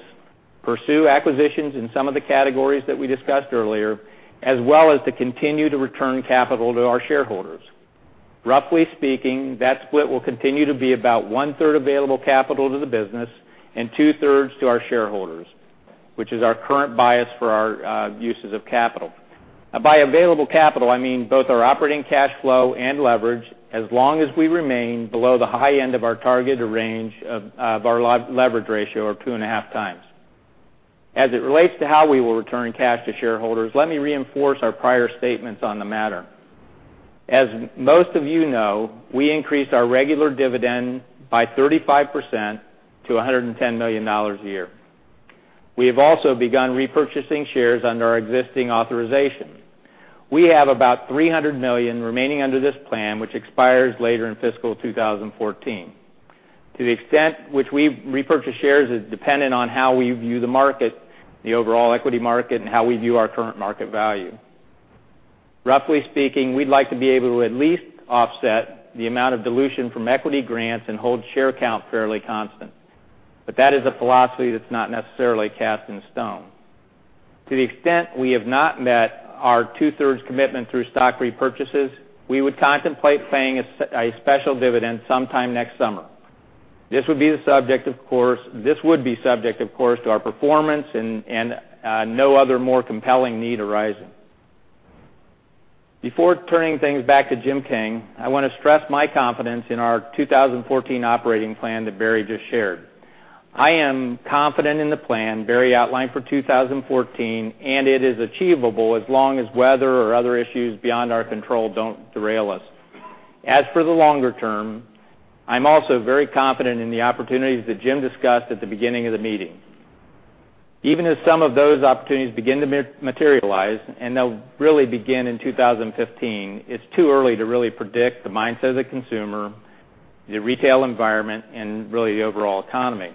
pursue acquisitions in some of the categories that we discussed earlier, as well as to continue to return capital to our shareholders. Roughly speaking, that split will continue to be about one-third available capital to the business and two-thirds to our shareholders, which is our current bias for our uses of capital. By available capital, I mean both our operating cash flow and leverage, as long as we remain below the high end of our targeted range of our leverage ratio of 2.5 times. As it relates to how we will return cash to shareholders, let me reinforce our prior statements on the matter. As most of you know, we increased our regular dividend by 35% to $110 million a year. We have also begun repurchasing shares under our existing authorization. We have about $300 million remaining under this plan, which expires later in fiscal 2014. To the extent which we repurchase shares is dependent on how we view the market, the overall equity market, and how we view our current market value. Roughly speaking, we'd like to be able to at least offset the amount of dilution from equity grants and hold share count fairly constant. That is a philosophy that's not necessarily cast in stone. To the extent we have not met our two-thirds commitment through stock repurchases, we would contemplate paying a special dividend sometime next summer. This would be subject, of course, to our performance and no other more compelling need arising. Before turning things back to Jim King, I want to stress my confidence in our 2014 operating plan that Barry just shared. I am confident in the plan Barry outlined for 2014, and it is achievable as long as weather or other issues beyond our control don't derail us. As for the longer term, I'm also very confident in the opportunities that Jim discussed at the beginning of the meeting. Even as some of those opportunities begin to materialize, and they'll really begin in 2015, it's too early to really predict the mindset of the consumer, the retail environment, and really the overall economy.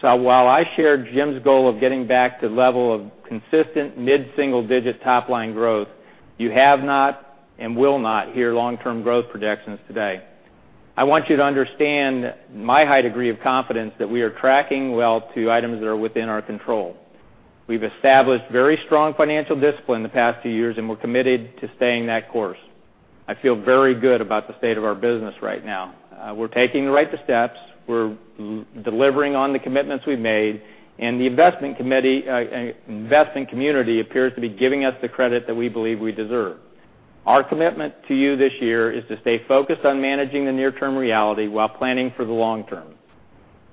While I share Jim's goal of getting back to the level of consistent mid-single-digit top-line growth, you have not and will not hear long-term growth projections today. I want you to understand my high degree of confidence that we are tracking well to items that are within our control. We've established very strong financial discipline the past two years, and we're committed to staying that course. I feel very good about the state of our business right now. We're taking the right steps. We're delivering on the commitments we've made, and the investing community appears to be giving us the credit that we believe we deserve. Our commitment to you this year is to stay focused on managing the near-term reality while planning for the long term.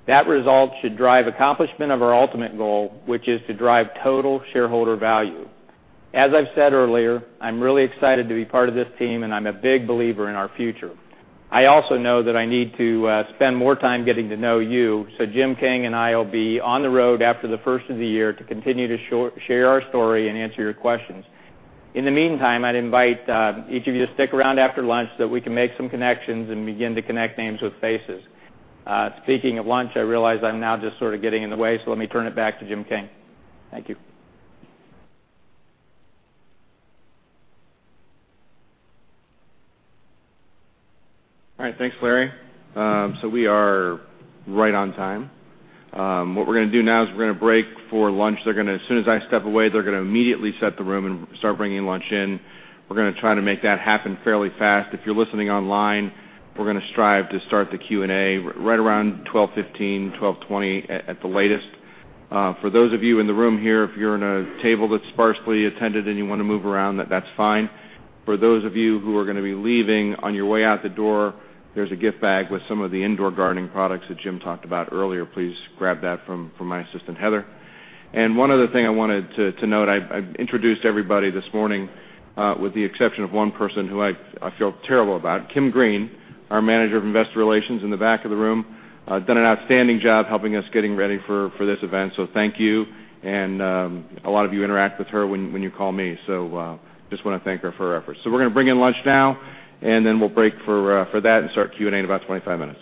That result should drive accomplishment of our ultimate goal, which is to drive total shareholder value. As I've said earlier, I'm really excited to be part of this team, and I'm a big believer in our future. I also know that I need to spend more time getting to know you. Jim King and I will be on the road after the first of the year to continue to share our story and answer your questions. In the meantime, I'd invite each of you to stick around after lunch so that we can make some connections and begin to connect names with faces. Speaking of lunch, I realize I'm now just sort of getting in the way. Let me turn it back to Jim King. Thank you. All right. Thanks, Larry. We are right on time. What we're going to do now is we're going to break for lunch. As soon as I step away, they're going to immediately set the room and start bringing lunch in. We're going to try to make that happen fairly fast. If you're listening online, we're going to strive to start the Q&A right around 12:15, 12:20 at the latest. For those of you in the room here, if you're in a table that's sparsely attended and you want to move around, that's fine. For those of you who are going to be leaving, on your way out the door, there's a gift bag with some of the indoor gardening products that Jim talked about earlier. Please grab that from my assistant, Heather. One other thing I wanted to note, I've introduced everybody this morning with the exception of one person who I feel terrible about. Kim Green, our Manager of Investor Relations in the back of the room, done an outstanding job helping us getting ready for this event. Thank you. A lot of you interact with her when you call me. Just want to thank her for her efforts. We're going to bring in lunch now, and then we'll break for that and start Q&A in about 25 minutes.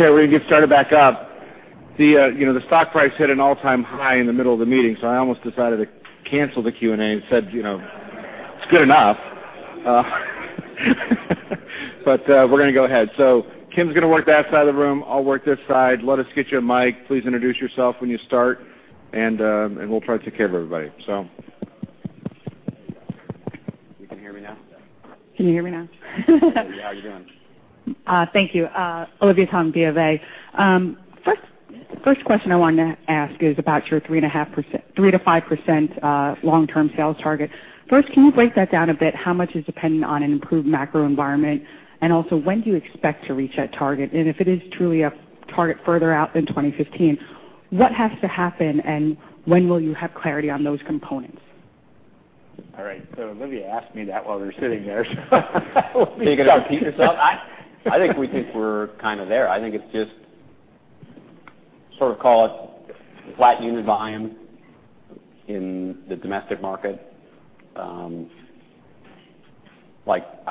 Okay, we're going to get started back up. The stock price hit an all-time high in the middle of the meeting, I almost decided to cancel the Q&A and said, "It's good enough." We're going to go ahead. Kim's going to work that side of the room, I'll work this side. Let us get you a mic. Please introduce yourself when you start, and we'll try to take care of everybody. You can hear me now? Can you hear me now? How are you doing? Thank you. Olivia Tong, BofA. First question I wanted to ask is about your 3%-5% long-term sales target. First, can you break that down a bit? How much is dependent on an improved macro environment? When do you expect to reach that target? If it is truly a target further out than 2015, what has to happen and when will you have clarity on those components? All right. Olivia asked me that while we were sitting there. I won't be talking. You're going to repeat yourself? I think we're kind of there. I think it's just sort of call it flat unit volume in the domestic market. I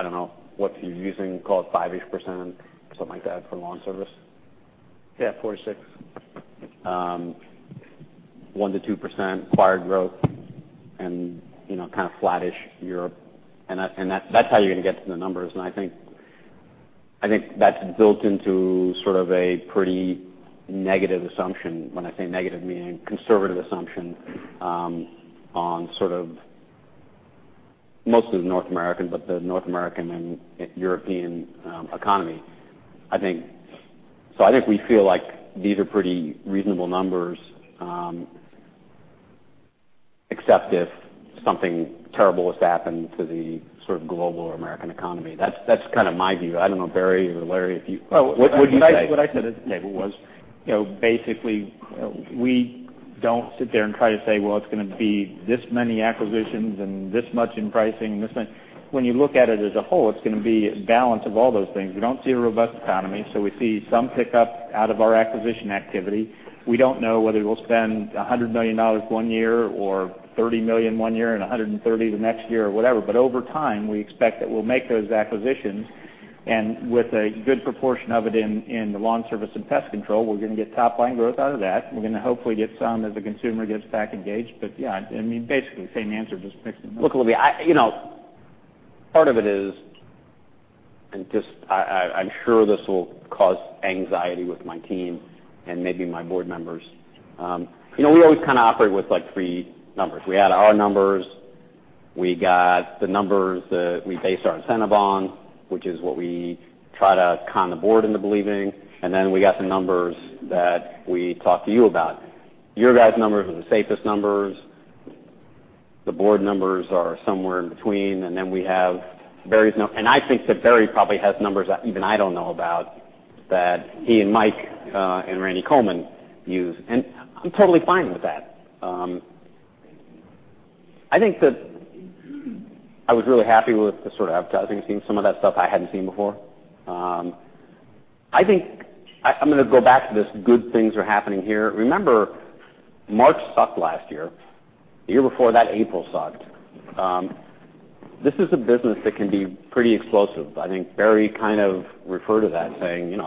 don't know what you're using, call it 5%-ish or something like that for lawn service. Yeah, four to six. 1%-2% acquired growth and kind of flattish Europe, that's how you're going to get to the numbers. I think that's built into sort of a pretty negative assumption. When I say negative, meaning conservative assumption on sort of most of the North American, but the North American and European economy. I think we feel like these are pretty reasonable numbers, except if something terrible has happened to the sort of global or American economy. That's kind of my view. I don't know, Barry or Larry, what would you say? What I said at the table was basically, we don't sit there and try to say, "Well, it's going to be this many acquisitions and this much in pricing." You look at it as a whole, it's going to be a balance of all those things. We don't see a robust economy, we see some pickup out of our acquisition activity. We don't know whether we'll spend $100 million one year or $30 million one year and $130 the next year or whatever. Over time, we expect that we'll make those acquisitions, and with a good proportion of it in the lawn service and pest control, we're going to get top-line growth out of that. We're going to hopefully get some as the consumer gets back engaged. Yeah, basically the same answer, just mixing those. Look, Olivia, part of it is, and I'm sure this will cause anxiety with my team and maybe my board members. We always kind of operate with three numbers. We had our numbers, we got the numbers that we base our incentive on, which is what we try to con the board into believing, we got the numbers that we talk to you about. Your guys' numbers are the safest numbers. The board numbers are somewhere in between, we have Barry's. I think that Barry probably has numbers that even I don't know about that he and Mike, and Randy Coleman use, and I'm totally fine with that. I think that I was really happy with the sort of advertising we've seen. Some of that stuff I hadn't seen before. I think I'm going to go back to this good things are happening here. Remember, March sucked last year. The year before that, April sucked. This is a business that can be pretty explosive. I think Barry kind of referred to that saying,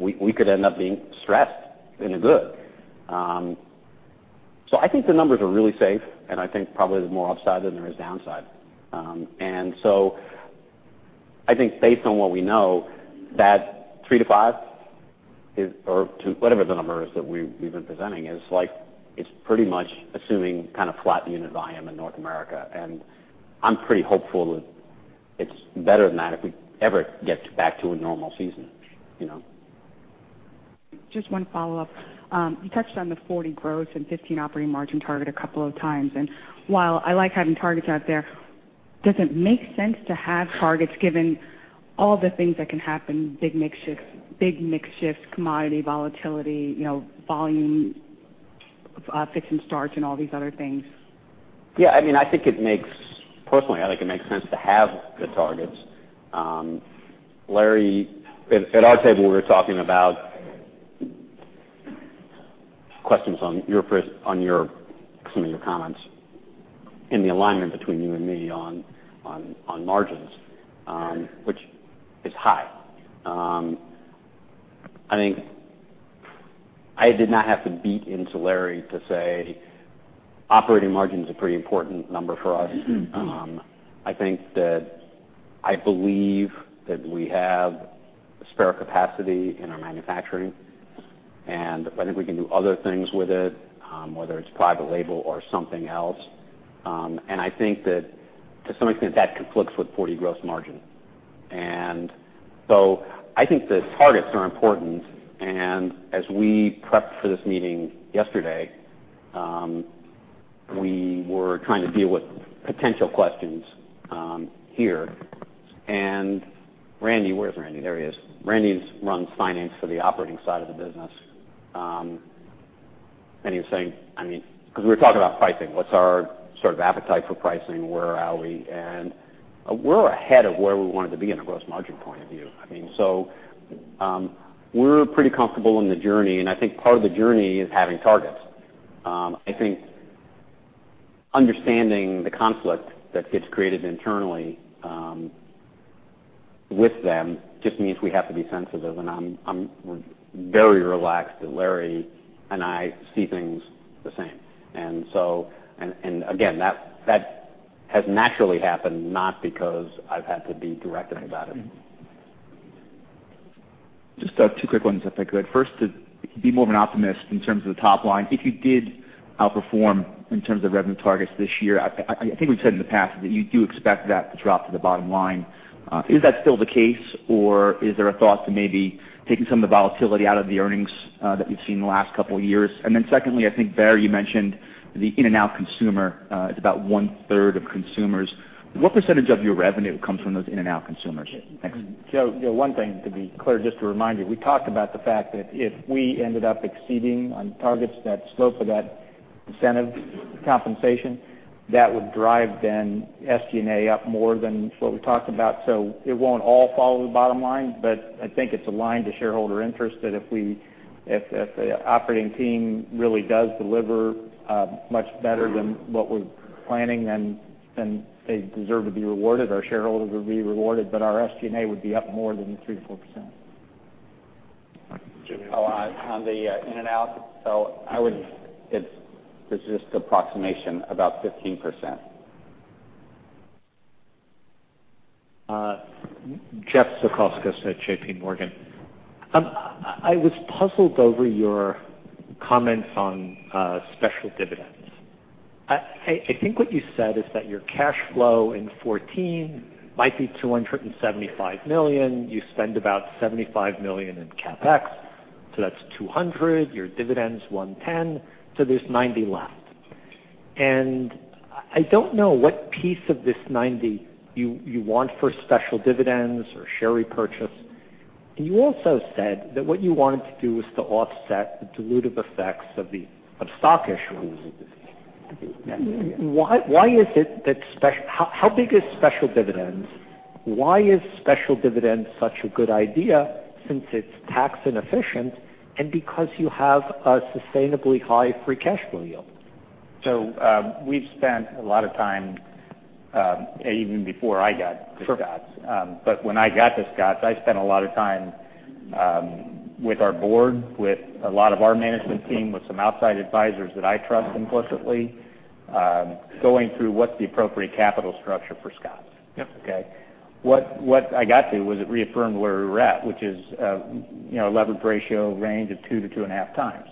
"We could end up being stressed in a good." I think the numbers are really safe, and I think probably there's more upside than there is downside. I think based on what we know, that three to five or whatever the number is that we've been presenting is like, it's pretty much assuming kind of flat unit volume in North America. I'm pretty hopeful that it's better than that if we ever get back to a normal season. Just one follow-up. You touched on the 40% gross and 15% operating margin target a couple of times, while I like having targets out there, does it make sense to have targets given all the things that can happen, big mix shifts, commodity volatility, volume, ups and starts, all these other things? Yeah. Personally, I think it makes sense to have the targets. At our table, we were talking about questions on some of your comments and the alignment between you and me on margins, which is high. I think I did not have to beat into Larry to say operating margin is a pretty important number for us. I think that I believe that we have spare capacity in our manufacturing, I think we can do other things with it, whether it's private label or something else. I think that to some extent, that conflicts with 40% gross margin. I think the targets are important, as we prepped for this meeting yesterday, we were trying to deal with potential questions here. Randy, where's Randy? There he is. Randy runs finance for the operating side of the business. He was saying because we were talking about pricing, what's our sort of appetite for pricing? Where are we? We're ahead of where we wanted to be in a gross margin point of view. We're pretty comfortable in the journey, I think part of the journey is having targets. I think understanding the conflict that gets created internally with them just means we have to be sensitive, and I'm very relaxed that Larry and I see things the same. Again, that has naturally happened, not because I've had to be directive about it. Just two quick ones if I could. First, to be more of an optimist in terms of the top line, if you did outperform in terms of revenue targets this year, I think we've said in the past that you do expect that to drop to the bottom line. Is that still the case, or is there a thought to maybe taking some of the volatility out of the earnings that we've seen in the last couple of years? Secondly, I think, Barry, you mentioned the in and out consumer is about one-third of consumers. What percentage of your revenue comes from those in and out consumers? Thanks. Joe, one thing to be clear, just to remind you, we talked about the fact that if we ended up exceeding on targets that slope of that incentive compensation, that would drive then SG&A up more than what we talked about. It won't all fall to the bottom line, but I think it's aligned to shareholder interest that if the operating team really does deliver much better than what we're planning, then they deserve to be rewarded. Our shareholders would be rewarded, but our SG&A would be up more than the 3%-4%. Jimmy. On the in and out, it's just approximation, about 15%. Jeff Zekauskas at JP Morgan. I was puzzled over your comments on special dividends. I think what you said is that your cash flow in 2014 might be $275 million. You spend about $75 million in CapEx, so that's $200. Your dividend's $110, so there's $90 left. I don't know what piece of this $90 you want for special dividends or share repurchase. You also said that what you wanted to do was to offset the dilutive effects of stock issues. How big is special dividends? Why is special dividends such a good idea since it's tax inefficient and because you have a sustainably high free cash flow yield? We've spent a lot of time, even before I got to Scotts. When I got to Scotts, I spent a lot of time with our board, with a lot of our management team, with some outside advisors that I trust implicitly, going through what the appropriate capital structure for Scotts. Yep. Okay. What I got to was it reaffirmed where we're at, which is a levered ratio range of two to two and a half times.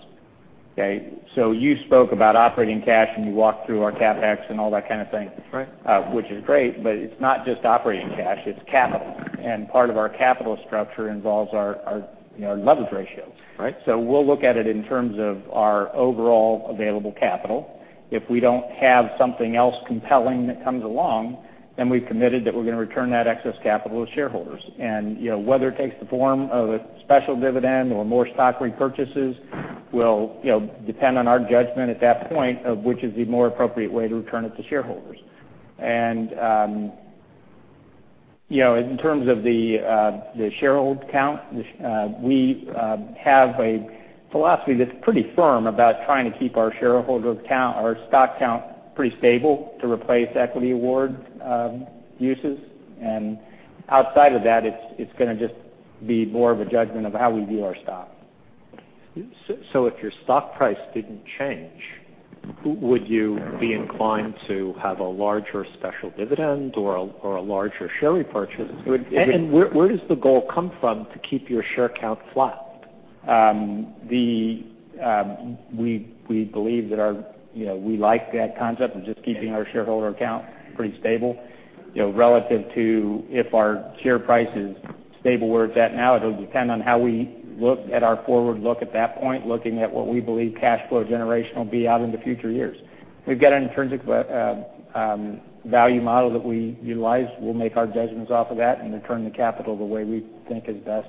Okay? You spoke about operating cash, and you walked through our CapEx and all that kind of thing. That's right. Which is great, but it's not just operating cash, it's capital. Part of our capital structure involves our leverage ratios. Right. We'll look at it in terms of our overall available capital. If we don't have something else compelling that comes along, then we've committed that we're going to return that excess capital to shareholders. Whether it takes the form of a special dividend or more stock repurchases will depend on our judgment at that point of which is the more appropriate way to return it to shareholders. In terms of the shareholder count, we have a philosophy that's pretty firm about trying to keep our shareholder count or stock count pretty stable to replace equity award uses. Outside of that, it's going to just be more of a judgment of how we view our stock. If your stock price didn't change, would you be inclined to have a larger special dividend or a larger share repurchase? Where does the goal come from to keep your share count flat? We believe that we like that concept of just keeping our shareholder count pretty stable, relative to if our share price is stable where it's at now, it'll depend on how we look at our forward look at that point, looking at what we believe cash flow generation will be out into future years. We've got an intrinsic value model that we utilize. We'll make our judgments off of that and return the capital the way we think is best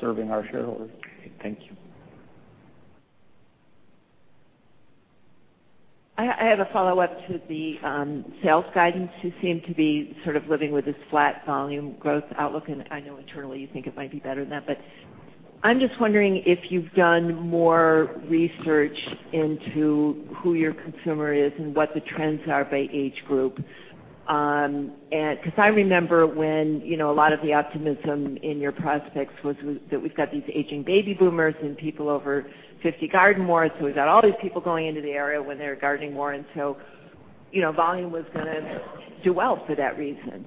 serving our shareholders. Thank you. I have a follow-up to the sales guidance. You seem to be sort of living with this flat volume growth outlook. I know internally you think it might be better than that, but I'm just wondering if you've done more research into who your consumer is and what the trends are by age group. I remember when a lot of the optimism in your prospects was that we've got these aging baby boomers and people over 50 garden more. We've got all these people going into the area when they're gardening more, so volume was gonna do well for that reason.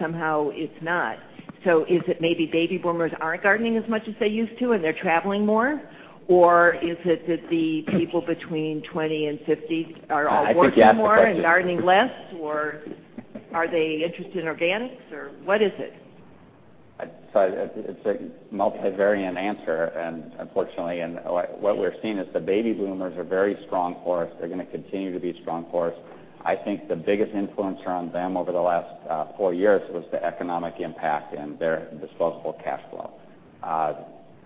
Somehow it's not. Is it maybe baby boomers aren't gardening as much as they used to, and they're traveling more? Or is it that the people between 20 and 50 are all working more- I think you asked the question- ...gardening less? Are they interested in organics, or what is it? It's a multivariate answer, unfortunately. What we're seeing is the baby boomers are very strong for us. They're gonna continue to be strong for us. I think the biggest influencer on them over the last four years was the economic impact and their disposable cash flow.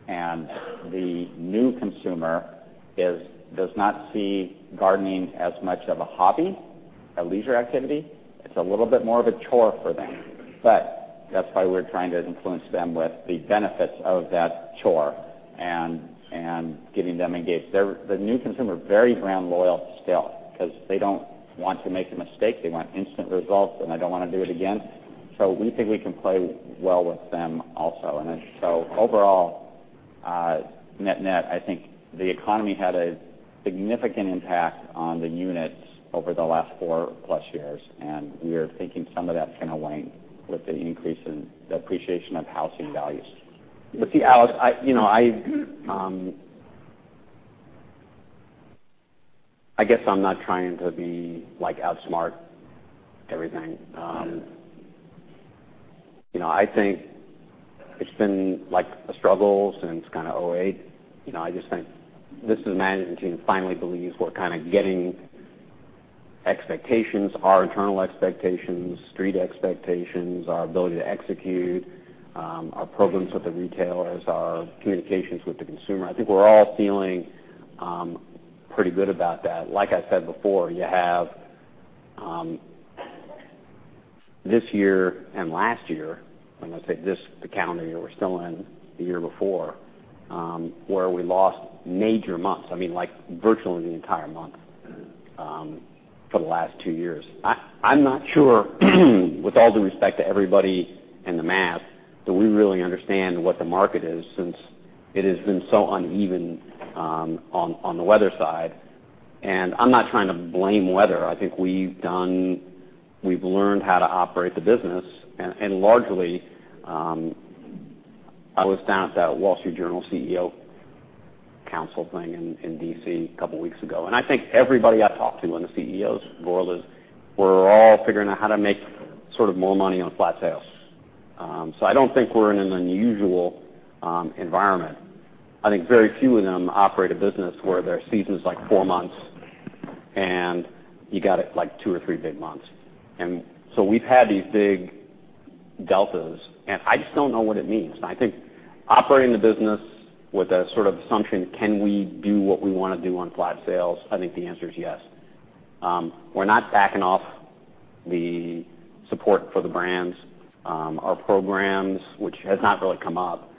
The new consumer does not see gardening as much of a hobby, a leisure activity. It's a little bit more of a chore for them. That's why we're trying to influence them with the benefits of that chore and getting them engaged. The new consumer is very brand loyal still because they don't want to make a mistake. They want instant results, and they don't want to do it again. We think we can play well with them also. Overall, net-net, I think the economy had a significant impact on the units over the last four-plus years, and we're thinking some of that's gonna wane with the increase in the appreciation of housing values. See, Alex, I guess I'm not trying to outsmart everything. I think it's been a struggle since kind of 2008. I just think this is a management team finally believes we're kind of getting expectations, our internal expectations, street expectations, our ability to execute, our programs with the retailers, our communications with the consumer. I think we're all feeling pretty good about that. Like I said before, you have this year and last year, when I say this, the calendar year we're still in, the year before, where we lost major months, I mean, like virtually the entire month for the last two years. I'm not sure with all due respect to everybody and the math, that we really understand what the market is since it has been so uneven on the weather side. I'm not trying to blame weather. I think we've learned how to operate the business. Largely, I was down at that Wall Street Journal CEO Council thing in D.C. a couple weeks ago, and I think everybody I talked to in the CEOs world is we're all figuring out how to make sort of more money on flat sales. I don't think we're in an unusual environment. I think very few of them operate a business where their season's like four months, and you got two or three big months. We've had these big deltas, and I just don't know what it means. Operating the business with that sort of assumption, can we do what we want to do on flat sales? The answer is yes. We're not backing off the support for the brands. Our programs, which has not really come up,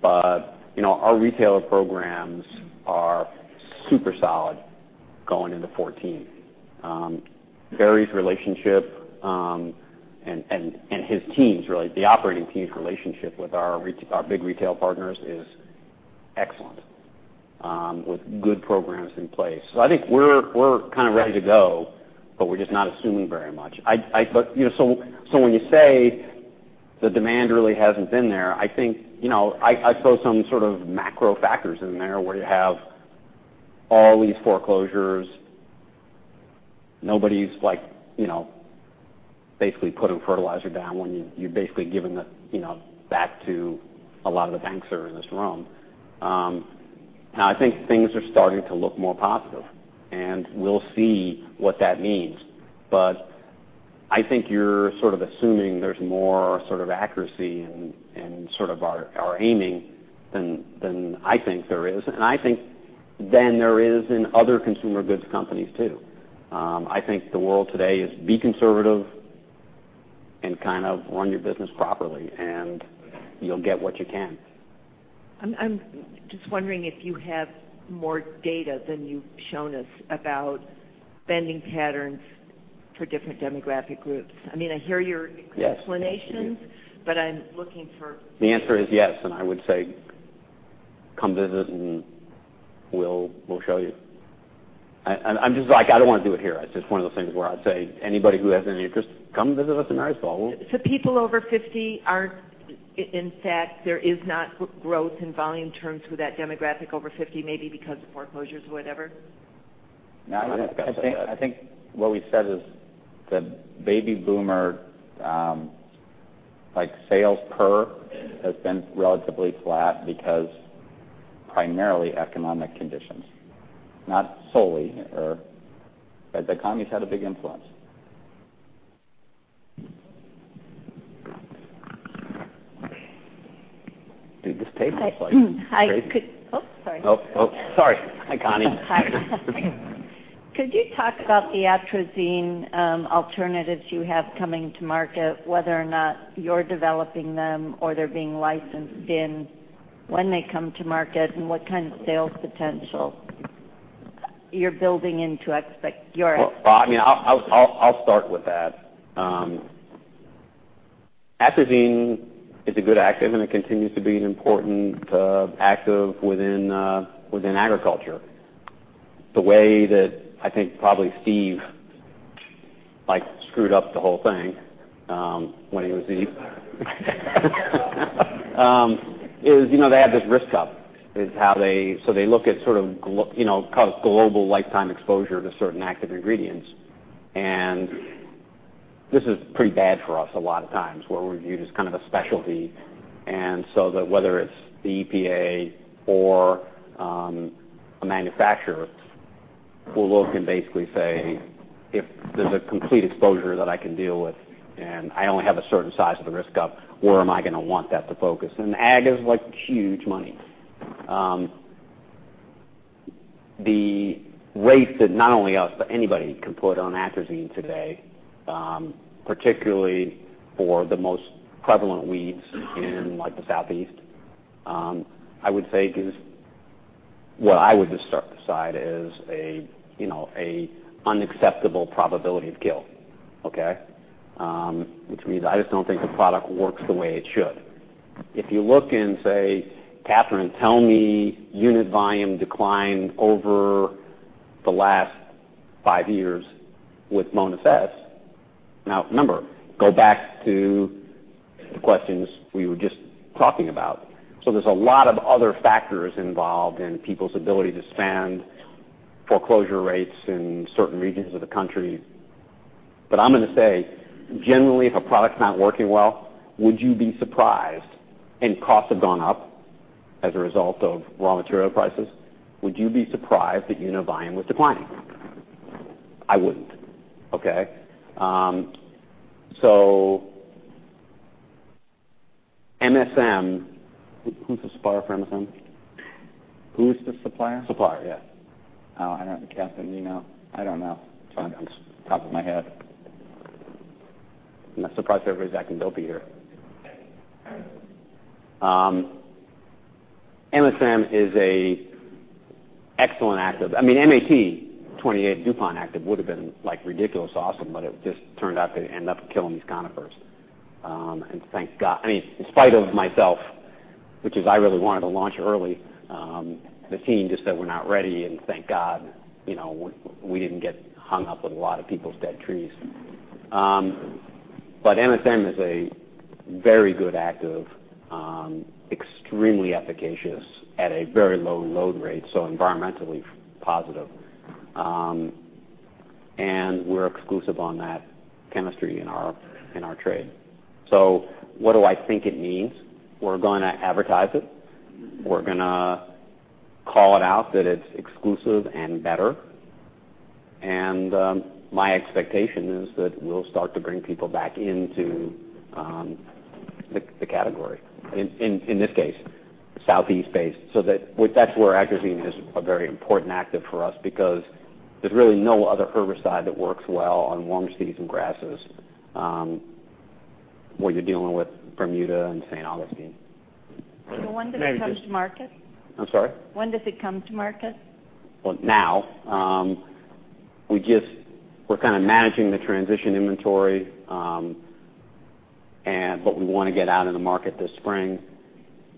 but our retailer programs are super solid going into 2014. Barry's relationship, and his team's, the operating team's relationship with our big retail partners is excellent, with good programs in place. We're kind of ready to go, but we're just not assuming very much. When you say the demand really hasn't been there, I throw some sort of macro factors in there where you have all these foreclosures. Nobody's basically putting fertilizer down when you're basically giving it back to a lot of the banks that are in this room. Things are starting to look more positive, and we'll see what that means. You're sort of assuming there's more sort of accuracy in sort of our aiming than there is, and than there is in other consumer goods companies, too. The world today is be conservative and run your business properly, and you'll get what you can. I'm just wondering if you have more data than you've shown us about spending patterns for different demographic groups. Yes explanations, I'm looking for- The answer is yes, I would say come visit, and we'll show you. I'm just like, I don't want to do it here. It's just one of those things where I'd say anybody who has any interest, come visit us in Marysville. People over 50 aren't. In fact, there is not growth in volume terms with that demographic over 50, maybe because of foreclosures or whatever? I think what we said is the Baby Boomer sales per has been relatively flat because primarily economic conditions. Not solely, the economy's had a big influence. Dude, this tape is like crazy. Hi. Sorry. Oh, sorry. Hi, Connie. Hi. Could you talk about the atrazine alternatives you have coming to market, whether or not you're developing them or they're being licensed in, when they come to market, and what kind of sales potential you're building into your? I'll start with that. Atrazine is a good active, it continues to be an important active within agriculture. The way that I think probably Steve screwed up the whole thing when he was the EPA is they have this risk cup. They look at sort of, call it global lifetime exposure to certain active ingredients. This is pretty bad for us a lot of times, where we're viewed as kind of a specialty. Whether it's the EPA or a manufacturer will look and basically say, "If there's a complete exposure that I can deal with, and I only have a certain size of the risk cup, where am I going to want that to focus?" Ag is huge money. The rate that not only us, but anybody can put on atrazine today, particularly for the most prevalent weeds in the Southeast, I would say is what I would decide is an unacceptable probability of kill. Which means I just don't think the product works the way it should. If you look and say, "Catherine, tell me unit volume declined over the last five years with Bonus S." Now, remember, go back to the questions we were just talking about. There's a lot of other factors involved in people's ability to spend, foreclosure rates in certain regions of the country. I'm going to say, generally, if a product's not working well, would you be surprised, and costs have gone up as a result of raw material prices, would you be surprised that unit volume was declining? I wouldn't. MSM, who's the supplier for MSM? Who's the supplier? Supplier. I don't know. Catherine, do you know? I don't know off the top of my head. I'm not surprised everybody's acting dopey here. MSM is an excellent active. MAT 28 DuPont active would've been ridiculous awesome, but it just turned out to end up killing these conifers. Thank God. In spite of myself, which is I really wanted to launch early. The team just said we're not ready, and thank God we didn't get hung up with a lot of people's dead trees. MSM is a very good active, extremely efficacious at a very low load rate, so environmentally positive. We're exclusive on that chemistry in our trade. What do I think it means? We're going to advertise it. We're going to call it out that it's exclusive and better. My expectation is that we'll start to bring people back into the category. In this case, Southeast-based. That's where atrazine is a very important active for us because there's really no other herbicide that works well on warm season grasses where you're dealing with Bermuda and St. Augustine. When does it come to market? I'm sorry? When does it come to market? Now. We're kind of managing the transition inventory, but we want to get out in the market this spring.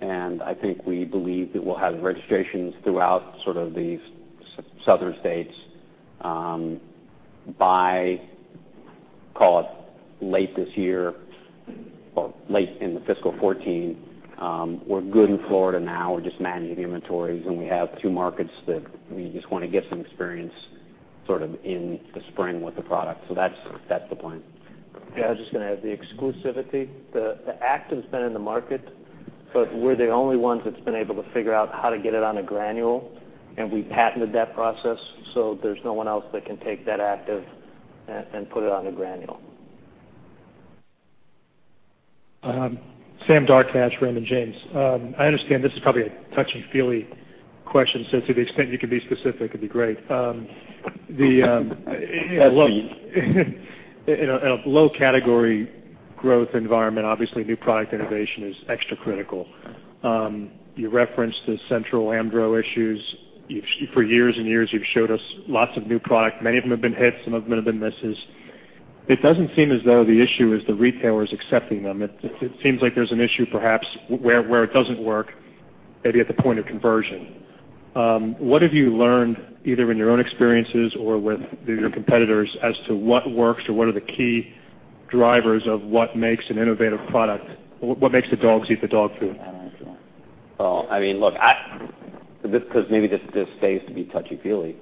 I think we believe that we'll have registrations throughout sort of the Southern states by, call it late this year or late in the fiscal 2014. We're good in Florida now. We're just managing inventories, and we have two markets that we just want to get some experience in the spring with the product. That's the plan. I was just going to add the exclusivity. The active's been in the market, but we're the only ones that's been able to figure out how to get it on a granule, and we patented that process. There's no one else that can take that active and put it on a granule. Sam Darkatsh, Raymond James. I understand this is probably a touchy-feely question. To the extent you can be specific, it'd be great. Touchy. In a low category growth environment, obviously new product innovation is extra critical. You referenced the Central Amdro issues. For years and years, you've showed us lots of new product. Many of them have been hits, some of them have been misses. It doesn't seem as though the issue is the retailers accepting them. It seems like there's an issue perhaps where it doesn't work, maybe at the point of conversion. What have you learned, either in your own experiences or with your competitors, as to what works or what are the key drivers of what makes an innovative product? What makes the dogs eat the dog food? Look, maybe this stays to be touchy feely.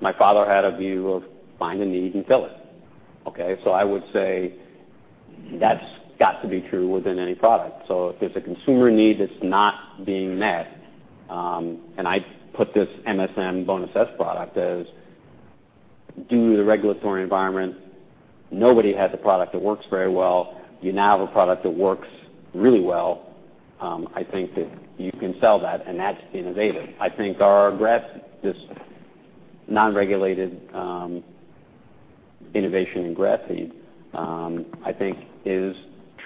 My father had a view of find a need and fill it. Okay? I would say that's got to be true within any product. If there's a consumer need that's not being met, and I put this MSM Bonus S product as, due to the regulatory environment, nobody had the product that works very well. You now have a product that works really well. I think that you can sell that, and that's innovative. I think this non-regulated innovation in grass seed, I think is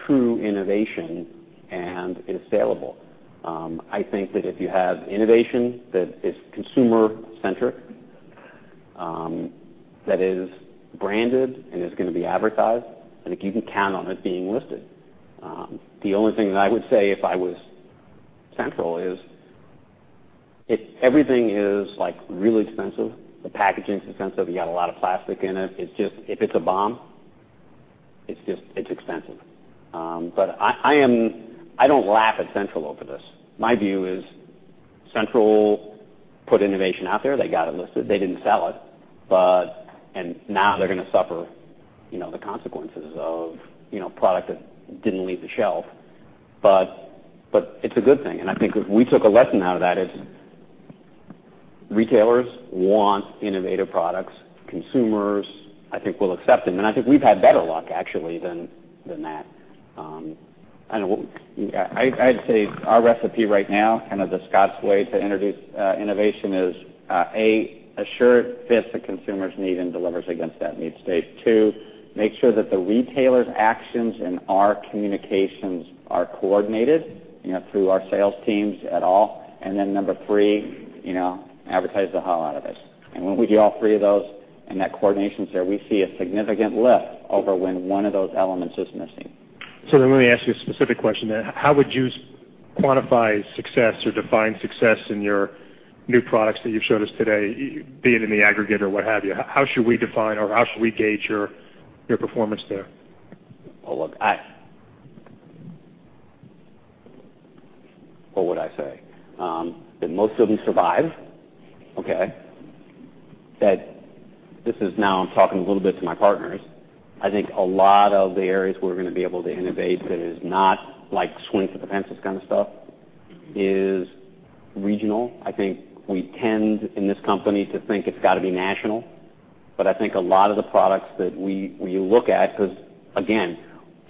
true innovation and is saleable. I think that if you have innovation that is consumer-centric, that is branded and is going to be advertised, and if you can count on it being listed. The only thing that I would say if I was Central is, everything is really expensive. The packaging's expensive. You got a lot of plastic in it. If it's a bomb, it's expensive. I don't laugh at Central over this. My view is Central put innovation out there. They got it listed. They didn't sell it. Now they're going to suffer the consequences of a product that didn't leave the shelf. It's a good thing, and I think if we took a lesson out of that, it's retailers want innovative products. Consumers, I think, will accept them. I think we've had better luck, actually, than that. I'd say our recipe right now, kind of the Scotts way to introduce innovation is, A, assure it fits a consumer's need and delivers against that need state. Two, make sure that the retailer's actions and our communications are coordinated through our sales teams at all. Number three, advertise the hell out of this. When we do all three of those and that coordination's there, we see a significant lift over when one of those elements is missing. Let me ask you a specific question then. How would you quantify success or define success in your new products that you've showed us today, be it in the aggregate or what have you? How should we define or how should we gauge your performance there? Well, look, what would I say? That most of them survive. Okay. This is now I'm talking a little bit to my partners. I think a lot of the areas we're going to be able to innovate that is not swing for the fences kind of stuff is regional. I think we tend, in this company, to think it's got to be national. I think a lot of the products that we look at, because again,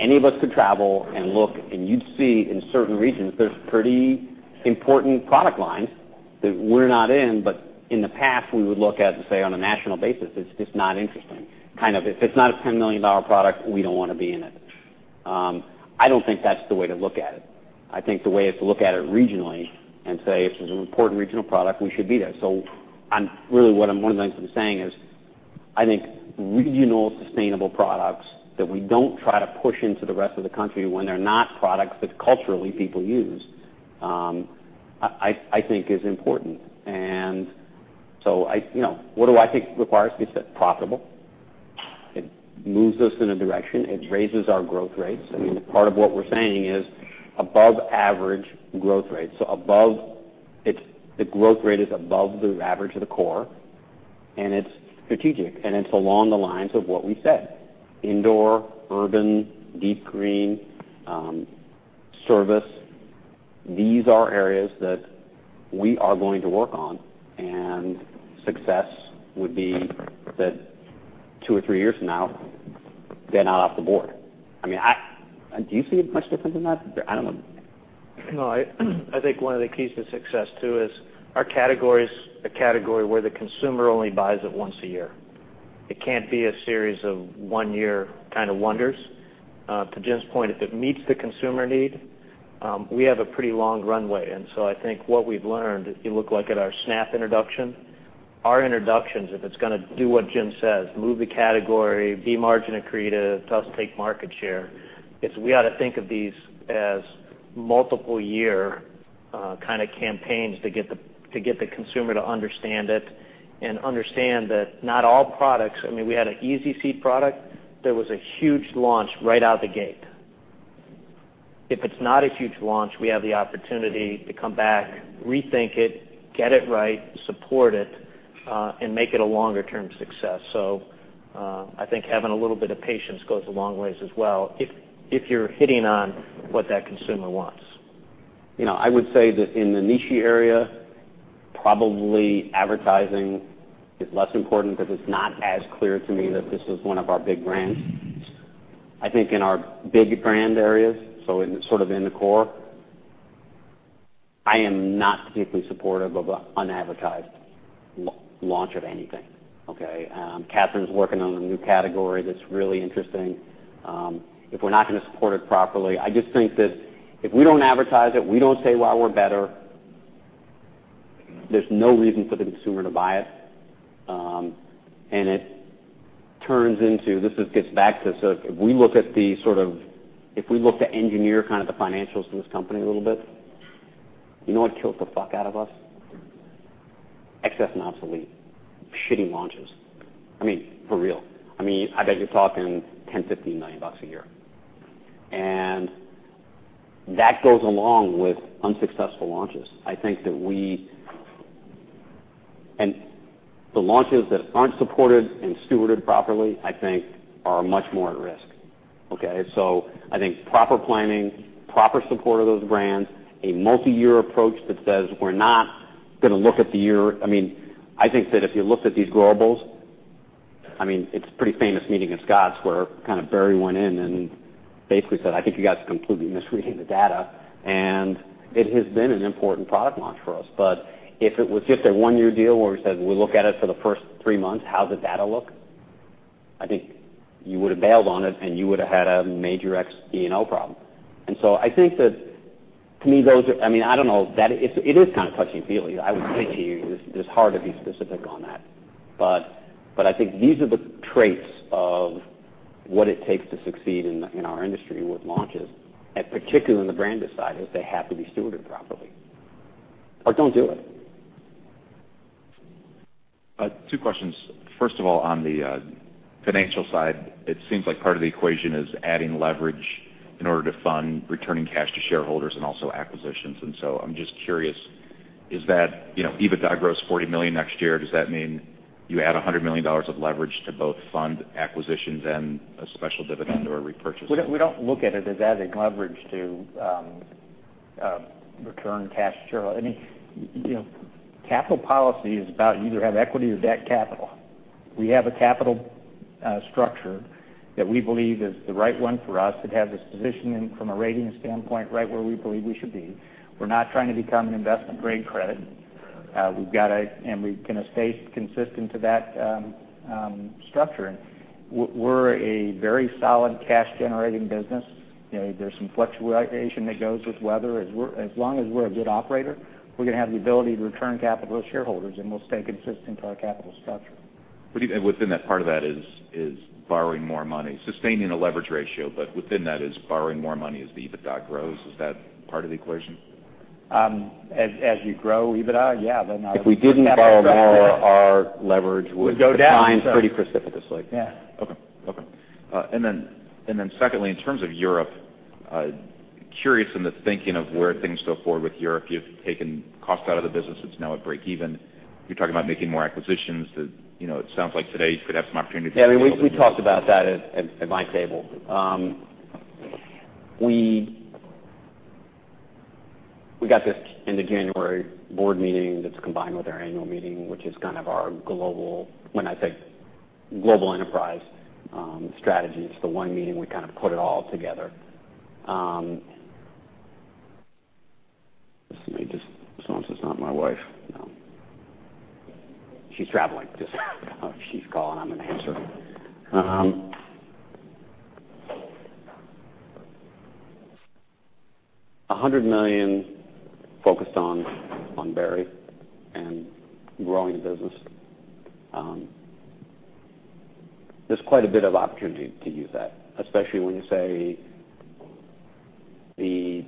any of us could travel and look, and you'd see in certain regions there's pretty important product lines that we're not in, but in the past, we would look at to say on a national basis, it's not interesting. Kind of if it's not a $10 million product, we don't want to be in it. I don't think that's the way to look at it. I think the way is to look at it regionally and say if there's an important regional product, we should be there. Really what I'm saying is, I think regional sustainable products that we don't try to push into the rest of the country when they're not products that culturally people use, I think is important. What do I think requires? It's profitable. It moves us in a direction. It raises our growth rates. Part of what we're saying is above average growth rates. The growth rate is above the average of the core, and it's strategic, and it's along the lines of what we said. Indoor, urban, deep green, service. These are areas that we are going to work on, and success would be that two or three years from now, they're not off the board. Do you see it much different than that? I don't know. I think one of the keys to success, too, is our category's a category where the consumer only buys it once a year. It can't be a series of one-year kind of wonders. To Jim's point, if it meets the consumer need, we have a pretty long runway in. I think what we've learned, if you look at our Snap introduction, our introductions, if it's going to do what Jim says, move the category, be margin accretive, does take market share, it's we ought to think of these as multiple-year kind of campaigns to get the consumer to understand it and understand that not all products We had an EZ Seed product. There was a huge launch right out the gate. If it's not a huge launch, we have the opportunity to come back, rethink it, get it right, support it, and make it a longer-term success. I think having a little bit of patience goes a long way as well if you're hitting on what that consumer wants. I would say that in the niche area Probably advertising is less important because it's not as clear to me that this is one of our big brands. I think in our big brand areas, sort of in the core, I am not deeply supportive of an unadvertised launch of anything. Okay? Catherine's working on a new category that's really interesting. If we're not going to support it properly, I just think that if we don't advertise it, we don't say why we're better, there's no reason for the consumer to buy it. This just gets back to, if we look to engineer kind of the financials in this company a little bit, you know what kills the fuck out of us? Excess and obsolete. Shitty launches. I mean, for real. I bet you're talking $10 million-$15 million a year. That goes along with unsuccessful launches. The launches that aren't supported and stewarded properly, I think are much more at risk. Okay? I think proper planning, proper support of those brands, a multi-year approach that says we're not going to look at the year. I think that if you looked at these Gro-ables, it's a pretty famous meeting at Scotts where kind of Barry went in and basically said, "I think you guys are completely misreading the data." It has been an important product launch for us. If it was just a 1-year deal where we said, we'll look at it for the first 3 months, how the data look, I think you would've bailed on it and you would've had a major E&O problem. I think that to me, those are, I don't know. It is kind of touchy-feely, I would say to you. It's hard to be specific on that. I think these are the traits of what it takes to succeed in our industry with launches, and particularly on the branded side, is they have to be stewarded properly or don't do it. Two questions. First of all, on the financial side, it seems like part of the equation is adding leverage in order to fund returning cash to shareholders and also acquisitions. I'm just curious, is that EBITDA gross $40 million next year? Does that mean you add $100 million of leverage to both fund acquisitions and a special dividend or repurchase? We don't look at it as adding leverage to return cash to shareholder. Capital policy is about you either have equity or debt capital. We have a capital structure that we believe is the right one for us. It has us positioned in from a rating standpoint, right where we believe we should be. We're not trying to become an investment-grade credit. We're going to stay consistent to that structure. We're a very solid cash-generating business. There's some fluctuation that goes with weather. As long as we're a good operator, we're going to have the ability to return capital to shareholders, and we'll stay consistent to our capital structure. Within that, part of that is borrowing more money, sustaining a leverage ratio, but within that is borrowing more money as the EBITDA grows. Is that part of the equation? As you grow EBITDA, yeah. If we didn't borrow more, our leverage would- Would go down decline pretty precipitously. Yeah. Okay. Secondly, in terms of Europe, curious in the thinking of where things go forward with Europe. You've taken cost out of the business. It's now at break-even. You're talking about making more acquisitions. It sounds like today you could have some opportunity to- We talked about that at my table. We got this end of January board meeting that's combined with our annual meeting, which is kind of our global, when I say global enterprise strategy, it's the one meeting, we kind of put it all together. This phone says it's not my wife. No. She's traveling. If she's calling, I'm going to answer. $100 million focused on Barry and growing the business. There's quite a bit of opportunity to use that, especially when you say the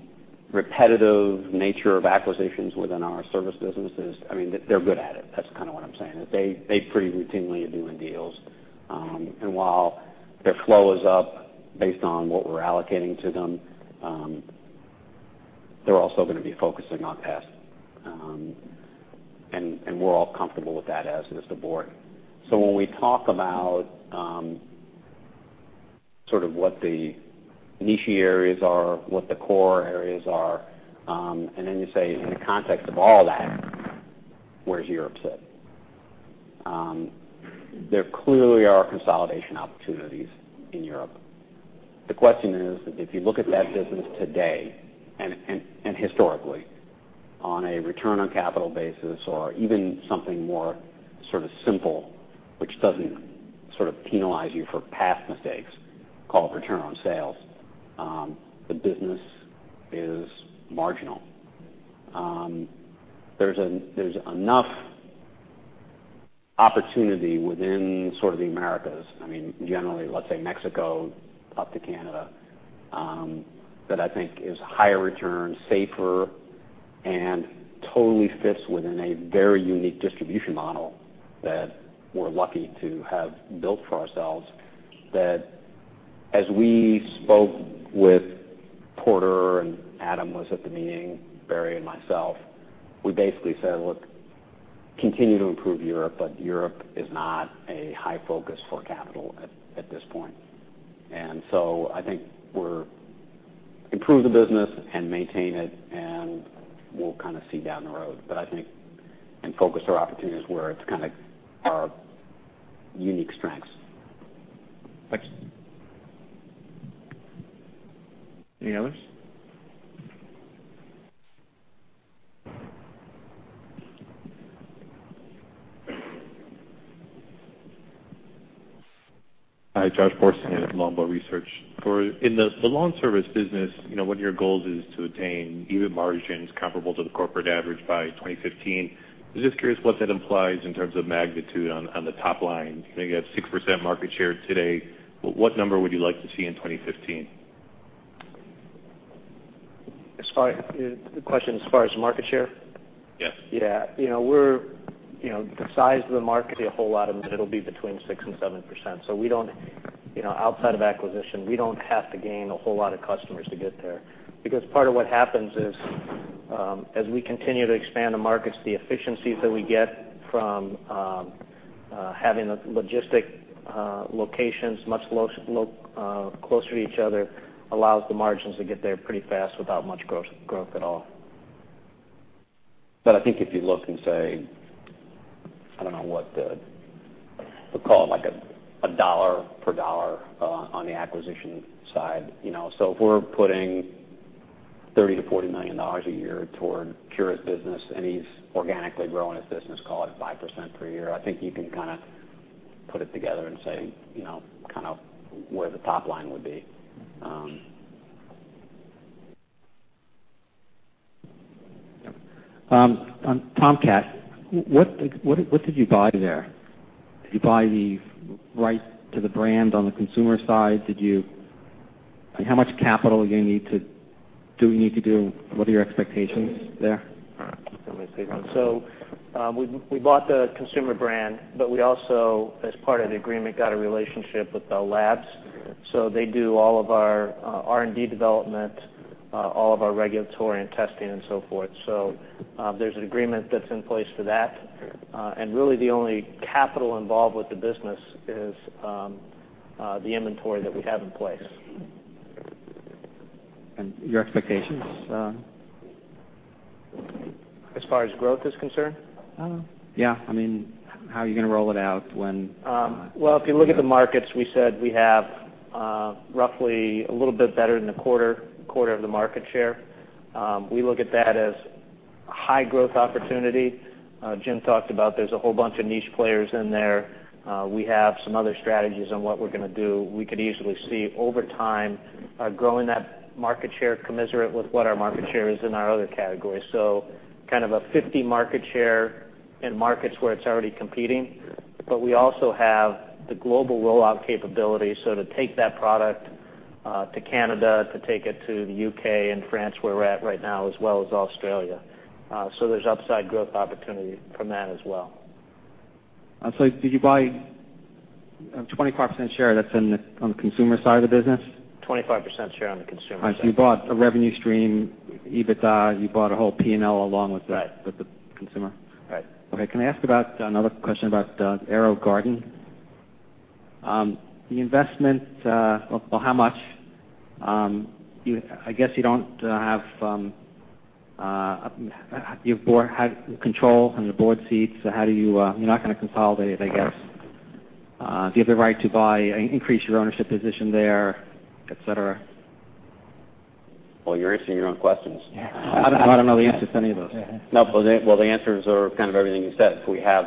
repetitive nature of acquisitions within our service businesses, they're good at it. That's kind of what I'm saying, is they're pretty routinely are doing deals. While their flow is up based on what we're allocating to them, they're also going to be focusing on S. We're all comfortable with that as is the board. When we talk about sort of what the niche areas are, what the core areas are, and then you say in the context of all that, where does Europe sit? There clearly are consolidation opportunities in Europe. The question is, if you look at that business today and historically on a return on capital basis or even something more sort of simple, which doesn't sort of penalize you for past mistakes, called return on sales, the business is marginal. There's enough opportunity within sort of the Americas, generally, let's say Mexico up to Canada, that I think is higher return, safer, and totally fits within a very unique distribution model that we're lucky to have built for ourselves. That as we spoke with Porter, Adam was at the meeting, Barry, and myself, we basically said, "Look, continue to improve Europe, but Europe is not a high focus for capital at this point." I think we're Improve the business and maintain it, we'll kind of see down the road. I think and focus our opportunities where it's kind of our unique strengths. Thanks. Any others? Hi, Josh at Longbow Research. In the Scotts LawnService business, one of your goals is to attain even margins comparable to the corporate average by 2015. I'm just curious what that implies in terms of magnitude on the top line. You got 6% market share today. What number would you like to see in 2015? The question, as far as market share? Yes. Yeah. The size of the market, a whole lot of it will be between 6% and 7%. Outside of acquisition, we don't have to gain a whole lot of customers to get there. Part of what happens is, as we continue to expand the markets, the efficiencies that we get from having logistic locations much closer to each other allows the margins to get there pretty fast without much growth at all. I think if you look and say, I don't know what we'll call it like a dollar per dollar on the acquisition side. If we're putting $30 million-$40 million a year toward [Curaleaf] business, and he's organically growing his business, call it 5% per year, I think you can kind of put it together and say where the top line would be. Tomcat, what did you buy there? Did you buy the right to the brand on the consumer side? How much capital do you need to do? What are your expectations there? We bought the consumer brand, but we also, as part of the agreement, got a relationship with the labs. They do all of our R&D development, all of our regulatory and testing and so forth. There's an agreement that's in place for that. Really, the only capital involved with the business is the inventory that we have in place. Your expectations? As far as growth is concerned? Yeah. How are you going to roll it out, when? Well, if you look at the markets, we said we have roughly a little bit better than a quarter of the market share. We look at that as high growth opportunity. Jim talked about there's a whole bunch of niche players in there. We have some other strategies on what we're going to do. We could easily see, over time, growing that market share commensurate with what our market share is in our other categories. Kind of a 50% market share in markets where it's already competing. We also have the global rollout capability. To take that product to Canada, to take it to the U.K. and France, where we're at right now, as well as Australia. There's upside growth opportunity from that as well. Did you buy a 25% share that's on the consumer side of the business? 25% share on the consumer side. You bought a revenue stream, EBITDA, you bought a whole P&L along with the- Right consumer. Right. Okay. Can I ask another question about AeroGarden? The investment, well, how much? I guess you don't have control on the board seats, you're not going to consolidate it, I guess. Correct. Do you have the right to buy, increase your ownership position there, et cetera? Well, you're answering your own questions. Yeah. I don't know the answer to any of those. Well, the answers are kind of everything you said. If we have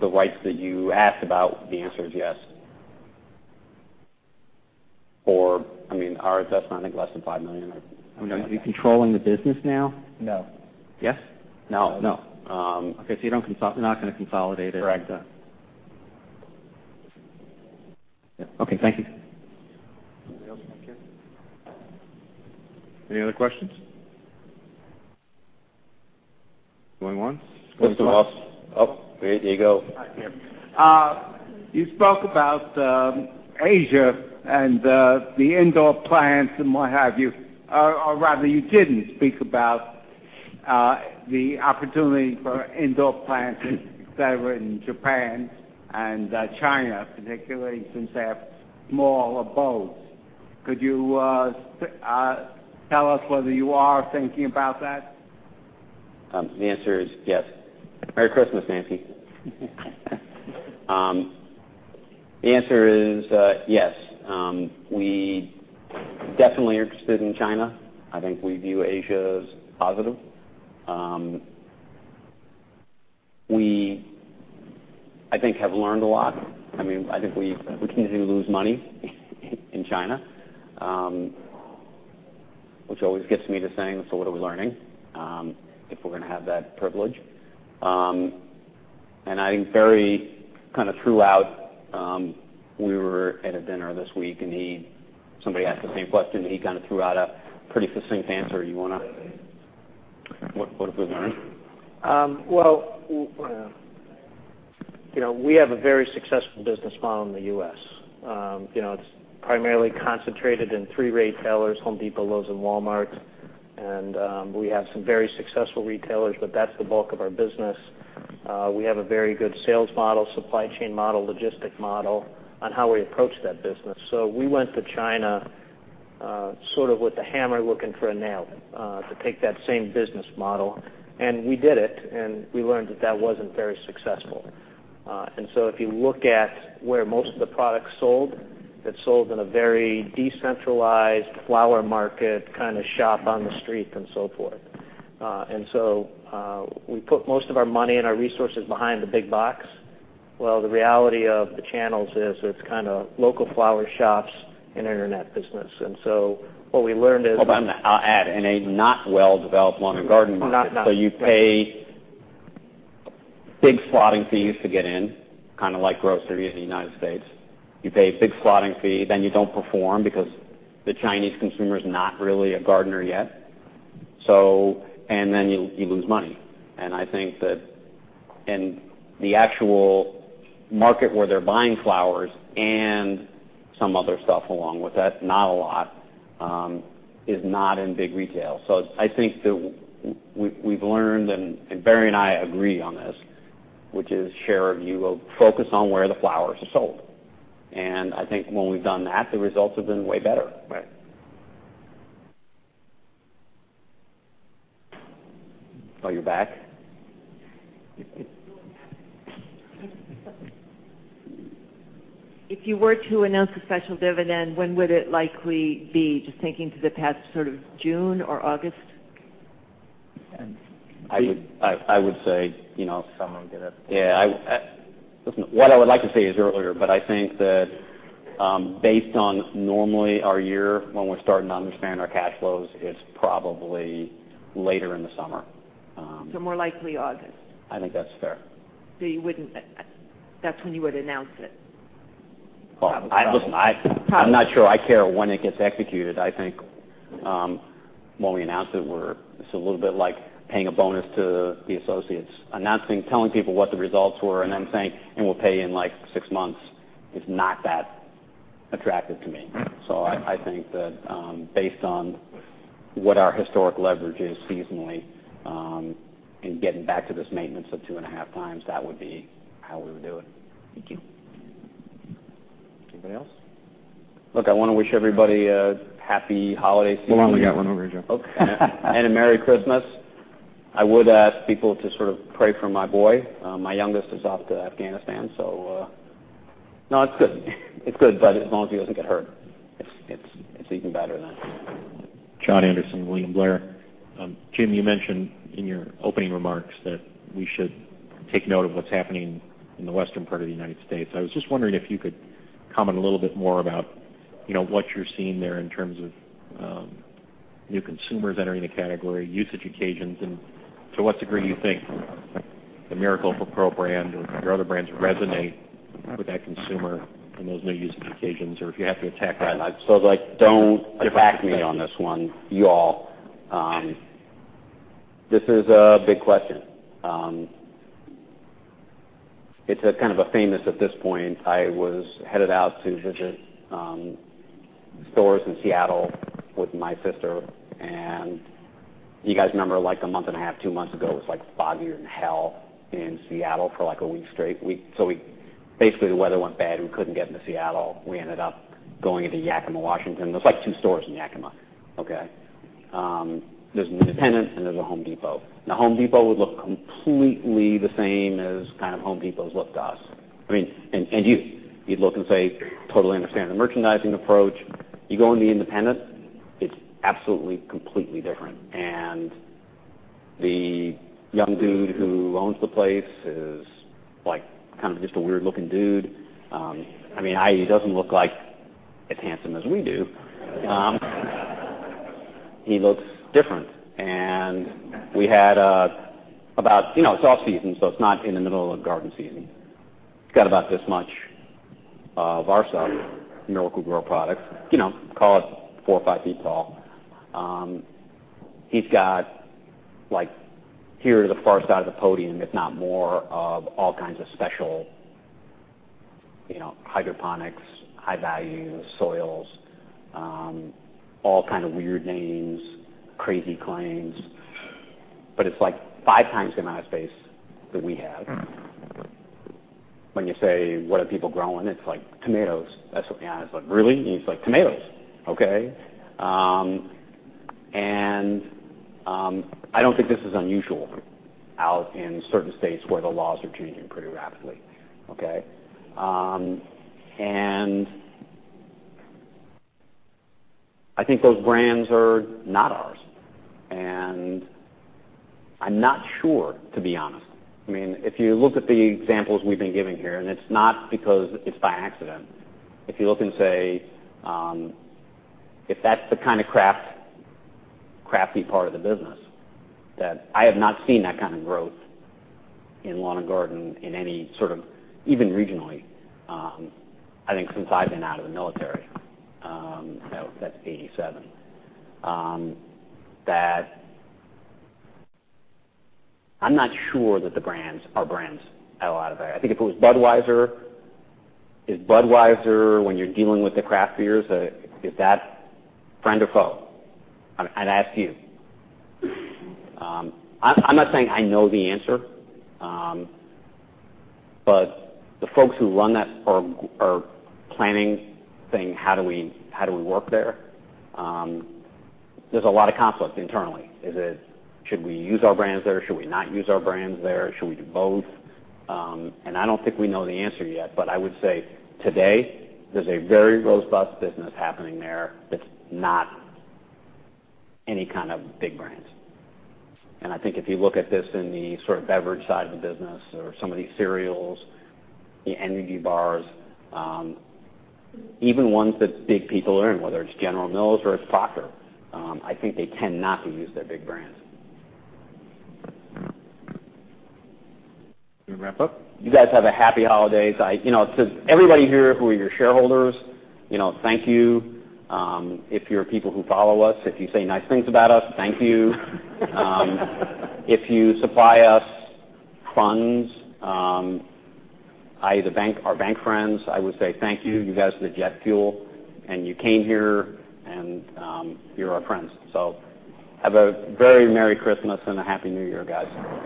the rights that you asked about, the answer is yes. Our investment, I think, less than $5 million. Are you controlling the business now? No. Yes? No. Okay. You're not going to consolidate it. Correct. Okay, thank you. Anybody else on Curaleaf? Any other questions? Going once. This is. Oh, there you go. Hi, Jim. Rather, you didn't speak about the opportunity for indoor plants, et cetera, in Japan and China particularly, since they have small abodes. Could you tell us whether you are thinking about that? The answer is yes. Merry Christmas, Nancy. The answer is yes. We definitely are interested in China. I think we view Asia as positive. We, I think, have learned a lot. I think we continue to lose money in China, which always gets me to saying, "What are we learning, if we're going to have that privilege?" I think very kind of throughout, we were at a dinner this week, and somebody asked the same question, and he kind of threw out a pretty succinct answer. What have we learned? Well, we have a very successful business model in the U.S. It's primarily concentrated in three retailers, The Home Depot, Lowe's, and Walmart. We have some very successful retailers, but that's the bulk of our business. We have a very good sales model, supply chain model, logistic model on how we approach that business. We went to China sort of with a hammer looking for a nail to take that same business model, and we did it, and we learned that that wasn't very successful. If you look at where most of the product is sold, it's sold in a very decentralized flower market, kind of shop on the street and so forth. We put most of our money and our resources behind the big box. Well, the reality of the channels is it's kind of local flower shops and internet business. What we learned is- I'll add, in a not well-developed lawn and garden market. Not now. You pay big slotting fees to get in, kind of like grocery in the United States. You pay a big slotting fee, then you don't perform because the Chinese consumer is not really a gardener yet. Then you lose money. I think that in the actual market where they're buying flowers and some other stuff along with that, not a lot, is not in big retail. I think that we've learned, and Barry and I agree on this, which is share a view of focus on where the flowers are sold. I think when we've done that, the results have been way better. Right. Oh, you're back? If you were to announce a special dividend, when would it likely be? Just thinking to the past sort of June or August? I would say- Summer, get it. Yeah. Listen, what I would like to say is earlier, I think that based on normally our year, when we're starting to understand our cash flows, it's probably later in the summer. More likely August. I think that's fair. That's when you would announce it. Listen. Probably I'm not sure I care when it gets executed. I think when we announce it's a little bit like paying a bonus to the associates. Announcing, telling people what the results were, and then saying, "We'll pay you in like six months," is not that attractive to me. I think that based on what our historic leverage is seasonally, and getting back to this maintenance of 2.5 times, that would be how we would do it. Thank you. Anybody else? Look, I wanna wish everybody a happy holiday season. Hold on. We got one over here, Joe. Okay. A merry Christmas. I would ask people to sort of pray for my boy. My youngest is off to Afghanistan. No, it's good. It's good, but as long as he doesn't get hurt, it's even better then. Jon Andersen, William Blair. Jim, you mentioned in your opening remarks that we should take note of what's happening in the western part of the United States. I was just wondering if you could comment a little bit more about what you're seeing there in terms of new consumers entering the category, usage occasions, and to what degree you think the Miracle-Gro or Pro brand or your other brands resonate with that consumer and those new usage occasions, or if you have to attack that. Like, don't attack me on this one, y'all. This is a big question. It's kind of famous at this point. I was headed out to visit stores in Seattle with my sister, you guys remember, like the one and a half, two months ago, it was foggier than hell in Seattle for a week straight. Basically, the weather went bad, and we couldn't get into Seattle. We ended up going into Yakima, Washington. There's like two stores in Yakima, okay? There's an independent, and there's a Home Depot. Home Depot would look completely the same as kind of Home Depots look to us. You'd look and say, "Totally understand the merchandising approach." You go in the independent, it's absolutely, completely different. And the young dude who owns the place is kind of just a weird-looking dude. He doesn't look like as handsome as we do. He looks different. We had about It's off-season, so it's not in the middle of garden season. He's got about this much of our stuff, Miracle-Gro products. Call it four or five feet tall. He's got like here to the far side of the podium, if not more, of all kinds of special hydroponics, high-value soils, all kind of weird names, crazy claims, but it's like five times the amount of space that we have. When you say, "What are people growing?" It's like, "Tomatoes." That's what he has. Like, "Really?" He's like, "Tomatoes." Okay? I don't think this is unusual out in certain states where the laws are changing pretty rapidly, okay? I think those brands are not ours, and I'm not sure, to be honest. If you look at the examples we've been giving here, it's not because it's by accident. If you look and say if that's the kind of crafty part of the business, that I have not seen that kind of growth in lawn and garden in any sort of even regionally, I think since I've been out of the military, so that's 1987. I'm not sure that the brands are brands at all out of there. I think if it was Budweiser, is Budweiser when you're dealing with the craft beers, is that friend or foe? I'd ask you. I'm not saying I know the answer, but the folks who run that are planning, saying, "How do we work there?" There's a lot of conflict internally. Should we use our brands there? Should we not use our brands there? Should we do both? I don't think we know the answer yet, but I would say today there's a very robust business happening there that's not any kind of big brands. I think if you look at this in the sort of beverage side of the business or some of these cereals, the energy bars, even ones that big people are in, whether it's General Mills or it's Procter, I think they tend not to use their big brands. Can we wrap up? You guys have a Happy Holidays. To everybody here who are your shareholders, thank you. If you're people who follow us, if you say nice things about us, thank you. If you supply us funds, our bank friends, I would say thank you. You guys are the jet fuel, and you came here, and you're our friends. Have a very Merry Christmas and a Happy New Year, guys.